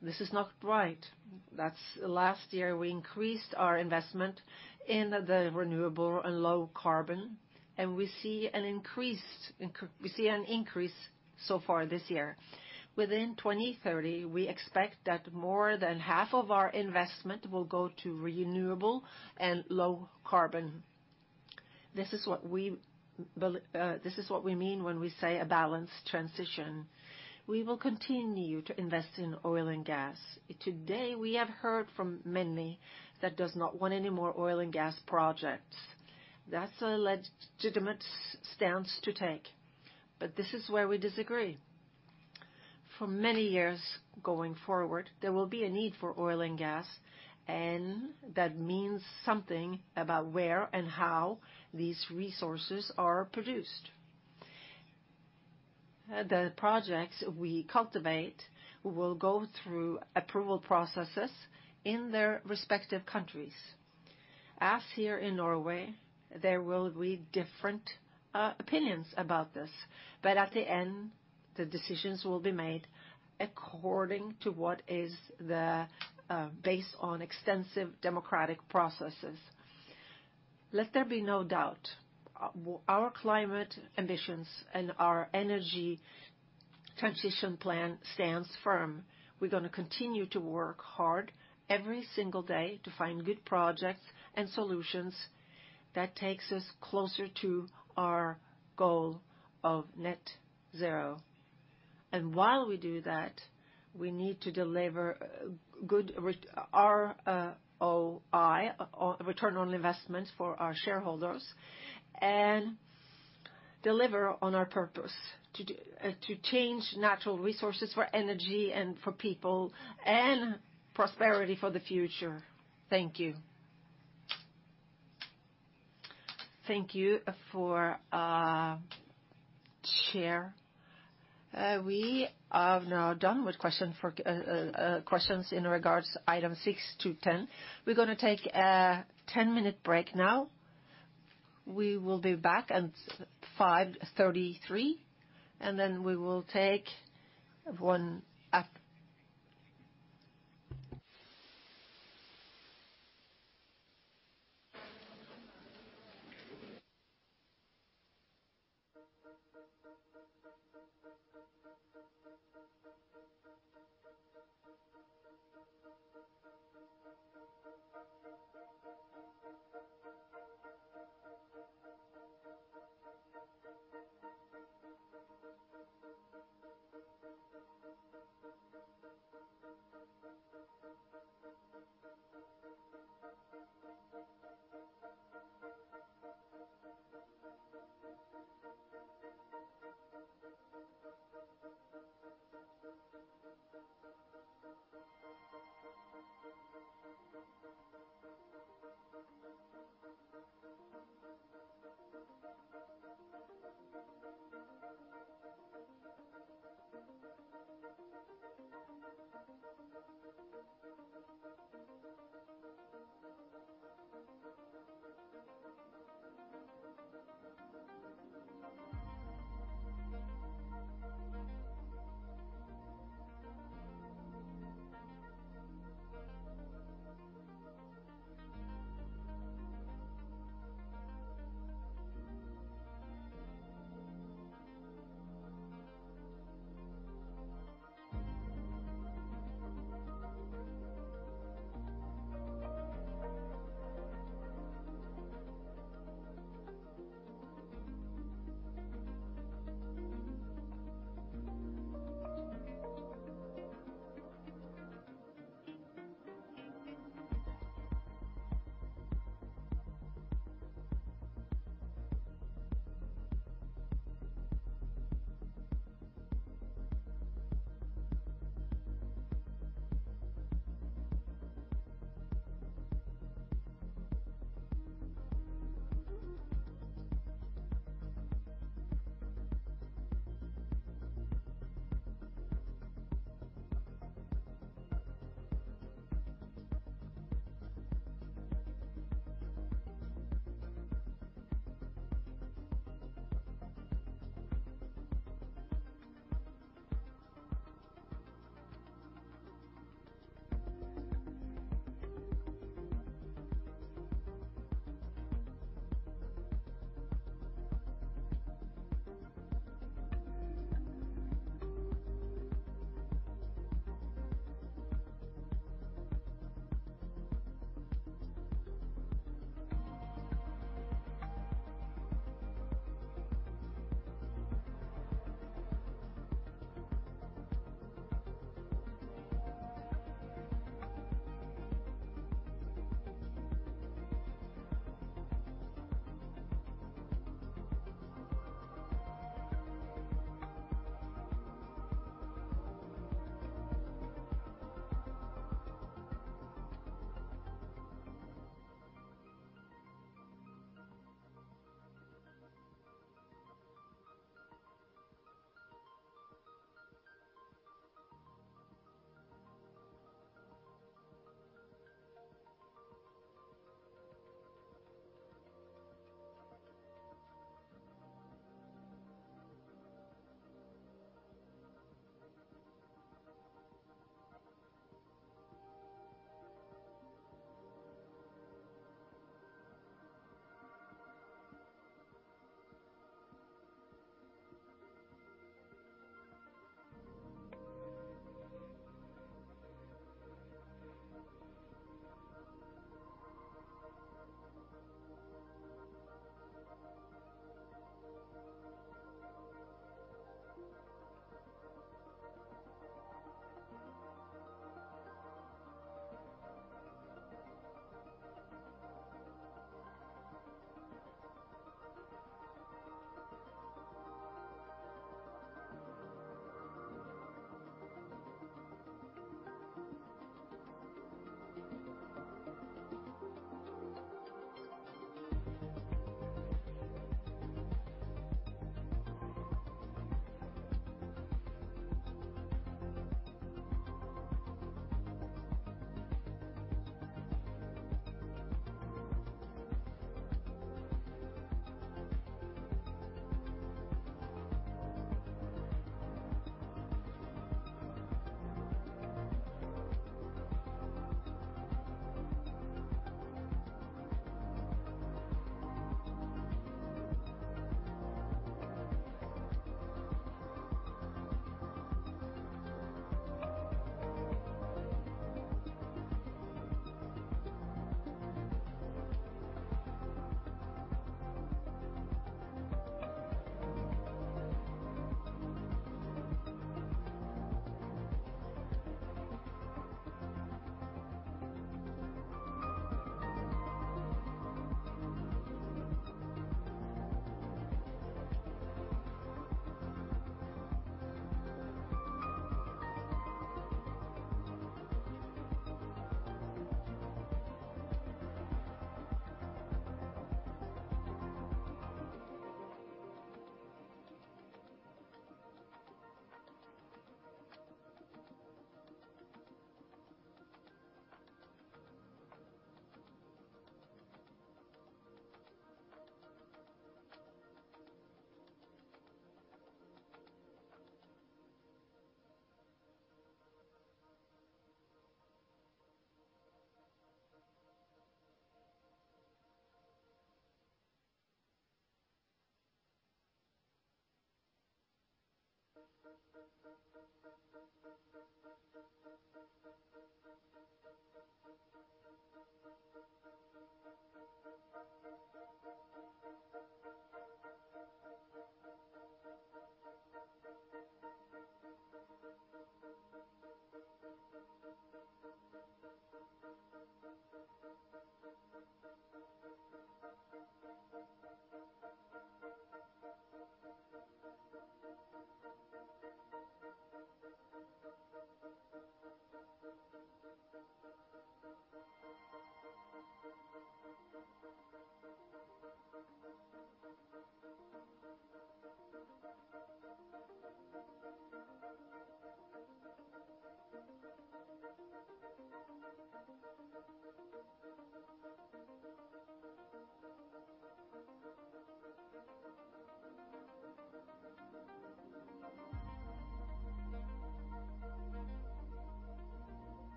This is not right. Last year, we increased our investment in the renewable and low carbon, and we see an increase so far this year. Within 2030, we expect that more than half of our investment will go to renewable and low carbon. This is what we mean when we say a balanced transition. We will continue to invest in oil and gas. Today, we have heard from many that does not want any more oil and gas projects. That's a legitimate stance to take, but this is where we disagree. For many years going forward, there will be a need for oil and gas, and that means something about where and how these resources are produced. The projects we cultivate will go through approval processes in their respective countries. As here in Norway, there will be different opinions about this, but at the end, the decisions will be made according to what is based on extensive democratic processes. Let there be no doubt, our climate ambitions and our energy transition plan stands firm. We're gonna continue to work hard every single day to find good projects and solutions that takes us closer to our goal of Net Zero. While we do that, we need to deliver good ROI, return on investments for our shareholders and deliver on our purpose to change natural resources for energy and for people and prosperity for the future. Thank you. Thank you for, Chair. We are now done with questions in regards to item 6 to 10. We're gonna take a 10-minute break now. We will be back at 5:33 P.M., and then we will take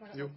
1 up.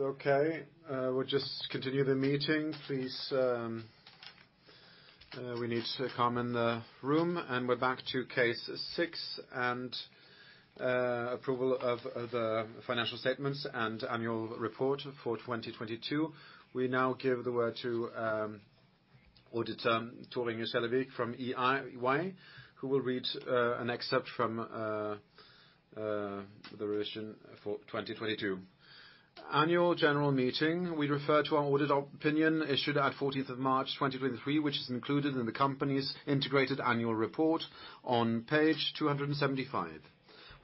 Okay. We'll just continue the meeting, please. We need to come in the room, and we're back to case 6, and approval of financial statements and annual report for 2022. We now give the word to Auditor Torunn Sellevig from EY, who will read an excerpt from the revision for 2022. Annual general meeting. We refer to our audited opinion issued at 14th of March 2023, which is included in the company's integrated annual report on page 275.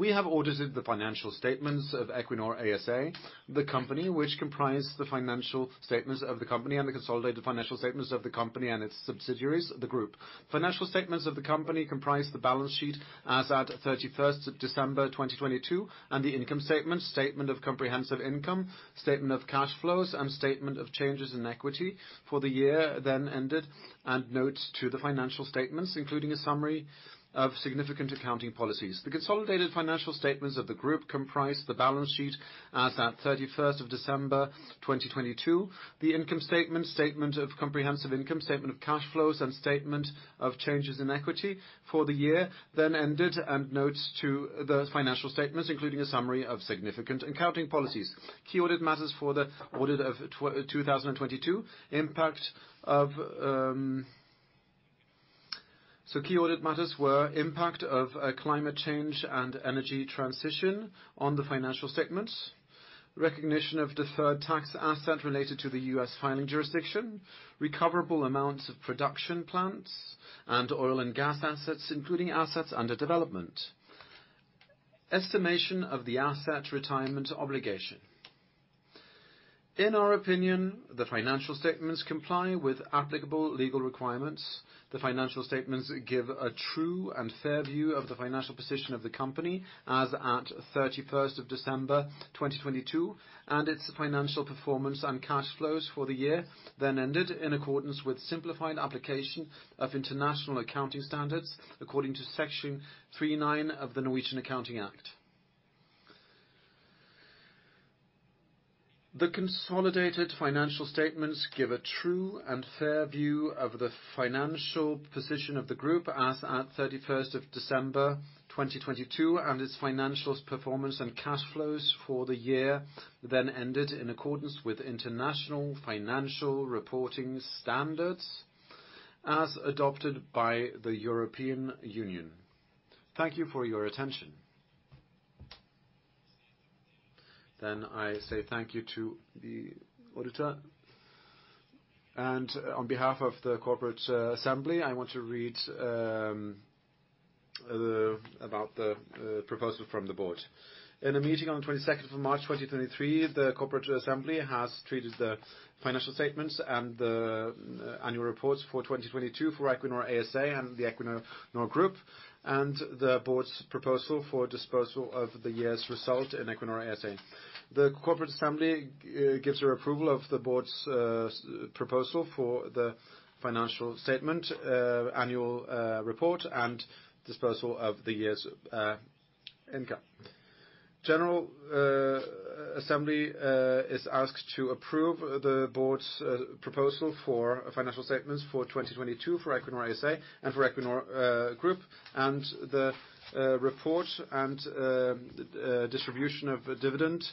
We have audited the financial statements of Equinor ASA, the company which comprised the financial statements of the company and the consolidated financial statements of the company and its subsidiaries, the group. Financial statements of the company comprise the balance sheet as at 31 December 2022 and the income statement of comprehensive income, statement of cash flows, and statement of changes in equity for the year then ended, and notes to the financial statements, including a summary of significant accounting policies. The consolidated financial statements of the group comprise the balance sheet as at 31 December 2022, the income statement of comprehensive income, statement of cash flows, and statement of changes in equity for the year then ended, and notes to the financial statements, including a summary of significant accounting policies. Key audit matters for the audit of 2022. Impact of. Key audit matters were impact of, climate change and energy transition on the financial statements. Recognition of deferred tax asset related to the U.S. filing jurisdiction, recoverable amounts of production plants and oil and gas assets, including assets under development. Estimation of the asset retirement obligation. In our opinion, the financial statements comply with applicable legal requirements. The financial statements give a true and fair view of the financial position of the company as at 31st of December 2022, and its financial performance and cash flows for the year then ended in accordance with simplified application of international accounting standards according to Section 3 to 9 of the Norwegian Accounting Act. The consolidated financial statements give a true and fair view of the financial position of the group as at 31st of December 2022, and its financial performance and cash flows for the year then ended in accordance with international financial reporting standards as adopted by the European Union. Thank you for your attention. I say thank you to the auditor. On behalf of the Corporate Assembly, I want to read about the proposal from the board. In a meeting on 22nd of March 2023, the Corporate Assembly has treated the financial statements and the annual reports for 2022 for Equinor ASA and the Equinor Group, and the board's proposal for disposal of the year's result in Equinor ASA. The Corporate Assembly gives its approval of the board's proposal for the financial statement annual report and disposal of the year's income. General Assembly is asked to approve the board's proposal for financial statements for 2022 for Equinor ASA and for Equinor Group, and the report and distribution of dividend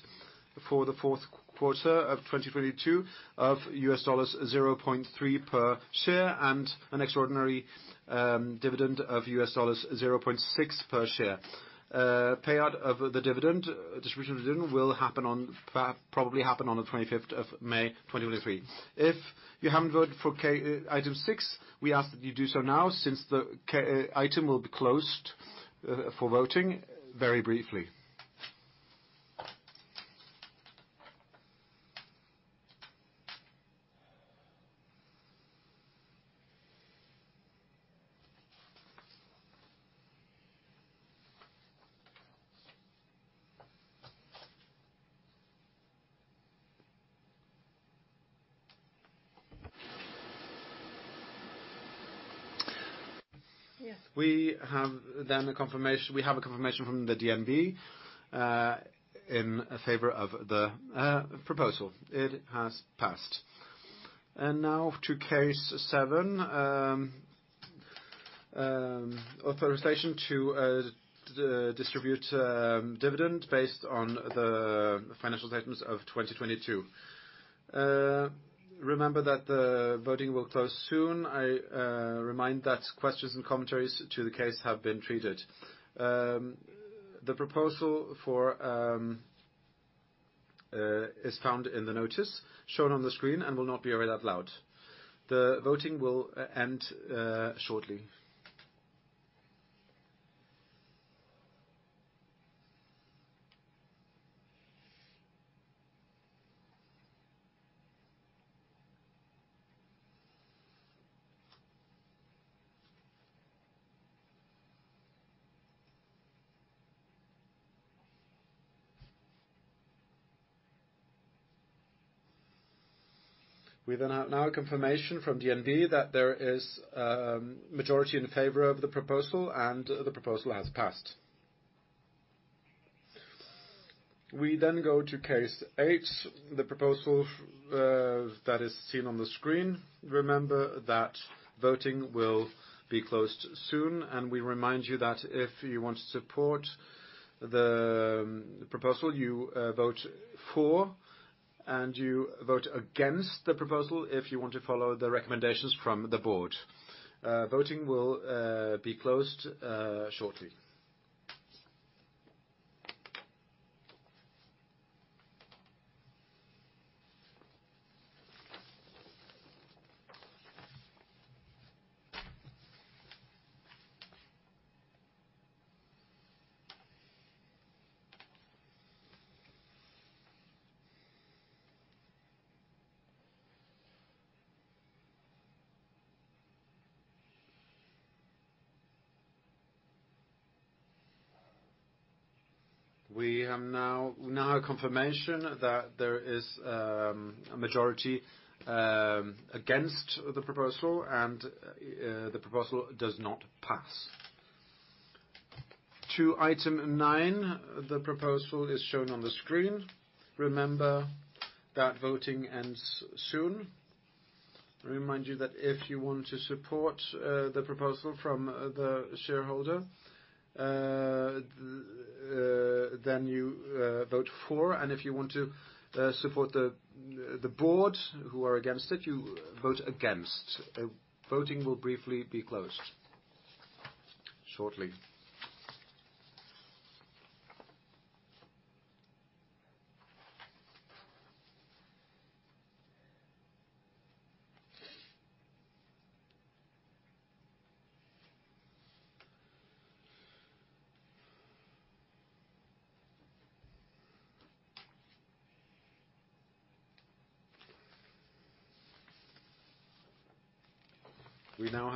for the Q4 of 2022 of $0.3 per share and an extraordinary dividend of $0.6 per share. Payout of the dividend, distribution of dividend will probably happen on the 25th of May 2023. If you haven't voted for item 6, we ask that you do so now since the item will be closed for voting very briefly. We have a confirmation from DNB in favor of the proposal. It has passed. Now to case 7, authorization to distribute dividend based on the financial statements of 2022. Remember that the voting will close soon. I remind that questions and commentaries to the case have been treated. The proposal is found in the notice shown on the screen and will not be read out loud. The voting will end shortly. We have confirmation from DNB that there is majority in favor of the proposal, and the proposal has passed. We go to case 8, the proposal that is seen on the screen. Remember that voting will be closed soon, and we remind you that if you want to support the proposal, you vote for, and you vote against the proposal if you want to follow the recommendations from the Board. Voting will be closed shortly. We now have confirmation that there is a majority against the proposal, and the proposal does not pass. To Item 9, the proposal is shown on the screen. Remember that voting ends soon. Remind you that if you want to support the proposal from the shareholder, then you vote for, and if you want to support the Board who are against it, you vote against. Voting will briefly be closed shortly.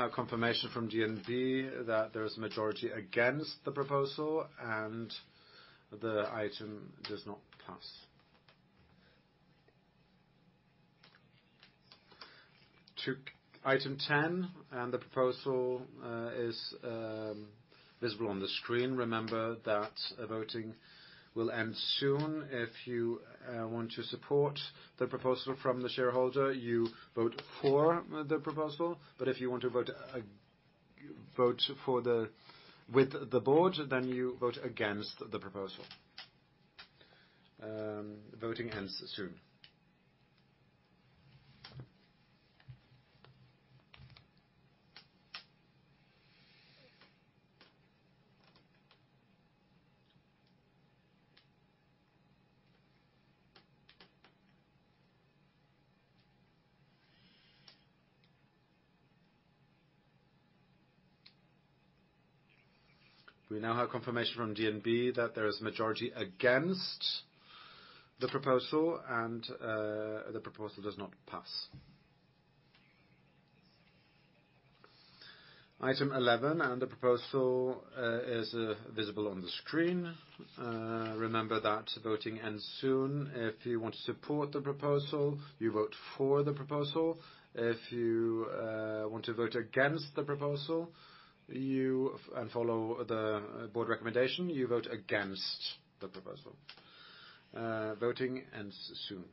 We now have confirmation from DNB that there's a majority against the proposal, and the item does not pass. To item 10, the proposal is visible on the screen. Remember that voting will end soon. If you want to support the proposal from the shareholder, you vote for the proposal, but if you want to vote with the board, then you vote against the proposal. Voting ends soon. We now have confirmation from DNB that there is majority against the proposal, and the proposal does not pass. Item 11, the proposal is visible on the screen. Remember that voting ends soon. If you want to support the proposal, you vote for the proposal. If you want to vote against the proposal, and follow the board recommendation, you vote against the proposal. Voting ends soon.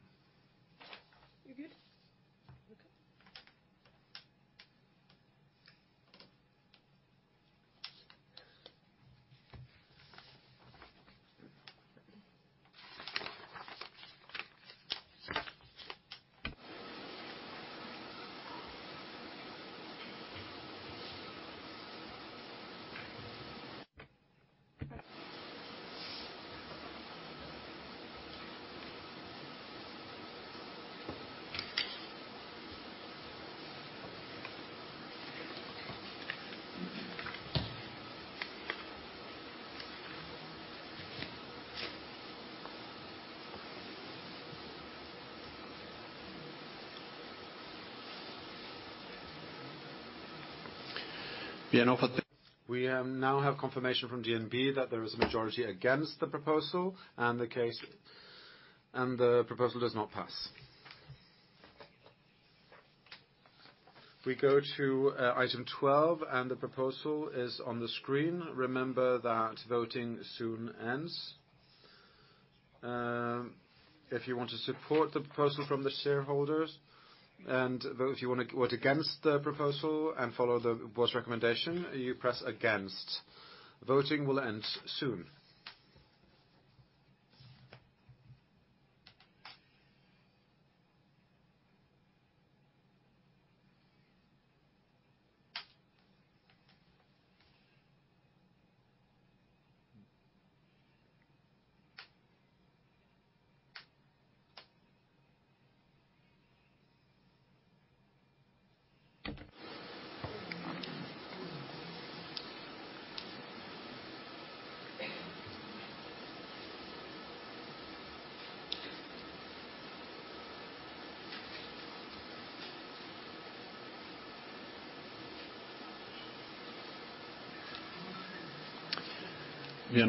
You're good? Okay. We now have confirmation from DNB that there is a majority against the proposal. The proposal does not pass. We go to item 12, and the proposal is on the screen. Remember that voting soon ends. If you want to support the proposal from the shareholders and vote. If you wanna vote against the proposal and follow the board's recommendation, you press against. Voting will end soon.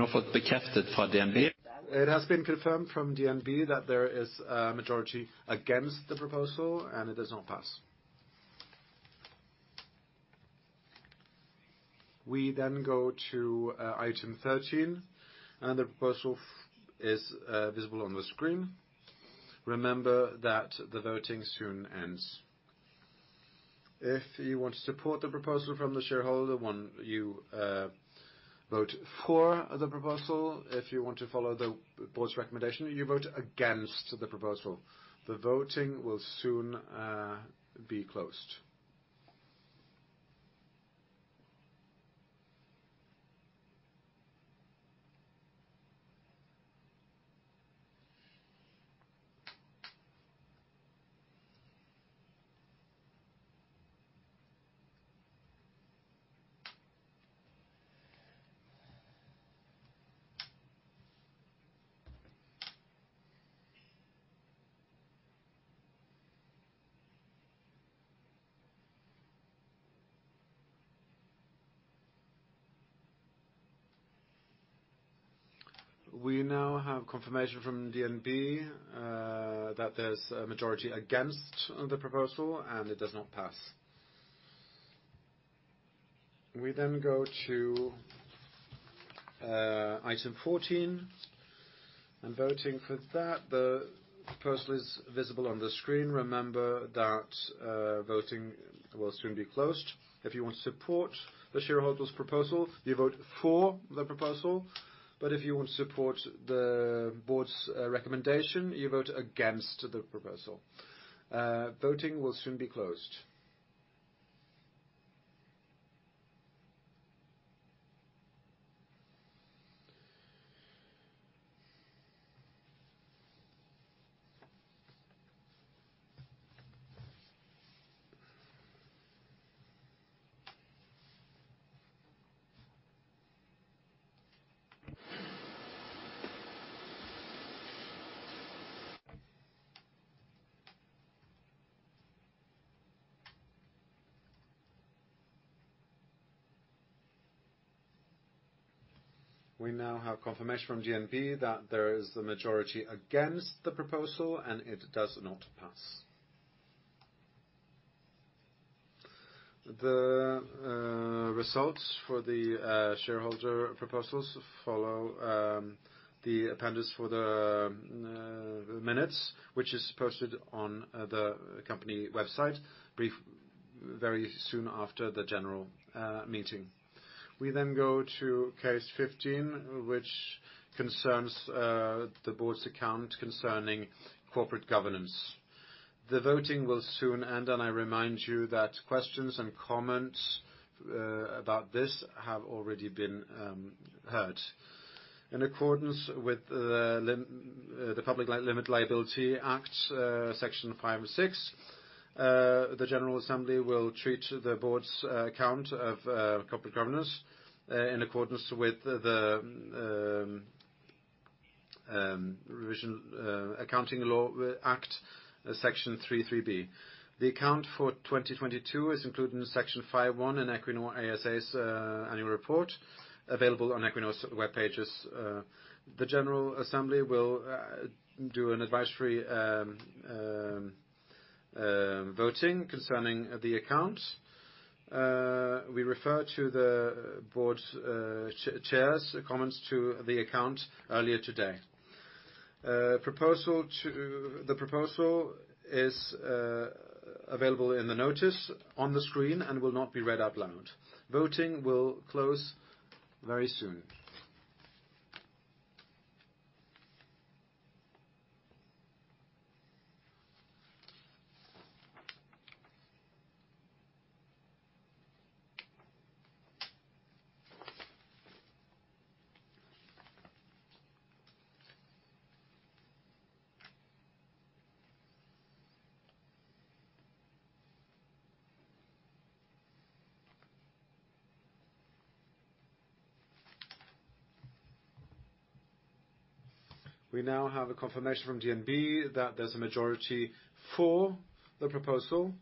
It has been confirmed from DNB that there is a majority against the proposal, and it does not pass. We go to item 13, and the proposal is visible on the screen. Remember that the voting soon ends. If you want to support the proposal from the shareholder 1, you vote for the proposal. If you want to follow the board's recommendation, you vote against the proposal. The voting will soon be closed. We now have confirmation from DNB that there's a majority against the proposal, and it does not pass. We go to item 14, and voting for that. The proposal is visible on the screen. Remember that voting will soon be closed. If you want to support the shareholder's proposal, you vote for the proposal. If you want to support the board's recommendation, you vote against the proposal. Voting will soon be closed. We now have confirmation from DNB that there is the majority against the proposal, and it does not pass. The results for the shareholder proposals follow the appendix for the minutes, which is posted on the company website briefly very soon after the general meeting. We go to case 15, which concerns the board's account concerning corporate governance. The voting will soon end, and I remind you that questions and comments about this have already been heard. In accordance with the Public Limited Liability Companies Act, Section 5-6, the general assembly will treat the board's account of corporate governance in accordance with the Norwegian Accounting Act, section 3-3 B. The account for 2022 is included in section 5-1 in Equinor ASA's annual report available on Equinor's web pages. The general assembly will do an advisory voting concerning the account. We refer to the board's chair's comments to the account earlier today. Proposal to... The proposal is available in the notice on the screen and will not be read out loud. Voting will close very soon. We now have a confirmation from DNB that there's a majority for the proposal,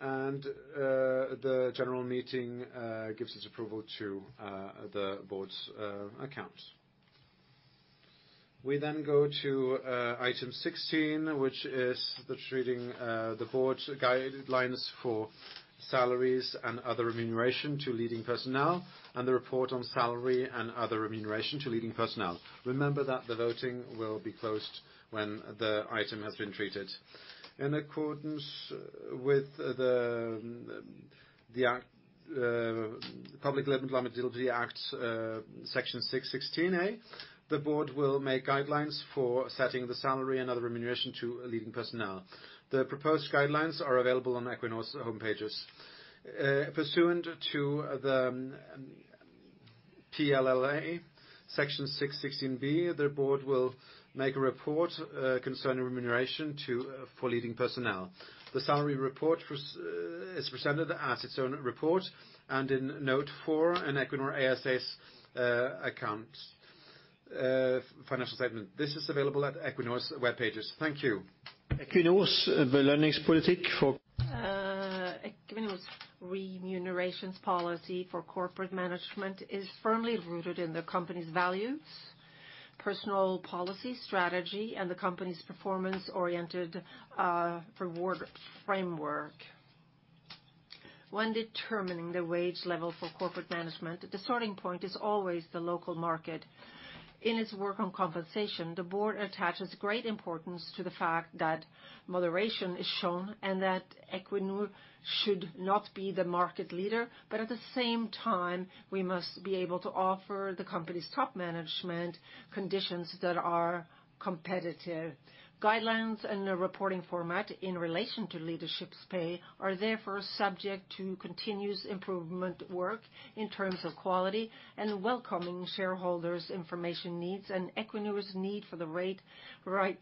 and the general meeting gives its approval to the board's accounts. We go to item 16, which is the treating the board's guidelines for salaries and other remuneration to leading personnel and the report on salary and other remuneration to leading personnel. Remember that the voting will be closed when the item has been treated. In accordance with the act, Public Limited Liability Companies Act, section 6-16 a, the board will make guidelines for setting the salary and other remuneration to leading personnel. The proposed guidelines are available on Equinor's home pages. Pursuant to the PLLA, section 6-16 B, the board will make a report concerning remuneration for leading personnel. The salary report is presented as its own report and in note 4 in Equinor ASA's accounts, financial statement. This is available at Equinor's web pages. Thank you. Equinor's remuneration policy for, Equinor's remuneration policy for corporate management is firmly rooted in the company's values, personal policy strategy, and the company's performance-oriented reward framework. When determining the wage level for corporate management, the starting point is always the local market. In its work on compensation, the board attaches great importance to the fact that moderation is shown and that Equinor should not be the market leader, but at the same time, we must be able to offer the company's top management conditions that are competitive. Guidelines and a reporting format in relation to leadership's pay are therefore subject to continuous improvement work in terms of quality and welcoming shareholders' information needs and Equinor's need for the right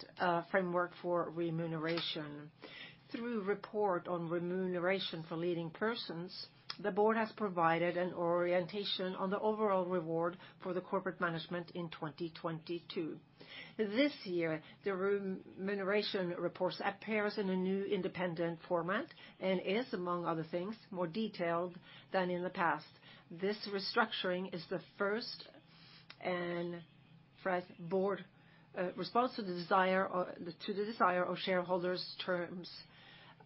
framework for remuneration. Through report on remuneration for leading persons, the board has provided an orientation on the overall reward for the corporate management in 2022. This year, the remuneration reports appears in a new independent format and is, among other things, more detailed than in the past. This restructuring is the first and fresh board response to the desire of shareholders terms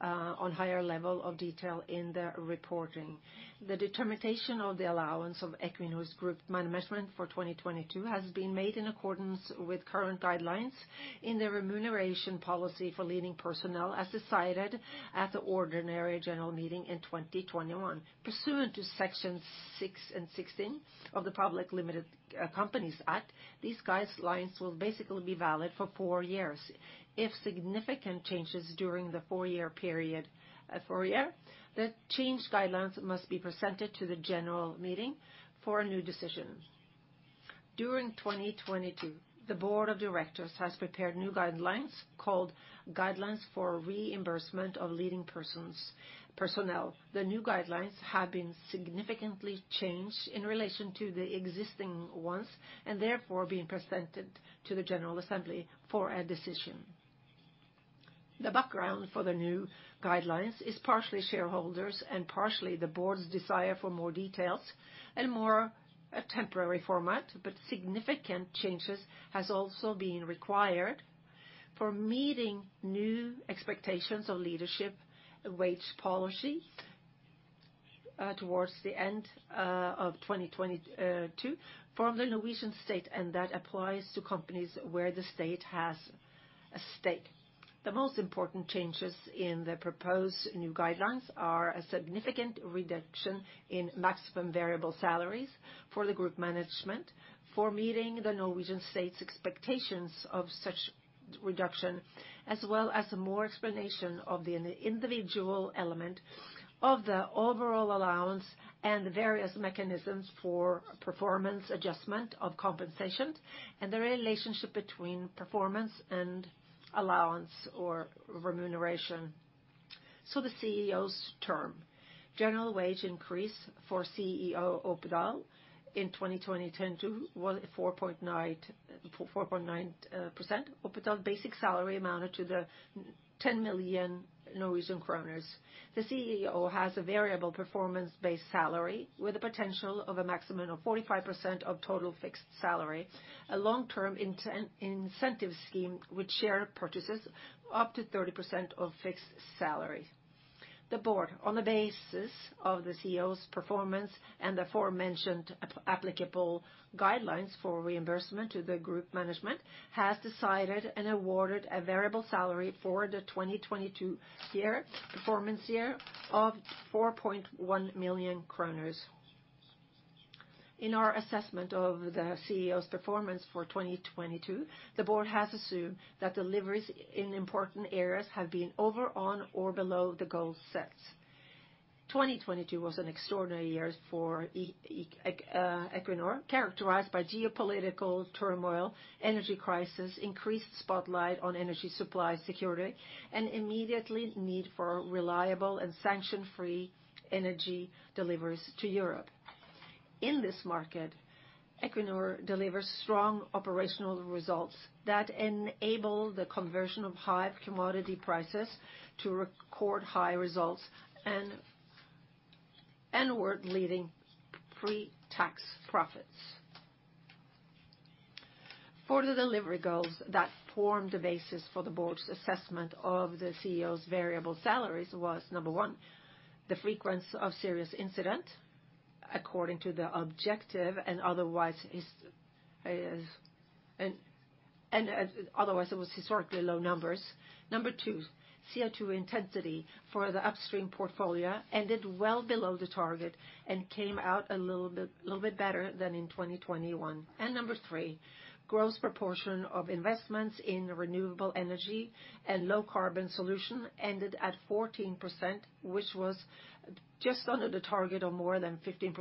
on higher level of detail in their reporting. The determination of the allowance of Equinor's group management for 2022 has been made in accordance with current guidelines in the remuneration policy for leading personnel as decided at the ordinary general meeting in 2021. Pursuant to sections 6 and 16 of the Public Limited Companies Act, these guidelines will basically be valid for 4 years. If significant changes during the 4-year period, the changed guidelines must be presented to the general meeting for a new decision. During 2022, the board of directors has prepared new guidelines called Guidelines for Reimbursement of Leading Persons Personnel. The new guidelines have been significantly changed in relation to the existing ones and therefore being presented to the general assembly for a decision. The background for the new guidelines is partially shareholders and partially the board's desire for more details and more a temporary format, but significant changes has also been required for meeting new expectations of leadership wage policy towards the end of 2022 from the Norwegian state, and that applies to companies where the state has a stake. The most important changes in the proposed new guidelines are a significant reduction in maximum variable salaries for the group management for meeting the Norwegian state's expectations of such reduction, as well as more explanation of the individual element of the overall allowance and the various mechanisms for performance adjustment of compensation and the relationship between performance and allowance or remuneration. The CEO's term. General wage increase for CEO Opedal in 2020, 4.9%. Opedal basic salary amounted to 10 million Norwegian kroner. The CEO has a variable performance-based salary with the potential of a maximum of 45% of total fixed salary, a long-term incentive scheme with share purchases up to 30% of fixed salary. The board, on the basis of the CEO's performance and the aforementioned applicable guidelines for reimbursement to the group management, has decided and awarded a variable salary for the 2022 performance year of 4.1 million kroner. In our assessment of the CEO's performance for 2022, the board has assumed that deliveries in important areas have been over on or below the goals set. 2022 was an extraordinary year for Equinor, characterized by geopolitical turmoil, energy crisis, increased spotlight on energy supply security, and immediate need for reliable and sanction-free energy deliveries to Europe. In this market, Equinor delivers strong operational results that enable the conversion of high commodity prices to record high results and world-leading pre-tax profits. For the delivery goals that form the basis for the board's assessment of the CEO's variable salaries, number 1, the frequency of serious incident according to the objective. Otherwise, it was historically low numbers. Number 2, CO2 intensity for the upstream portfolio ended well below the target and came out a little bit better than in 2021. Number 3, gross proportion of investments in renewable energy and low carbon solution ended at 14%, which was just under the target of more than 15%.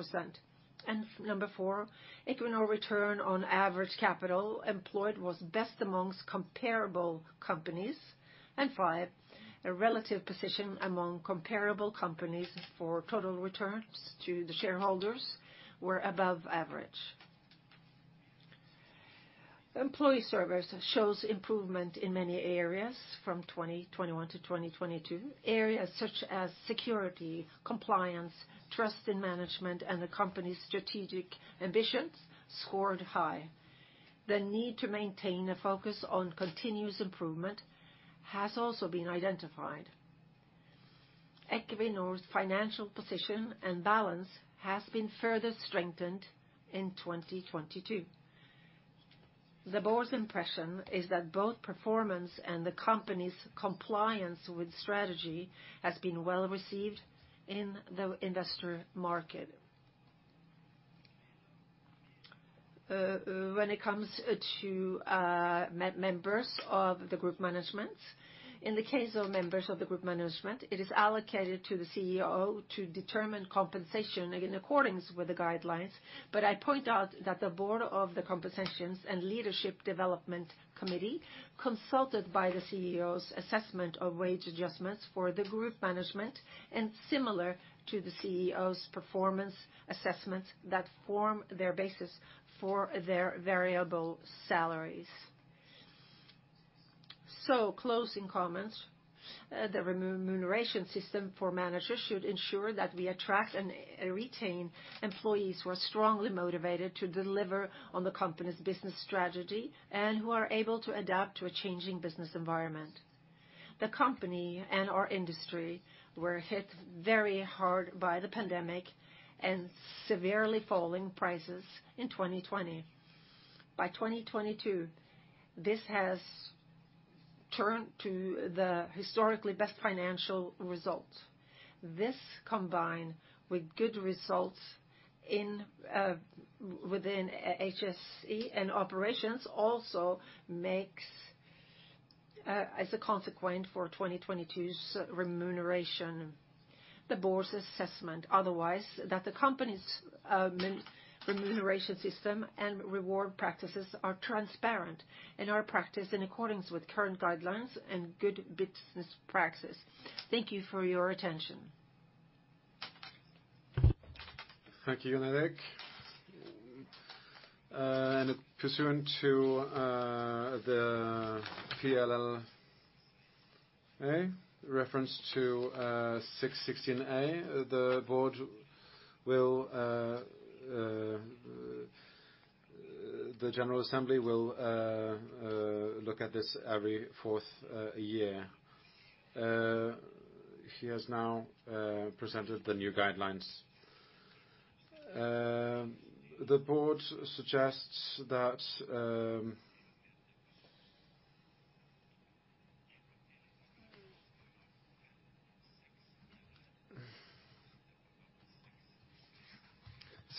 Number 4, Equinor return on average capital employed was best amongst comparable companies. 5, a relative position among comparable companies for total returns to the shareholders were above average. Employee surveys shows improvement in many areas from 2021 to 2022. Areas such as security, compliance, trust in management, and the company's strategic ambitions scored high. The need to maintain a focus on continuous improvement has also been identified. Equinor's financial position and balance has been further strengthened in 2022. The board's impression is that both performance and the company's compliance with strategy has been well received in the investor market. When it comes to members of the group management, in the case of members of the group management, it is allocated to the CEO to determine compensation in accordance with the guidelines. I point out that the board of the Compensation and Leadership Development Committee consulted by the CEO's assessment of wage adjustments for the group management, and similar to the CEO's performance assessments that form their basis for their variable salaries. Closing comments, the remuneration system for managers should ensure that we attract and retain employees who are strongly motivated to deliver on the company's business strategy and who are able to adapt to a changing business environment. The company and our industry were hit very hard by the pandemic and severely falling prices in 2020. By 2022, this has turned to the historically best financial result. This combined with good results within HSE and operations also makes as a consequence for 2022's remuneration. The board's assessment otherwise, that the company's remuneration system and reward practices are transparent and are practiced in accordance with current guidelines and good business practices. Thank you for your attention. Thank you, Jon Erik Reinhardsen. Pursuant to the PLLA, reference to 6-16 A, the board will. The general assembly will look at this every 4th year. She has now presented the new guidelines. The board suggests that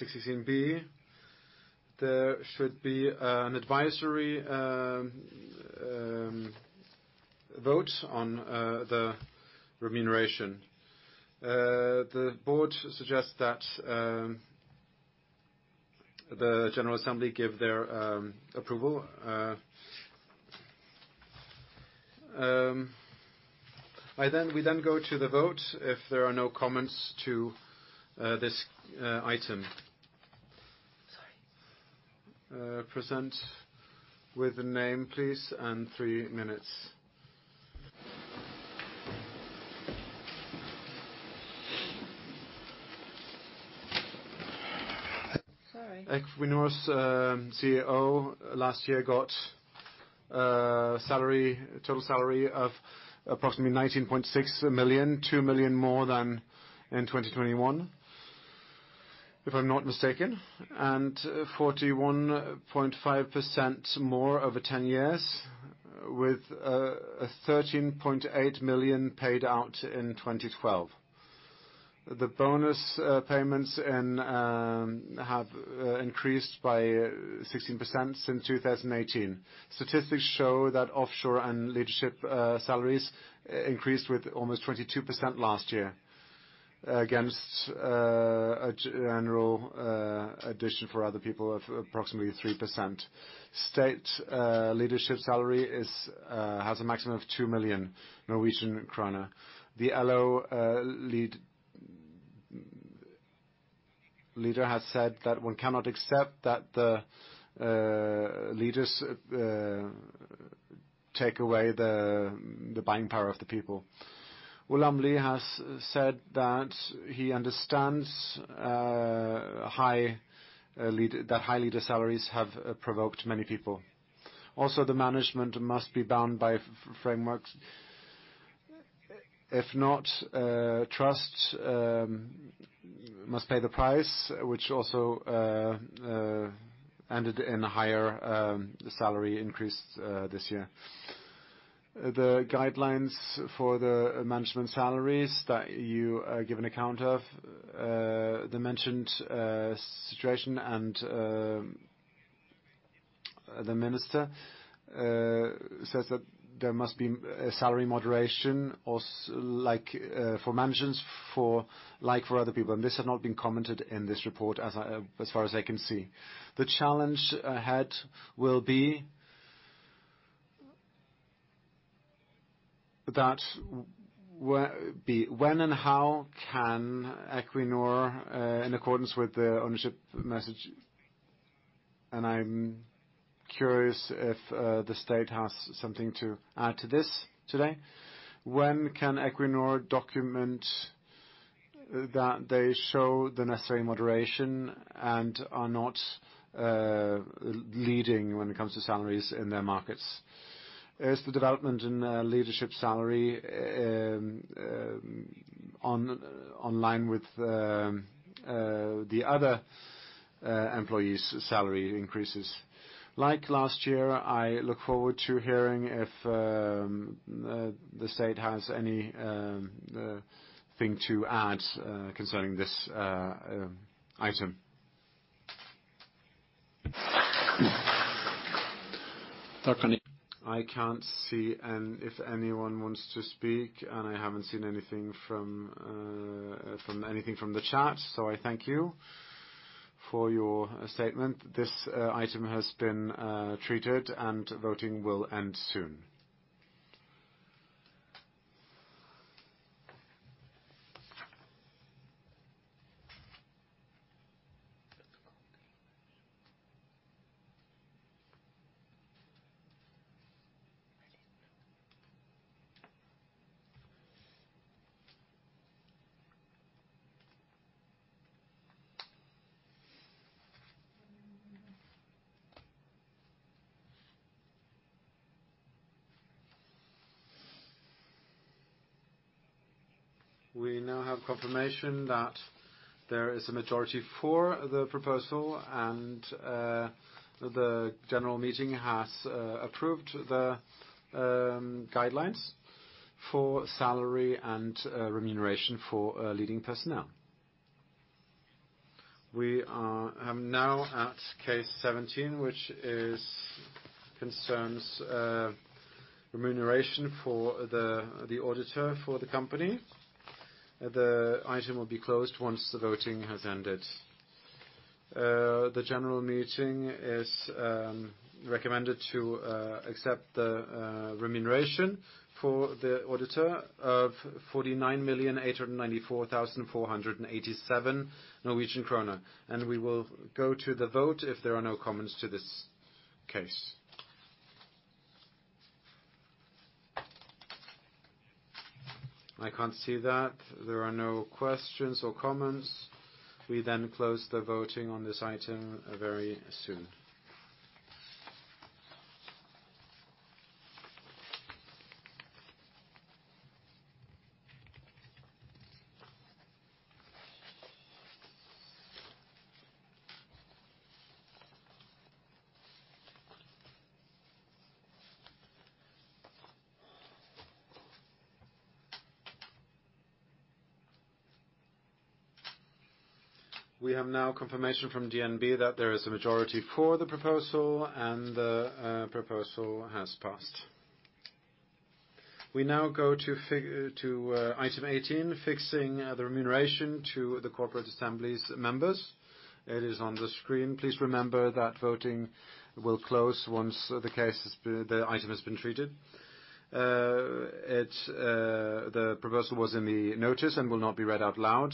6-16 B, there should be an advisory vote on the remuneration. The board suggests that the general assembly give their approval. We then go to the vote if there are no comments to this item. Sorry. Present with the name, please, and 3 minutes. Equinor's CEO last year got salary, total salary of approximately 19.6 million, 2 million more than in 2021, if I'm not mistaken, and 41.5% more over 10 years, with a 13.8 million paid out in 2012. The bonus payments and have increased by 16% since 2018. Statistics show that offshore and leadership salaries increased with almost 22% last year against a general addition for other people of approximately 3%. State leadership salary has a maximum of 2 million Norwegian krone. The LO leader has said that one cannot accept that the leaders take away the buying power of the people. Ulland Ly has said that he understands high lead... that high leader salaries have provoked many people. Also, the management must be bound by frameworks. If not, trust must pay the price, which also ended in a higher salary increase this year. The guidelines for the management salaries that you give an account of, the mentioned situation and the minister says that there must be a salary moderation or like for managements for, like for other people, and this has not been commented in this report as far as I can see. The challenge ahead will be that when and how can Equinor in accordance with the ownership message, and I'm curious if the state has something to add to this today. When can Equinor document that they show the necessary moderation and are not leading when it comes to salaries in their markets? Is the development in leadership salary in line with the other employees' salary increases? Like last year, I look forward to hearing if the state has any thing to add concerning this item. I can't see if anyone wants to speak, and I haven't seen anything from the chat, so I thank you for your statement. This item has been treated, and voting will end soon. We now have confirmation that there is a majority for the proposal and the general meeting has approved the guidelines for salary and remuneration for leading personnel. We are now at case 17, which concerns remuneration for the auditor for the company. The item will be closed once the voting has ended. The general meeting is recommended to accept the remuneration for the auditor of 49,894,487 Norwegian kroner, and we will go to the vote if there are no comments to this case. I can't see that. There are no questions or comments. We then close the voting on this item very soon. We have now confirmation from DNB that there is a majority for the proposal, and the proposal has passed. We now go to item 18, fixing the remuneration to the corporate assembly's members. It is on the screen. Please remember that voting will close once the item has been treated. The proposal was in the notice and will not be read out loud.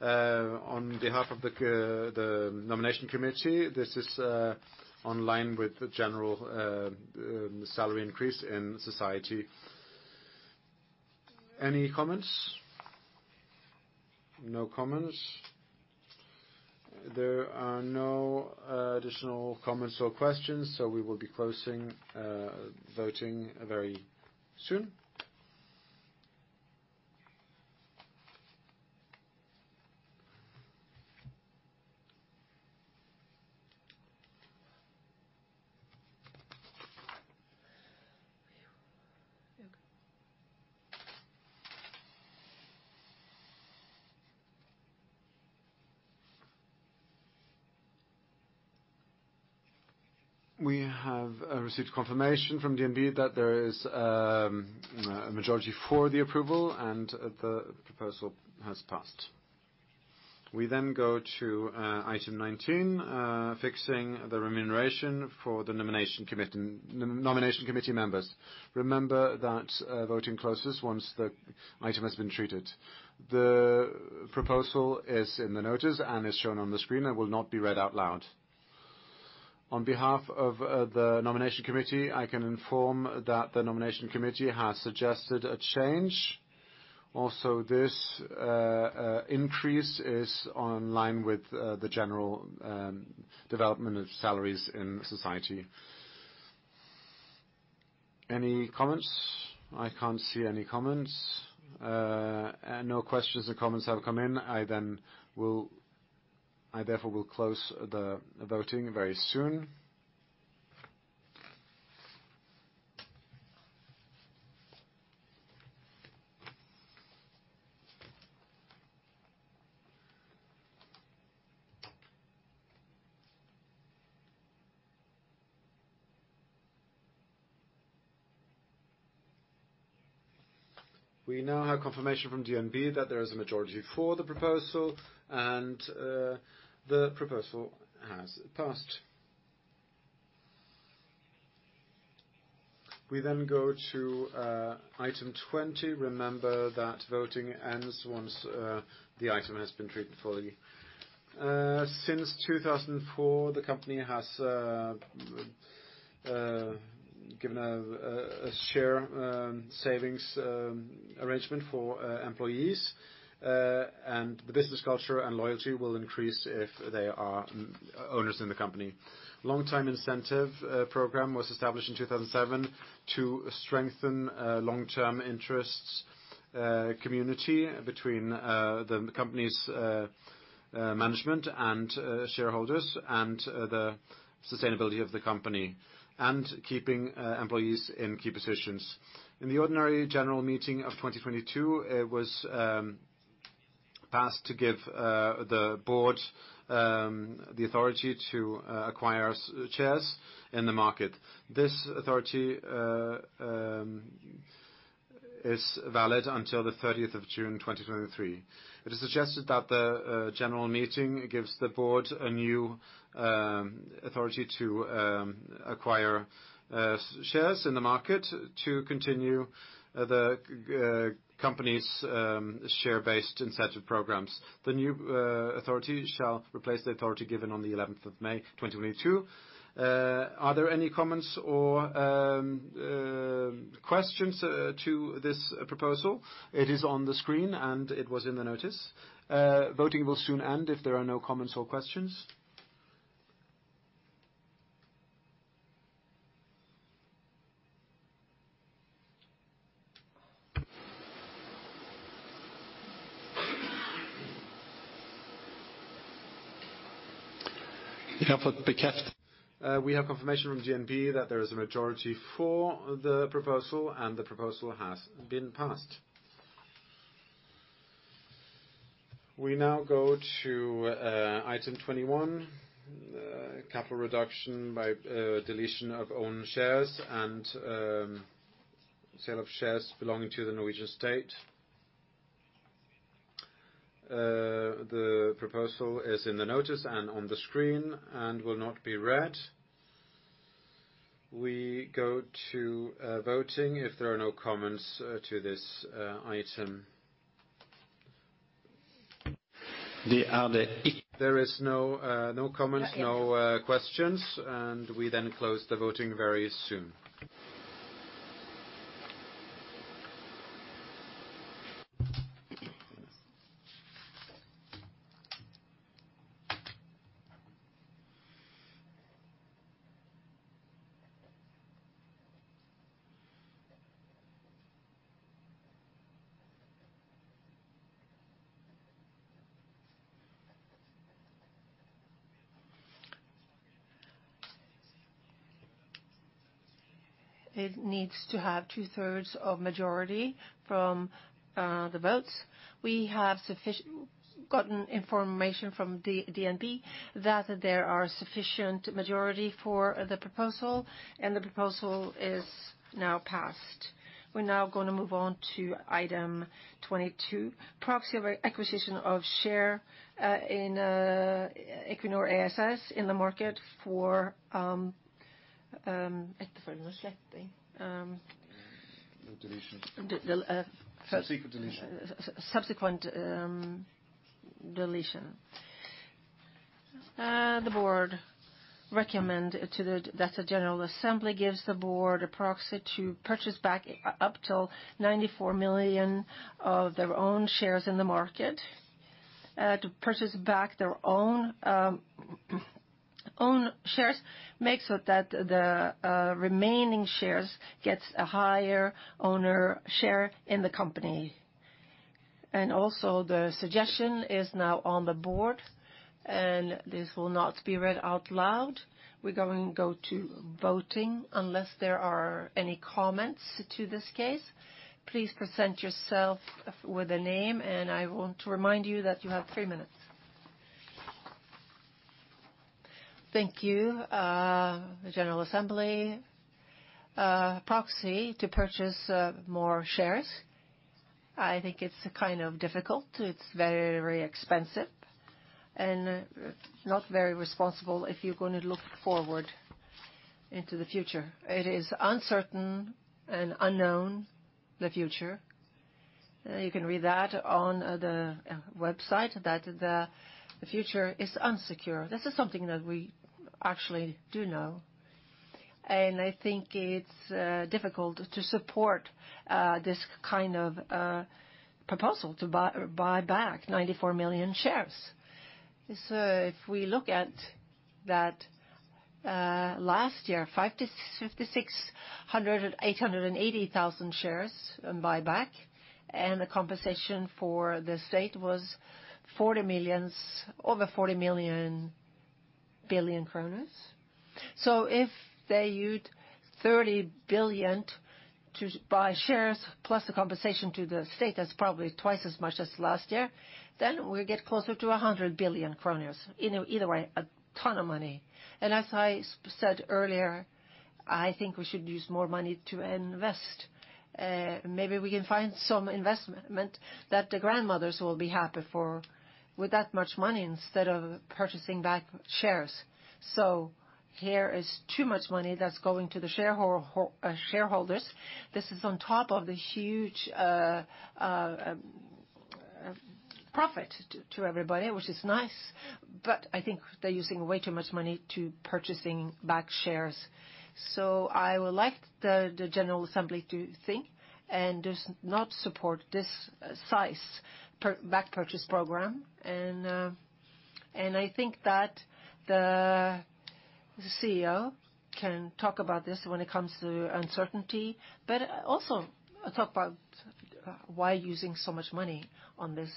On behalf of the nomination committee, this is online with the general salary increase in society. Any comments? No comments. There are no additional comments or questions, so we will be closing voting very soon. We have received confirmation from DNB that there is a majority for the approval and the proposal has passed. We go to item 19, fixing the remuneration for the nomination committee members. Remember that voting closes once the item has been treated. The proposal is in the notice and is shown on the screen and will not be read out loud. On behalf of the nomination committee, I can inform that the nomination committee has suggested a change. Also, this increase is in line with the general development of salaries in society. Any comments? I can't see any comments. No questions or comments have come in. I therefore will close the voting very soon. We now have confirmation from DNB that there is a majority for the proposal and the proposal has passed. We go to item 20. Remember that voting ends once the item has been treated fully. Since 2004, the company has given a share savings arrangement for employees, and the business culture and loyalty will increase if they are owners in the company. Long-term incentive program was established in 2007 to strengthen long-term interests community between the company's management and shareholders and the sustainability of the company and keeping employees in key positions. In the ordinary general meeting of 2022, it was passed to give the board the authority to acquire shares in the market. This authority is valid until the 30th of June, 2023. It is suggested that the general meeting gives the board a new authority to acquire shares in the market to continue the company's share-based incentive programs. The new authority shall replace the authority given on the 11th of May, 2022. Are there any comments or questions to this proposal? It is on the screen, and it was in the notice. Voting will soon end if there are no comments or questions. We have confirmation from DNB that there is a majority for the proposal, and the proposal has been passed. We now go to item 21, capital reduction by deletion of own shares and sale of shares belonging to the Norwegian state. The proposal is in the notice and on the screen and will not be read. We go to voting if there are no comments to this item. There are no comments, no questions, and we then close the voting very soon. It needs to have 2/3 of majority from the votes. We have gotten information from DNB that there are sufficient majority for the proposal, and the proposal is now passed. We're now gonna move on to item 22, proxy of acquisition of share in Equinor ASA in the market for, Deletion. Uh- Subsequent deletion. Subsequent deletion. The board recommend to the that the general assembly gives the board a proxy to purchase back up till 94 million of their own shares in the market, to purchase back their own shares, makes it that the remaining shares gets a higher owner share in the company. Also the suggestion is now on the board, and this will not be read out loud. We're going to go to voting unless there are any comments to this case. Please present yourself with a name, and I want to remind you that you have 3 minutes. Thank you, general assembly. Proxy to purchase more shares, I think it's kind of difficult. It's very expensive and not very responsible if you're gonna look forward into the future. It is uncertain and unknown, the future. You can read that on the website that the future is insecure. This is something that we actually do know. I think it's difficult to support this kind of proposal to buy back 94 million shares. If we look at that, last year, 568,800 shares in buyback, and the compensation for the state was over 40 billion kroner. If they used 30 billion to buy shares plus the compensation to the state, that's probably twice as much as last year, then we get closer to 100 billion kroner. Either way, a ton of money. I think we should use more money to invest. Maybe we can find some investment that the grandmothers will be happy for with that much money instead of purchasing back shares. There's too much money that's going to the shareholders. This is on top of the huge profit to everybody, which is nice, but I think they're using way too much money to purchasing back shares. I would like the general assembly to think and just not support this size buyback purchase program. I think that the CEO can talk about this when it comes to uncertainty, but also talk about why using so much money on this.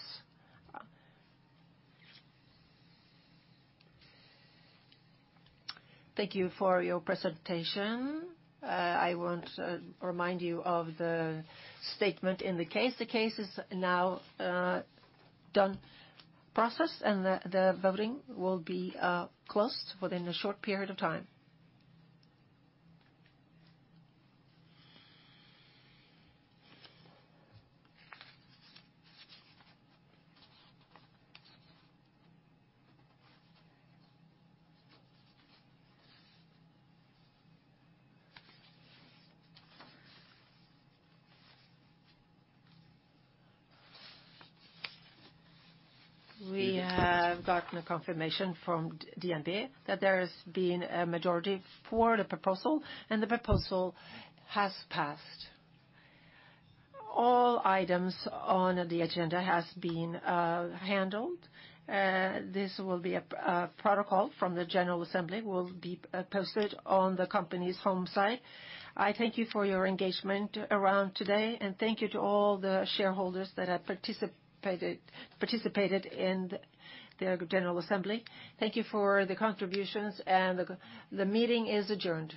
Thank you for your presentation. I want to remind you of the statement in the case. The case is now in process and the voting will be closed within a short period of time. We have gotten a confirmation from DNB that there's been a majority for the proposal, and the proposal has passed. All items on the agenda has been handled. There will be a protocol from the general assembly will be posted on the company's website. I thank you for your engagement around today, and thank you to all the shareholders that have participated in the general assembly. Thank you for the contributions and the meeting is adjourned.